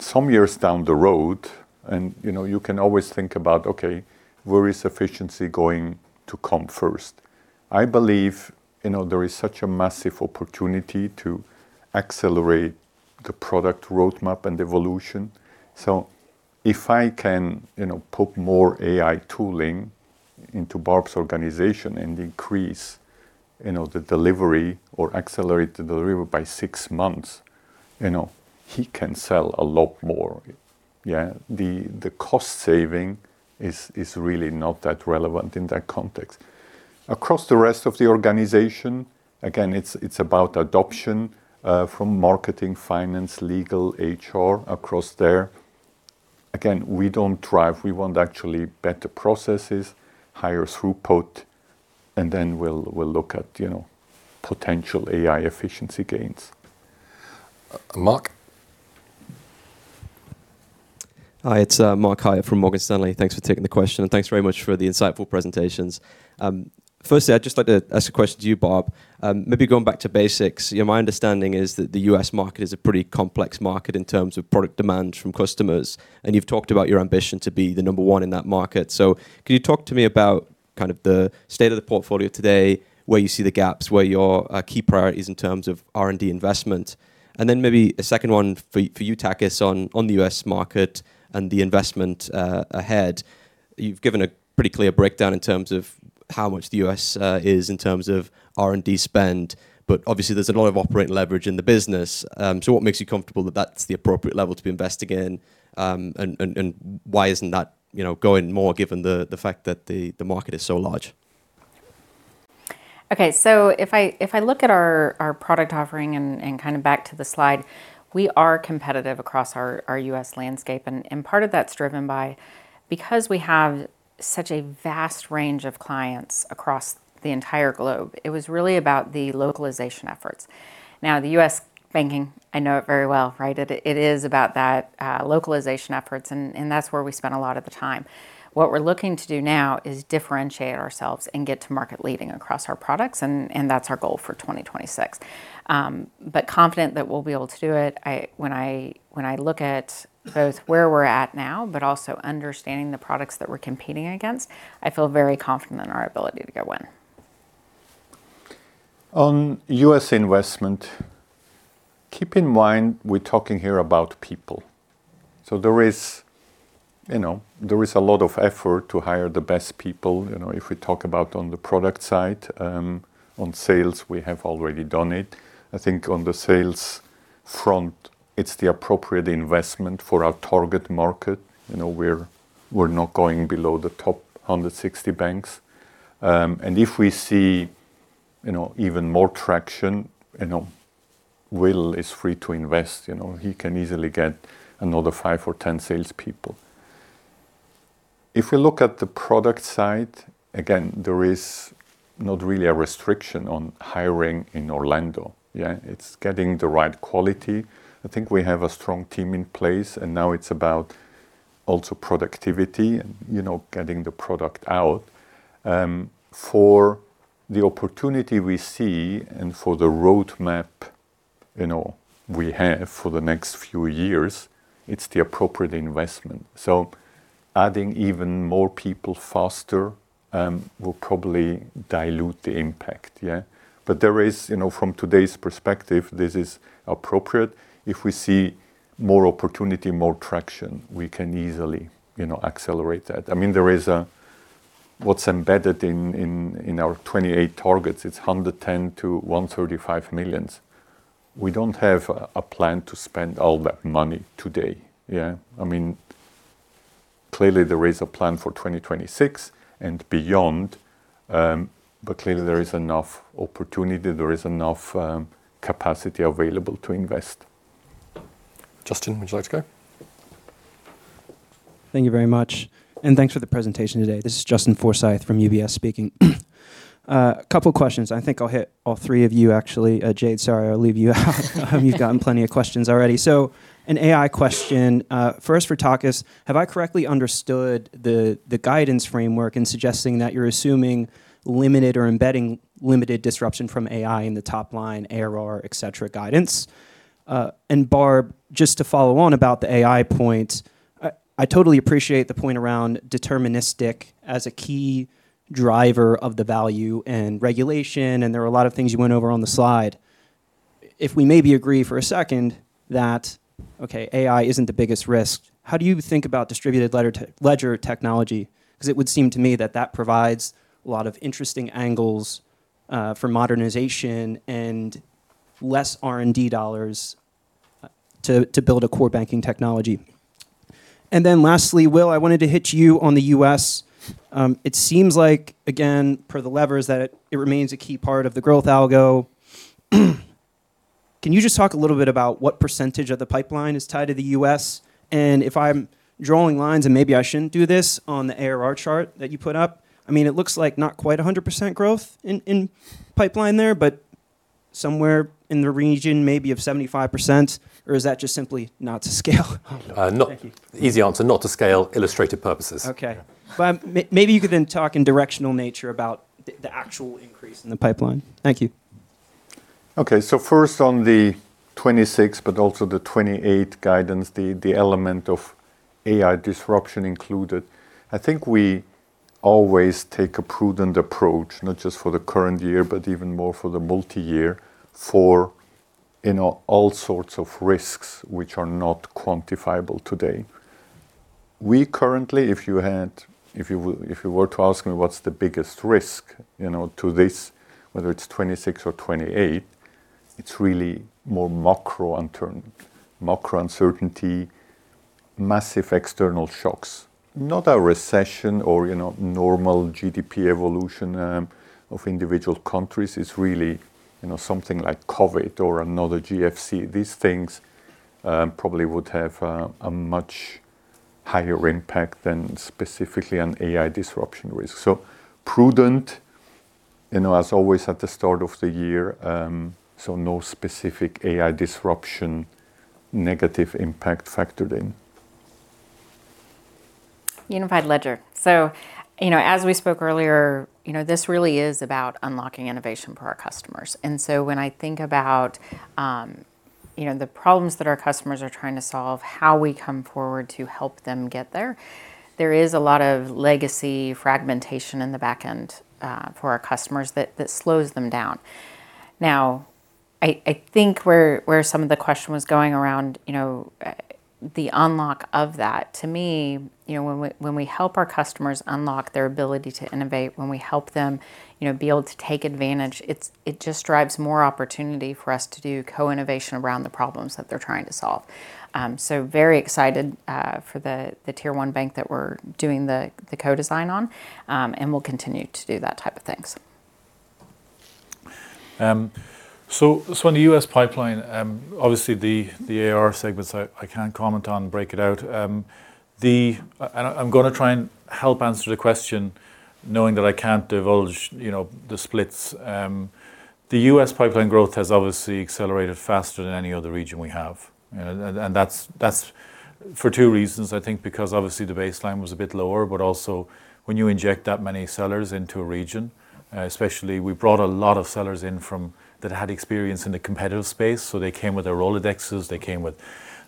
Some years down the road, you know, you can always think about, okay, where is efficiency going to come first? I believe, you know, there is such a massive opportunity to accelerate the product roadmap and evolution. If I can, you know, put more AI tooling into Barb's organization and increase, you know, the delivery or accelerate the delivery by six months, you know, he can sell a lot more. Yeah. The cost saving is really not that relevant in that context. Across the rest of the organization, again, it's about adoption, from marketing, finance, legal, HR, across there. Again, we don't drive. We want actually better processes, higher throughput, and then we'll look at, you know, potential AI efficiency gains. Mark? Hi, it's Mark Hyatt from Morgan Stanley. Thanks for taking the question. Thanks very much for the insightful presentations. Firstly, I'd just like to ask a question to you, Barb. Maybe going back to basics, you know, my understanding is that the U.S. market is a pretty complex market in terms of product demand from customers. You've talked about your ambition to be the number one in that market. Can you talk to me about kind of the state of the portfolio today, where you see the gaps, where are your key priorities in terms of R&D investment? Then maybe a second one for you, Takis, on the U.S. market and the investment ahead. You've given a pretty clear breakdown in terms of how much the US is in terms of R&D spend, but obviously, there's a lot of operating leverage in the business. What makes you comfortable that that's the appropriate level to be investing in? Why isn't that, you know, going more given the fact that the market is so large? Okay. If I look at our product offering and kind of back to the slide, we are competitive across our U.S. landscape, and part of that's driven by because we have such a vast range of clients across the entire globe, it was really about the localization efforts. Now, the U.S. banking, I know it very well, right? It is about that localization efforts, and that's where we spend a lot of the time. What we're looking to do now is differentiate ourselves and get to market leading across our products, and that's our goal for 2026. But confident that we'll be able to do it. When I look at both where we're at now, but also understanding the products that we're competing against, I feel very confident in our ability to go win. On U.S. investment, keep in mind we're talking here about people. There is, you know, there is a lot of effort to hire the best people, you know, if we talk about on the product side. On sales, we have already done it. I think on the sales front, it's the appropriate investment for our target market. You know, we're not going below the top 160 banks. If we see, you know, even more traction, you know, Will is free to invest. You know, he can easily get another 5 or 10 salespeople. If we look at the product side, again, there is not really a restriction on hiring in Orlando. Yeah, it's getting the right quality. I think we have a strong team in place, and now it's about also productivity and, you know, getting the product out. For the opportunity we see and for the roadmap, you know, we have for the next few years, it's the appropriate investment. Adding even more people faster will probably dilute the impact. You know, from today's perspective, this is appropriate. If we see more opportunity, more traction, we can easily, you know, accelerate that. What's embedded in our 2028 targets, it's $110 million-$135 million. We don't have a plan to spend all that money today. Clearly, there is a plan for 2026 and beyond, clearly, there is enough opportunity, there is enough capacity available to invest. Justin, would you like to go? Thank you very much, and thanks for the presentation today. This is Justin Forsythe from UBS speaking. A couple of questions. I think I'll hit all three of you actually. Jayde, sorry, I'll leave you out. You've gotten plenty of questions already. An AI question, first for Takis. Have I correctly understood the guidance framework in suggesting that you're assuming limited or embedding limited disruption from AI in the top line, ARR, et cetera, guidance? Barb, just to follow on about the AI point, I totally appreciate the point around deterministic as a key driver of the value and regulation, and there are a lot of things you went over on the slide. If we maybe agree for a second that, okay, AI isn't the biggest risk, how do you think about distributed ledger technology? Because it would seem to me that that provides a lot of interesting angles for modernization and less R&D dollars to build a core banking technology. Lastly, Will, I wanted to hit you on the U.S. It seems like, again, per the levers, that it remains a key part of the growth algo. Can you just talk a little bit about what percentage of the pipeline is tied to the U.S.? If I'm drawing lines, and maybe I shouldn't do this, on the ARR chart that you put up, I mean, it looks like not quite 100% growth in pipeline there, but somewhere in the region, maybe of 75%, or is that just simply not to scale? Uh, not- Thank you. Easy answer, not to scale, illustrative purposes. Okay. Yeah. Maybe you could then talk in directional nature about the actual increase in the pipeline. Thank you. Okay. First on the 2026, but also the 2028 guidance, the element of AI disruption included. I think we always take a prudent approach, not just for the current year, but even more for the multi-year, for, you know, all sorts of risks which are not quantifiable today. We currently, if you were to ask me what's the biggest risk, you know, to this, whether it's 2026 or 2028, it's really more macro uncertainty, massive external shocks. Not a recession or, you know, normal GDP evolution of individual countries. It's really, you know, something like COVID or another GFC. These things probably would have a much higher impact than specifically an AI disruption risk. Prudent, you know, as always, at the start of the year, no specific AI disruption, negative impact factored in. Unified ledger. You know, as we spoke earlier, you know, this really is about unlocking innovation for our customers. When I think about, you know, the problems that our customers are trying to solve, how we come forward to help them get there is a lot of legacy fragmentation in the back end, for our customers that slows them down. I think where some of the question was going around, you know, the unlock of that, to me, you know, when we, when we help our customers unlock their ability to innovate, when we help them, you know, be able to take advantage, it just drives more opportunity for us to do co-innovation around the problems that they're trying to solve. Very excited for the Tier One bank that we're doing the co-design on, and we'll continue to do that type of things. So on the U.S. pipeline, obviously, the ARR segments, I can't comment on, break it out. And I'm gonna try and help answer the question, knowing that I can't divulge, you know, the splits. The U.S. pipeline growth has obviously accelerated faster than any other region we have. And that's for two reasons, I think, because obviously the baseline was a bit lower, but also when you inject that many sellers into a region, especially, we brought a lot of sellers in that had experience in the competitive space, so they came with their Rolodexes, they came with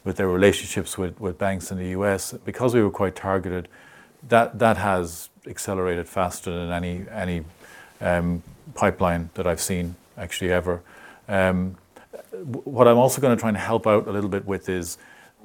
their relationships with banks in the U.S. Because we were quite targeted, that has accelerated faster than any pipeline that I've seen, actually, ever. What I'm also gonna try and help out a little bit with is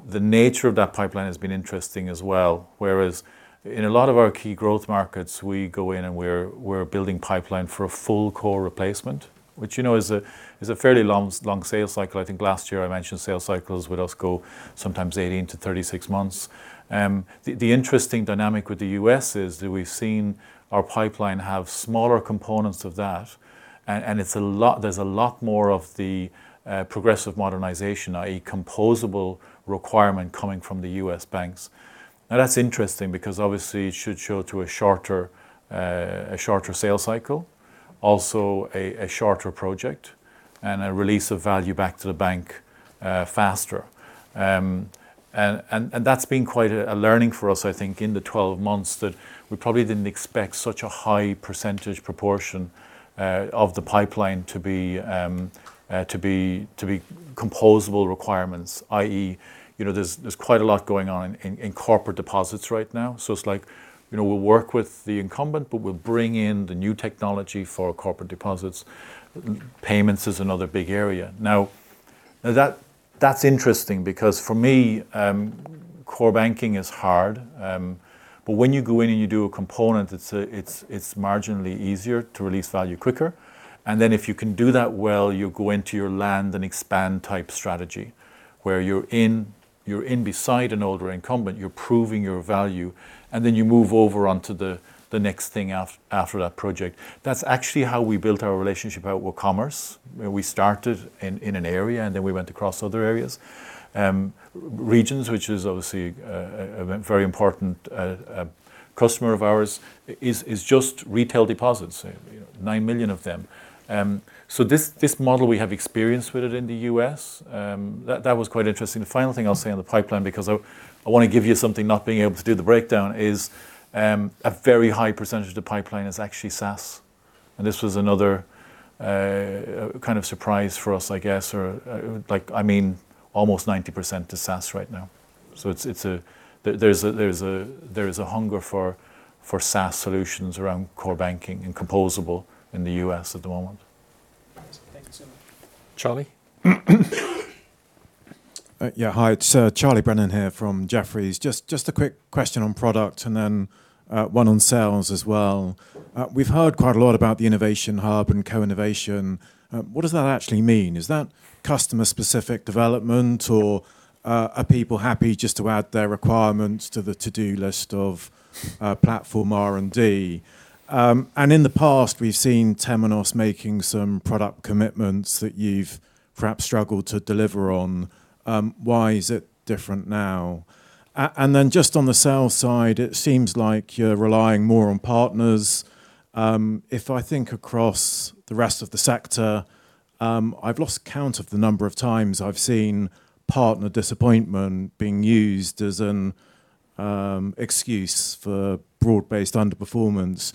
the nature of that pipeline has been interesting as well. Whereas in a lot of our key growth markets, we go in and we're building pipeline for a full core replacement, which, you know, is a fairly long sales cycle. I think last year I mentioned sales cycles with us go sometimes 18-36 months. The interesting dynamic with the U.S. is that we've seen our pipeline have smaller components of that, and there's a lot more of the progressive modernization, i.e., composable requirement coming from the U.S. banks. That's interesting because obviously it should show to a shorter, a shorter sales cycle, also a shorter project and a release of value back to the bank faster. That's been quite a learning for us, I think, in the 12 months, that we probably didn't expect such a high percentage proportion of the pipeline to be composable requirements, i.e., you know, there's quite a lot going on in corporate deposits right now. It's like, you know, we'll work with the incumbent, but we'll bring in the new technology for corporate deposits. Payments is another big area. Now, that's interesting because for me, core banking is hard. When you go in and you do a component, it's marginally easier to release value quicker. If you can do that well, you go into your land and expand type strategy, where you're in beside an older incumbent, you're proving your value, and then you move over onto the next thing after that project. That's actually how we built our relationship out with Commerce, where we started in an area, and then we went across other areas. Regions, which is obviously a very important customer of ours, is just retail deposits, $9 million of them. This model, we have experience with it in the U.S. That was quite interesting. The final thing I'll say on the pipeline, because I want to give you something, not being able to do the breakdown, is a very high % of the pipeline is actually SaaS. This was another, kind of surprise for us, I guess, or, like I mean, almost 90% is SaaS right now. It's a hunger for SaaS solutions around core banking and composable in the US at the moment. Thank you so much. Charlie? Yeah. Hi, it's Charles Brennan here from Jefferies. Just a quick question on product and then one on sales as well. We've heard quite a lot about the innovation hub and co-innovation. What does that actually mean? Is that customer-specific development, or are people happy just to add their requirements to the to-do list of platform R&D? In the past, we've seen Temenos making some product commitments that you've perhaps struggled to deliver on. Why is it different now? Then just on the sales side, it seems like you're relying more on partners. If I think across the rest of the sector, I've lost count of the number of times I've seen partner disappointment being used as an excuse for broad-based underperformance.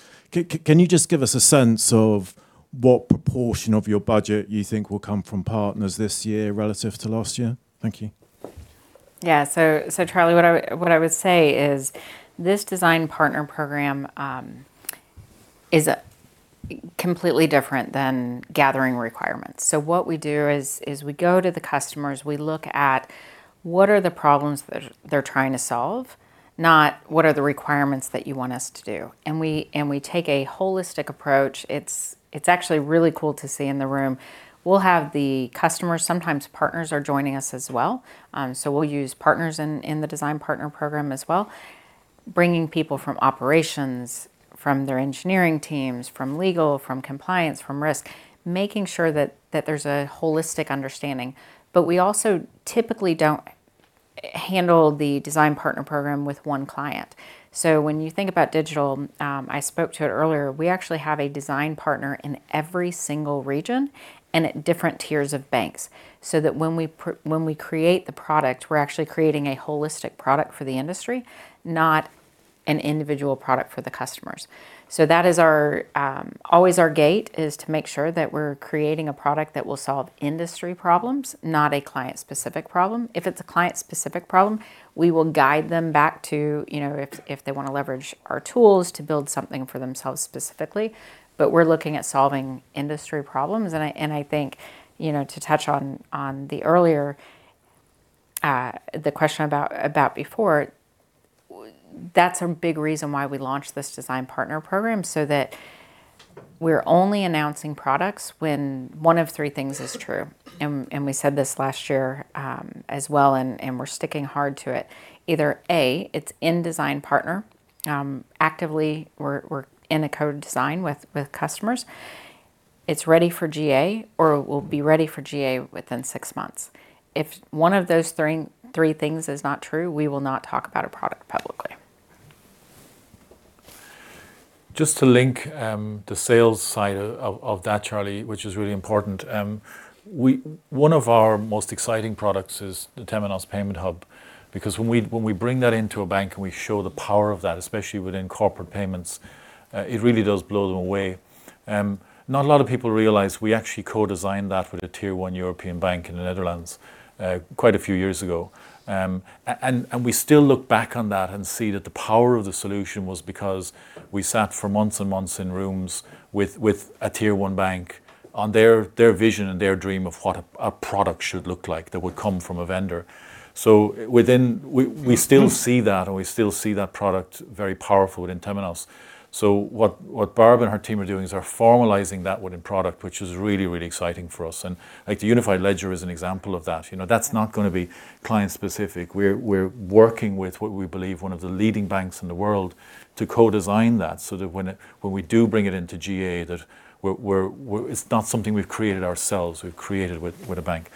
Can you just give us a sense of what proportion of your budget you think will come from partners this year relative to last year? Thank you. Yeah. Charlie, what I would say is this Design Partner Program is completely different than gathering requirements. What we do is we go to the customers, we look at what are the problems that they're trying to solve, not what are the requirements that you want us to do. We take a holistic approach. It's actually really cool to see in the room. We'll have the customers, sometimes partners are joining us as well. We'll use partners in the Design Partner Program as well, bringing people from operations, from their engineering teams, from legal, from compliance, from risk, making sure that there's a holistic understanding. We also typically don't handle the Design Partner Program with one client. When you think about digital, I spoke to it earlier, we actually have a design partner in every single region and at different tiers of banks, so that when we create the product, we're actually creating a holistic product for the industry, not an individual product for the customers. That is our always our gate is to make sure that we're creating a product that will solve industry problems, not a client-specific problem. If it's a client-specific problem, we will guide them back to, you know, if they want to leverage our tools to build something for themselves specifically. We're looking at solving industry problems, I think, you know, to touch on the earlier, the question about before, that's a big reason why we launched this Design Partner Program, so that we're only announcing products when one of three things is true. We said this last year, as well, we're sticking hard to it. Either, A, it's in design partner, actively we're in a co-design with customers, it's ready for GA or will be ready for GA within six months. If one of those three things is not true, we will not talk about a product publicly. Just to link the sales side of that, Charlie, which is really important. One of our most exciting products is the Temenos Payment Hub, because when we bring that into a bank and we show the power of that, especially within corporate payments, it really does blow them away. Not a lot of people realize we actually co-designed that with a Tier 1 European bank in the Netherlands quite a few years ago. And we still look back on that and see that the power of the solution was because we sat for months and months in rooms with a Tier 1 bank on their vision and their dream of what a product should look like that would come from a vendor. We still see that, and we still see that product very powerful within Temenos. What Barb and her team are doing is they're formalizing that within product, which is really, really exciting for us. Like, the unified ledger is an example of that. You know, that's not gonna be client-specific. We're working with what we believe one of the leading banks in the world to co-design that, so that when we do bring it into GA, that we're it's not something we've created ourselves, we've created with a bank.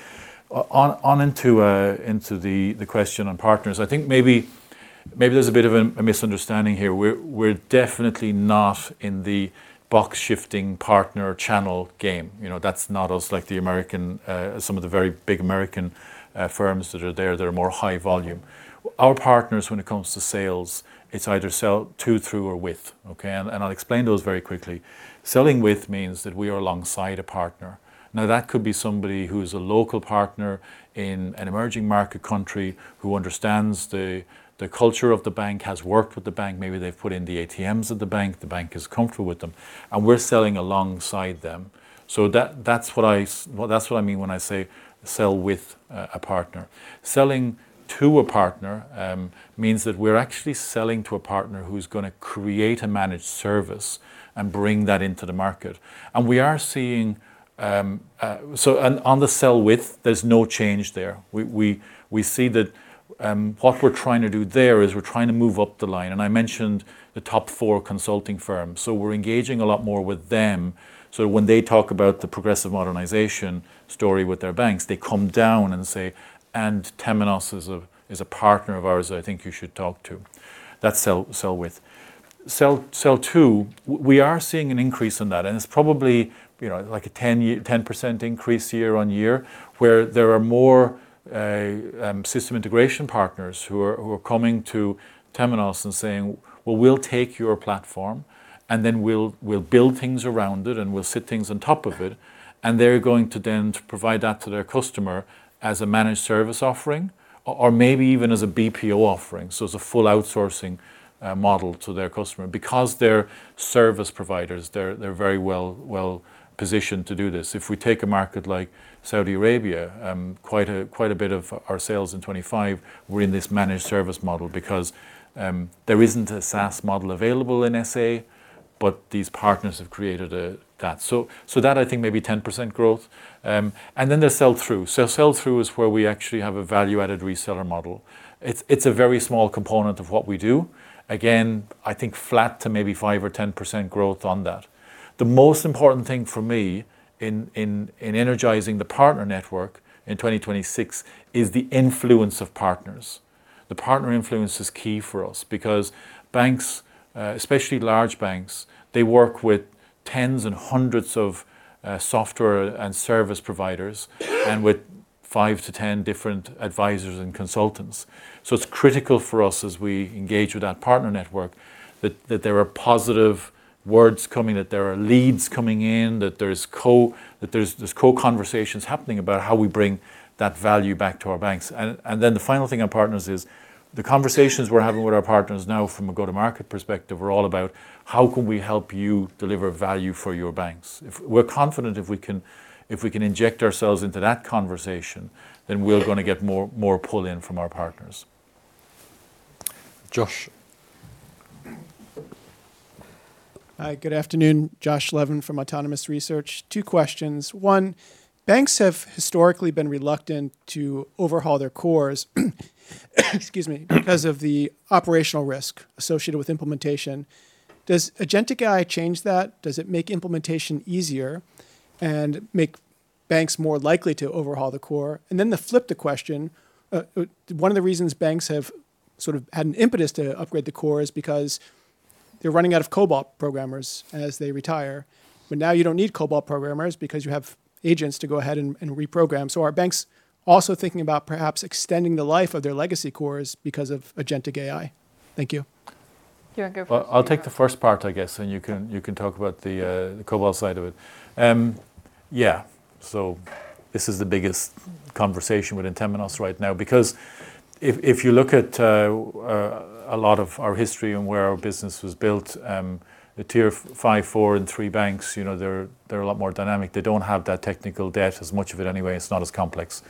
On into the question on partners, I think maybe there's a bit of a misunderstanding here. We're definitely not in the box-shifting partner channel game. You know, that's not us, like the American. some of the very big American firms that are there, that are more high volume. Our partners, when it comes to sales, it's either sell to, through, or with, okay? I'll explain those very quickly. Selling with means that we are alongside a partner. Now, that could be somebody who's a local partner in an emerging market country, who understands the culture of the bank, has worked with the bank, maybe they've put in the ATMs at the bank, the bank is comfortable with them, and we're selling alongside them. That's what I mean when I say sell with a partner. Selling to a partner means that we're actually selling to a partner who's gonna create a managed service and bring that into the market. We are seeing... On the sell with, there's no change there. We see that, what we're trying to do there is we're trying to move up the line, and I mentioned the top four consulting firms, so we're engaging a lot more with them. When they talk about the progressive modernization story with their banks, they come down and say, "And Temenos is a partner of ours that I think you should talk to." That's sell with. We are seeing an increase in that. It's probably, you know, like a 10% increase year-on-year, where there are more system integration partners who are coming to Temenos and saying, "Well, we'll take your platform, then we'll build things around it, and we'll sit things on top of it." They're going to then provide that to their customer as a managed service offering or maybe even as a BPO offering, so it's a full outsourcing model to their customer. They're service providers, they're very well-positioned to do this. If we take a market like Saudi Arabia, quite a bit of our sales in 2025 were in this managed service model because there isn't a SaaS model available in SA, but these partners have created that. That I think maybe 10% growth. Then there's sell-through. Sell-through is where we actually have a value-added reseller model. It's a very small component of what we do. Again, I think flat to maybe 5% or 10% growth on that. The most important thing for me in energizing the partner network in 2026 is the influence of partners. The partner influence is key for us because banks, especially large banks, they work with tens and hundreds of software and service providers and with 5-10 different advisors and consultants. It's critical for us as we engage with that partner network, that there are positive words coming, that there are leads coming in, that there's co-conversations happening about how we bring that value back to our banks. Then the final thing on partners is, the conversations we're having with our partners now from a go-to-market perspective are all about: How can we help you deliver value for your banks? We're confident if we can inject ourselves into that conversation, then we're gonna get more pull in from our partners. Josh. Hi, good afternoon. Josh Levin from Autonomous Research. Two questions: One, banks have historically been reluctant to overhaul their cores, excuse me, because of the operational risk associated with implementation. Does agentic AI change that? Does it make implementation easier and make banks more likely to overhaul the core? To flip the question, one of the reasons banks have sort of had an impetus to upgrade the core is because they're running out of COBOL programmers as they retire, but now you don't need COBOL programmers because you have agents to go ahead and reprogram. Are banks also thinking about perhaps extending the life of their legacy cores because of agentic AI? Thank you. Do you want to go first? Well, I'll take the first part, I guess, and you can talk about the COBOL side of it. Yeah. This is the biggest conversation within Temenos right now because if you look at a lot of our history and where our business was built, the tier five, four, and three banks, you know, they're a lot more dynamic. They don't have that technical debt, as much of it anyway. It's not as complex.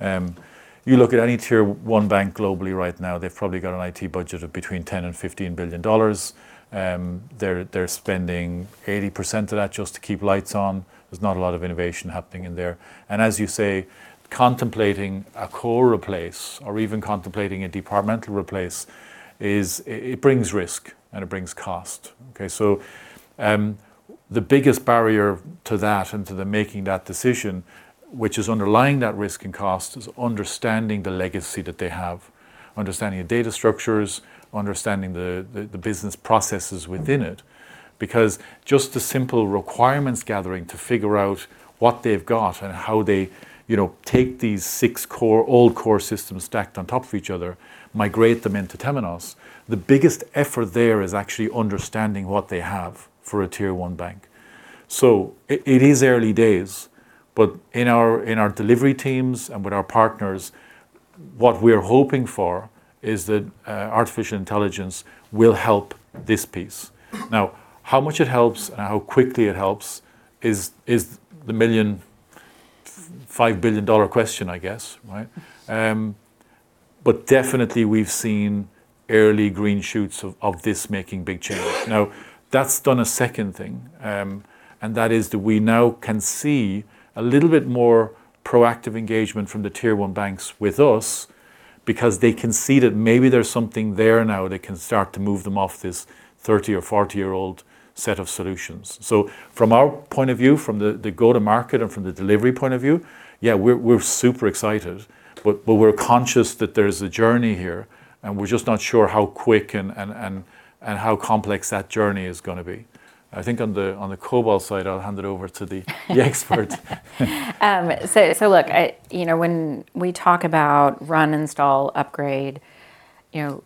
You look at any tier one bank globally right now, they've probably got an IT budget of between $10 billion and $15 billion. They're spending 80% of that just to keep lights on. There's not a lot of innovation happening in there. As you say, contemplating a core replace or even contemplating a departmental replace is... It brings risk, and it brings cost. The biggest barrier to that and to the making that decision, which is underlying that risk and cost, is understanding the legacy that they have, understanding the data structures, understanding the business processes within it. Because just the simple requirements gathering to figure out what they've got and how they, you know, take these six core, old core systems stacked on top of each other, migrate them into Temenos, the biggest effort there is actually understanding what they have for a tier one bank. It is early days, but in our, in our delivery teams and with our partners, what we're hoping for is that artificial intelligence will help this piece. Now, how much it helps and how quickly it helps is the million, five billion dollar question, I guess, right? Definitely we've seen early green shoots of this making big changes. That's done a second thing, and that is that we now can see a little bit more proactive engagement from the Tier One banks with us because they can see that maybe there's something there now that can start to move them off this 30 or 40-year-old set of solutions. From our point of view, from the go-to-market and from the delivery point of view, yeah, we're super excited. We're conscious that there's a journey here, and we're just not sure how quick and how complex that journey is gonna be. I think on the COBOL side, I'll hand it over to the expert. Look, you know, when we talk about run, install, upgrade, you know,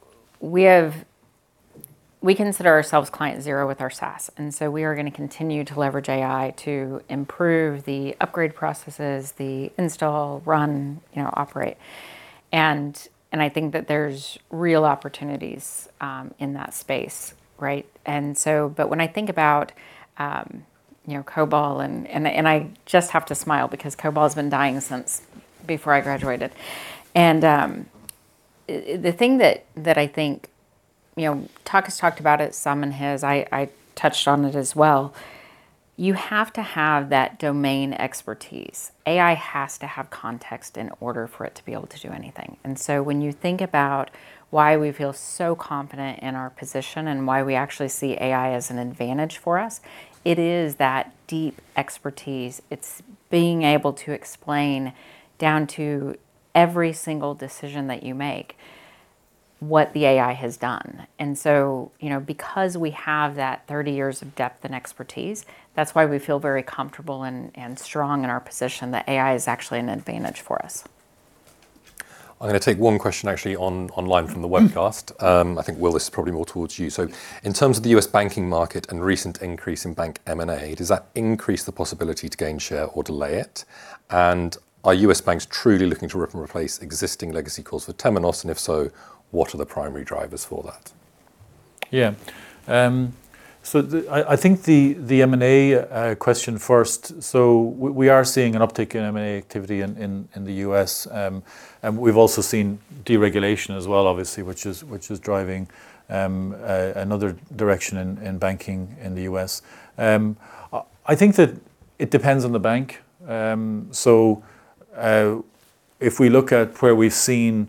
we consider ourselves client zero with our SaaS. We are gonna continue to leverage AI to improve the upgrade processes, the install, run, you know, operate. I think that there's real opportunities in that space, right. But when I think about, you know, COBOL, I just have to smile because COBOL's been dying since before I graduated. The thing that I think, you know, Tuck has talked about it, Simon has, I touched on it as well, you have to have that domain expertise. AI has to have context in order for it to be able to do anything. When you think about why we feel so confident in our position and why we actually see AI as an advantage for us, it is that deep expertise. It's being able to explain down to every single decision that you make, what the AI has done. You know, because we have that 30 years of depth and expertise, that's why we feel very comfortable and strong in our position that AI is actually an advantage for us. I'm gonna take one question actually online from the webcast. Mm-hmm. I think, Will, this is probably more towards you. In terms of the U.S. banking market and recent increase in bank M&A, does that increase the possibility to gain share or delay it? Are U.S. banks truly looking to rip and replace existing legacy cores with Temenos? If so, what are the primary drivers for that? I think the M&A question first, we are seeing an uptick in M&A activity in the U.S. We've also seen deregulation as well, obviously, which is driving another direction in banking in the U.S. I think that it depends on the bank. If we look at where we've seen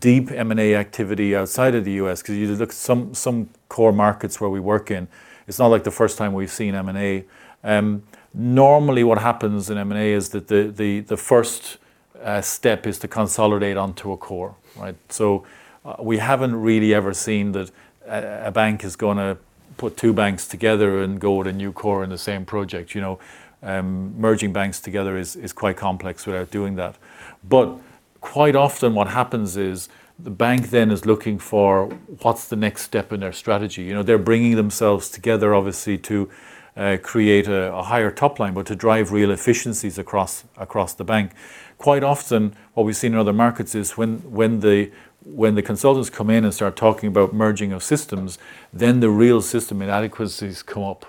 deep M&A activity outside of the U.S., 'cause you look at some core markets where we work in, it's not like the first time we've seen M&A. Normally, what happens in M&A is that the first step is to consolidate onto a core, right? We haven't really ever seen that a bank is gonna put two banks together and go with a new core in the same project. You know, merging banks together is quite complex without doing that. Quite often, what happens is, the bank then is looking for what's the next step in their strategy. You know, they're bringing themselves together, obviously, to create a higher top line, but to drive real efficiencies across the bank. Quite often, what we've seen in other markets is when the consultants come in and start talking about merging of systems, then the real system inadequacies come up.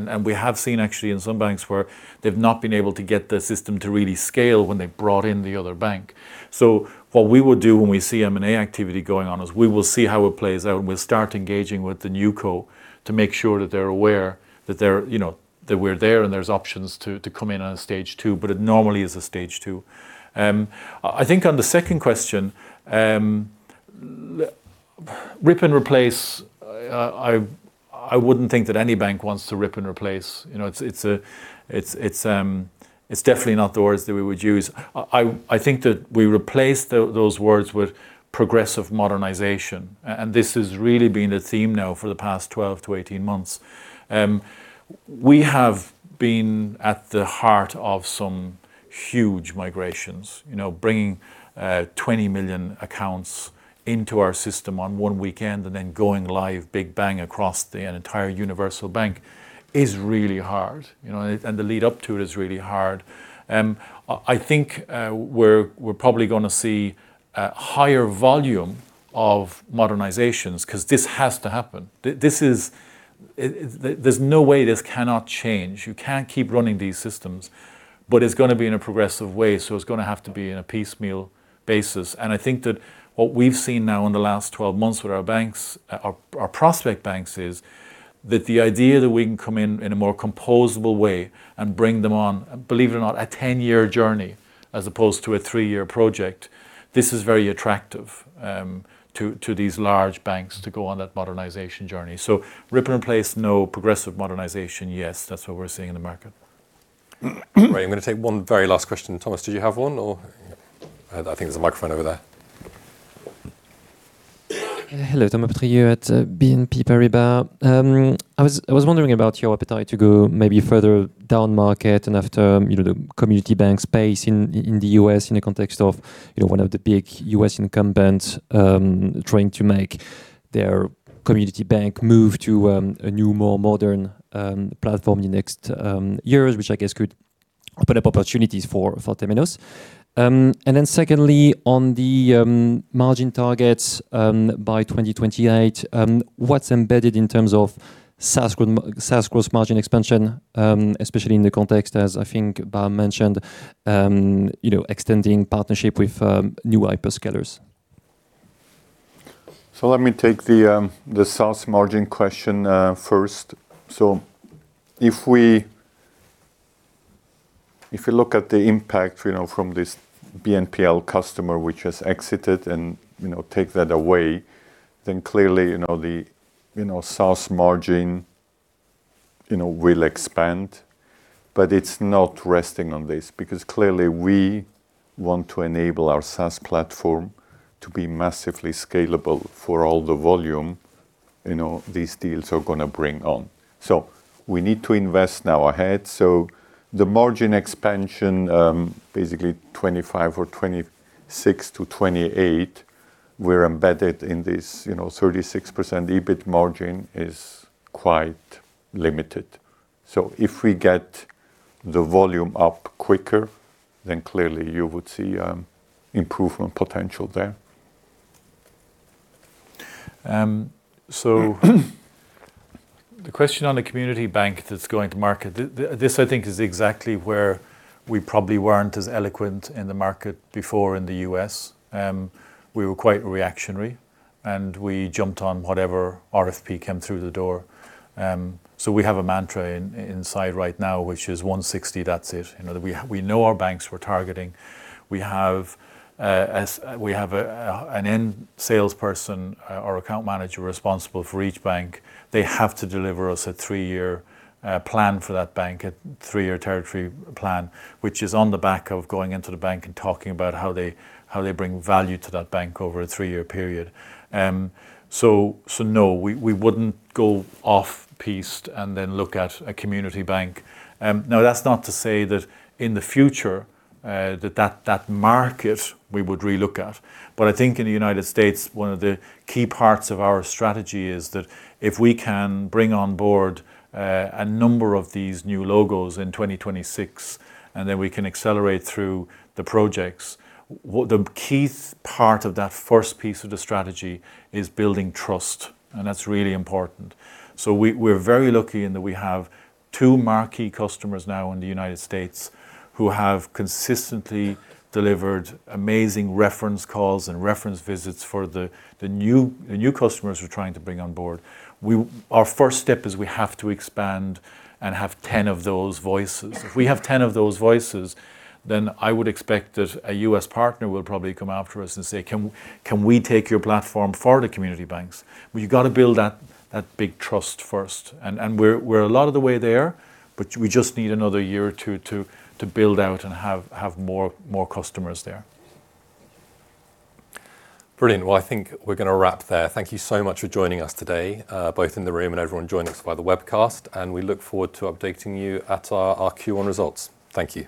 We have seen actually in some banks where they've not been able to get the system to really scale when they've brought in the other bank. What we would do when we see M&A activity going on is we will see how it plays out, and we'll start engaging with the new co to make sure that they're aware, you know, that we're there and there's options to come in on a stage two, but it normally is a stage two. I think on the second question, rip and replace, I wouldn't think that any bank wants to rip and replace. You know, it's definitely not the words that we would use. I, I think that we replace those words with progressive modernization, and this has really been a theme now for the past 12 to 18 months. We have been at the heart of some huge migrations. You know, bringing 20 million accounts into our system on one weekend and then going live, big bang, across the entire universal bank is really hard, you know, and the lead up to it is really hard. I think we're probably gonna see a higher volume of modernizations 'cause this has to happen. There's no way this cannot change. You can't keep running these systems, but it's gonna be in a progressive way, so it's gonna have to be on a piecemeal basis. I think that what we've seen now in the last 12 months with our banks, our prospect banks, is that the idea that we can come in in a more composable way and bring them on, believe it or not, a 10-year journey as opposed to a 3-year project, this is very attractive to these large banks to go on that modernization journey. Rip and replace, no. Progressive modernization, yes. That's what we're seeing in the market. Right. I'm gonna take one very last question. Thomas, did you have one or...? I think there's a microphone over there. Hello, Thomas Petrie at BNP Paribas. I was wondering about your appetite to go maybe further down market and after, you know, the community bank space in the US in the context of, you know, one of the big US incumbents trying to make their community bank move to a new, more modern platform in the next years, which I guess open up opportunities for Temenos. Secondly, on the margin targets by 2028, what's embedded in terms of SaaS gross margin expansion, especially in the context, as I think Barb mentioned, you know, extending partnership with new hyperscalers? Let me take the SaaS margin question first. If we look at the impact, you know, from this BNPL customer, which has exited and, you know, take that away, clearly, you know, the SaaS margin, you know, will expand. It's not resting on this, because clearly we want to enable our SaaS platform to be massively scalable for all the volume, you know, these deals are gonna bring on. We need to invest now ahead. The margin expansion, basically 25 or 26-28, we're embedded in this, you know, 36% EBIT margin is quite limited. If we get the volume up quicker, clearly you would see improvement potential there. The question on the community bank that's going to market, this, I think, is exactly where we probably weren't as eloquent in the market before in the U.S. We were quite reactionary, and we jumped on whatever RFP came through the door. We have a mantra inside right now, which is 160, that's it. You know, we know our banks we're targeting. We have an end salesperson or account manager responsible for each bank. They have to deliver us a three-year plan for that bank, a three-year territory plan, which is on the back of going into the bank and talking about how they bring value to that bank over a three-year period. No, we wouldn't go off-piste and then look at a community bank. Now, that's not to say that in the future, that market we would relook at. I think in the United States, one of the key parts of our strategy is that if we can bring on board, a number of these new logos in 2026, and then we can accelerate through the projects, the key part of that first piece of the strategy is building trust, and that's really important. We're very lucky in that we have two marquee customers now in the United States who have consistently delivered amazing reference calls and reference visits for the new customers we're trying to bring on board. Our first step is we have to expand and have 10 of those voices. If we have 10 of those voices, I would expect that a U.S. partner will probably come after us and say, "Can we take your platform for the community banks?" We've got to build that big trust first, we're a lot of the way there, but we just need another year or two to build out and have more customers there. Brilliant. Well, I think we're gonna wrap there. Thank you so much for joining us today, both in the room and everyone joining us via the webcast. We look forward to updating you at our Q1 results. Thank you.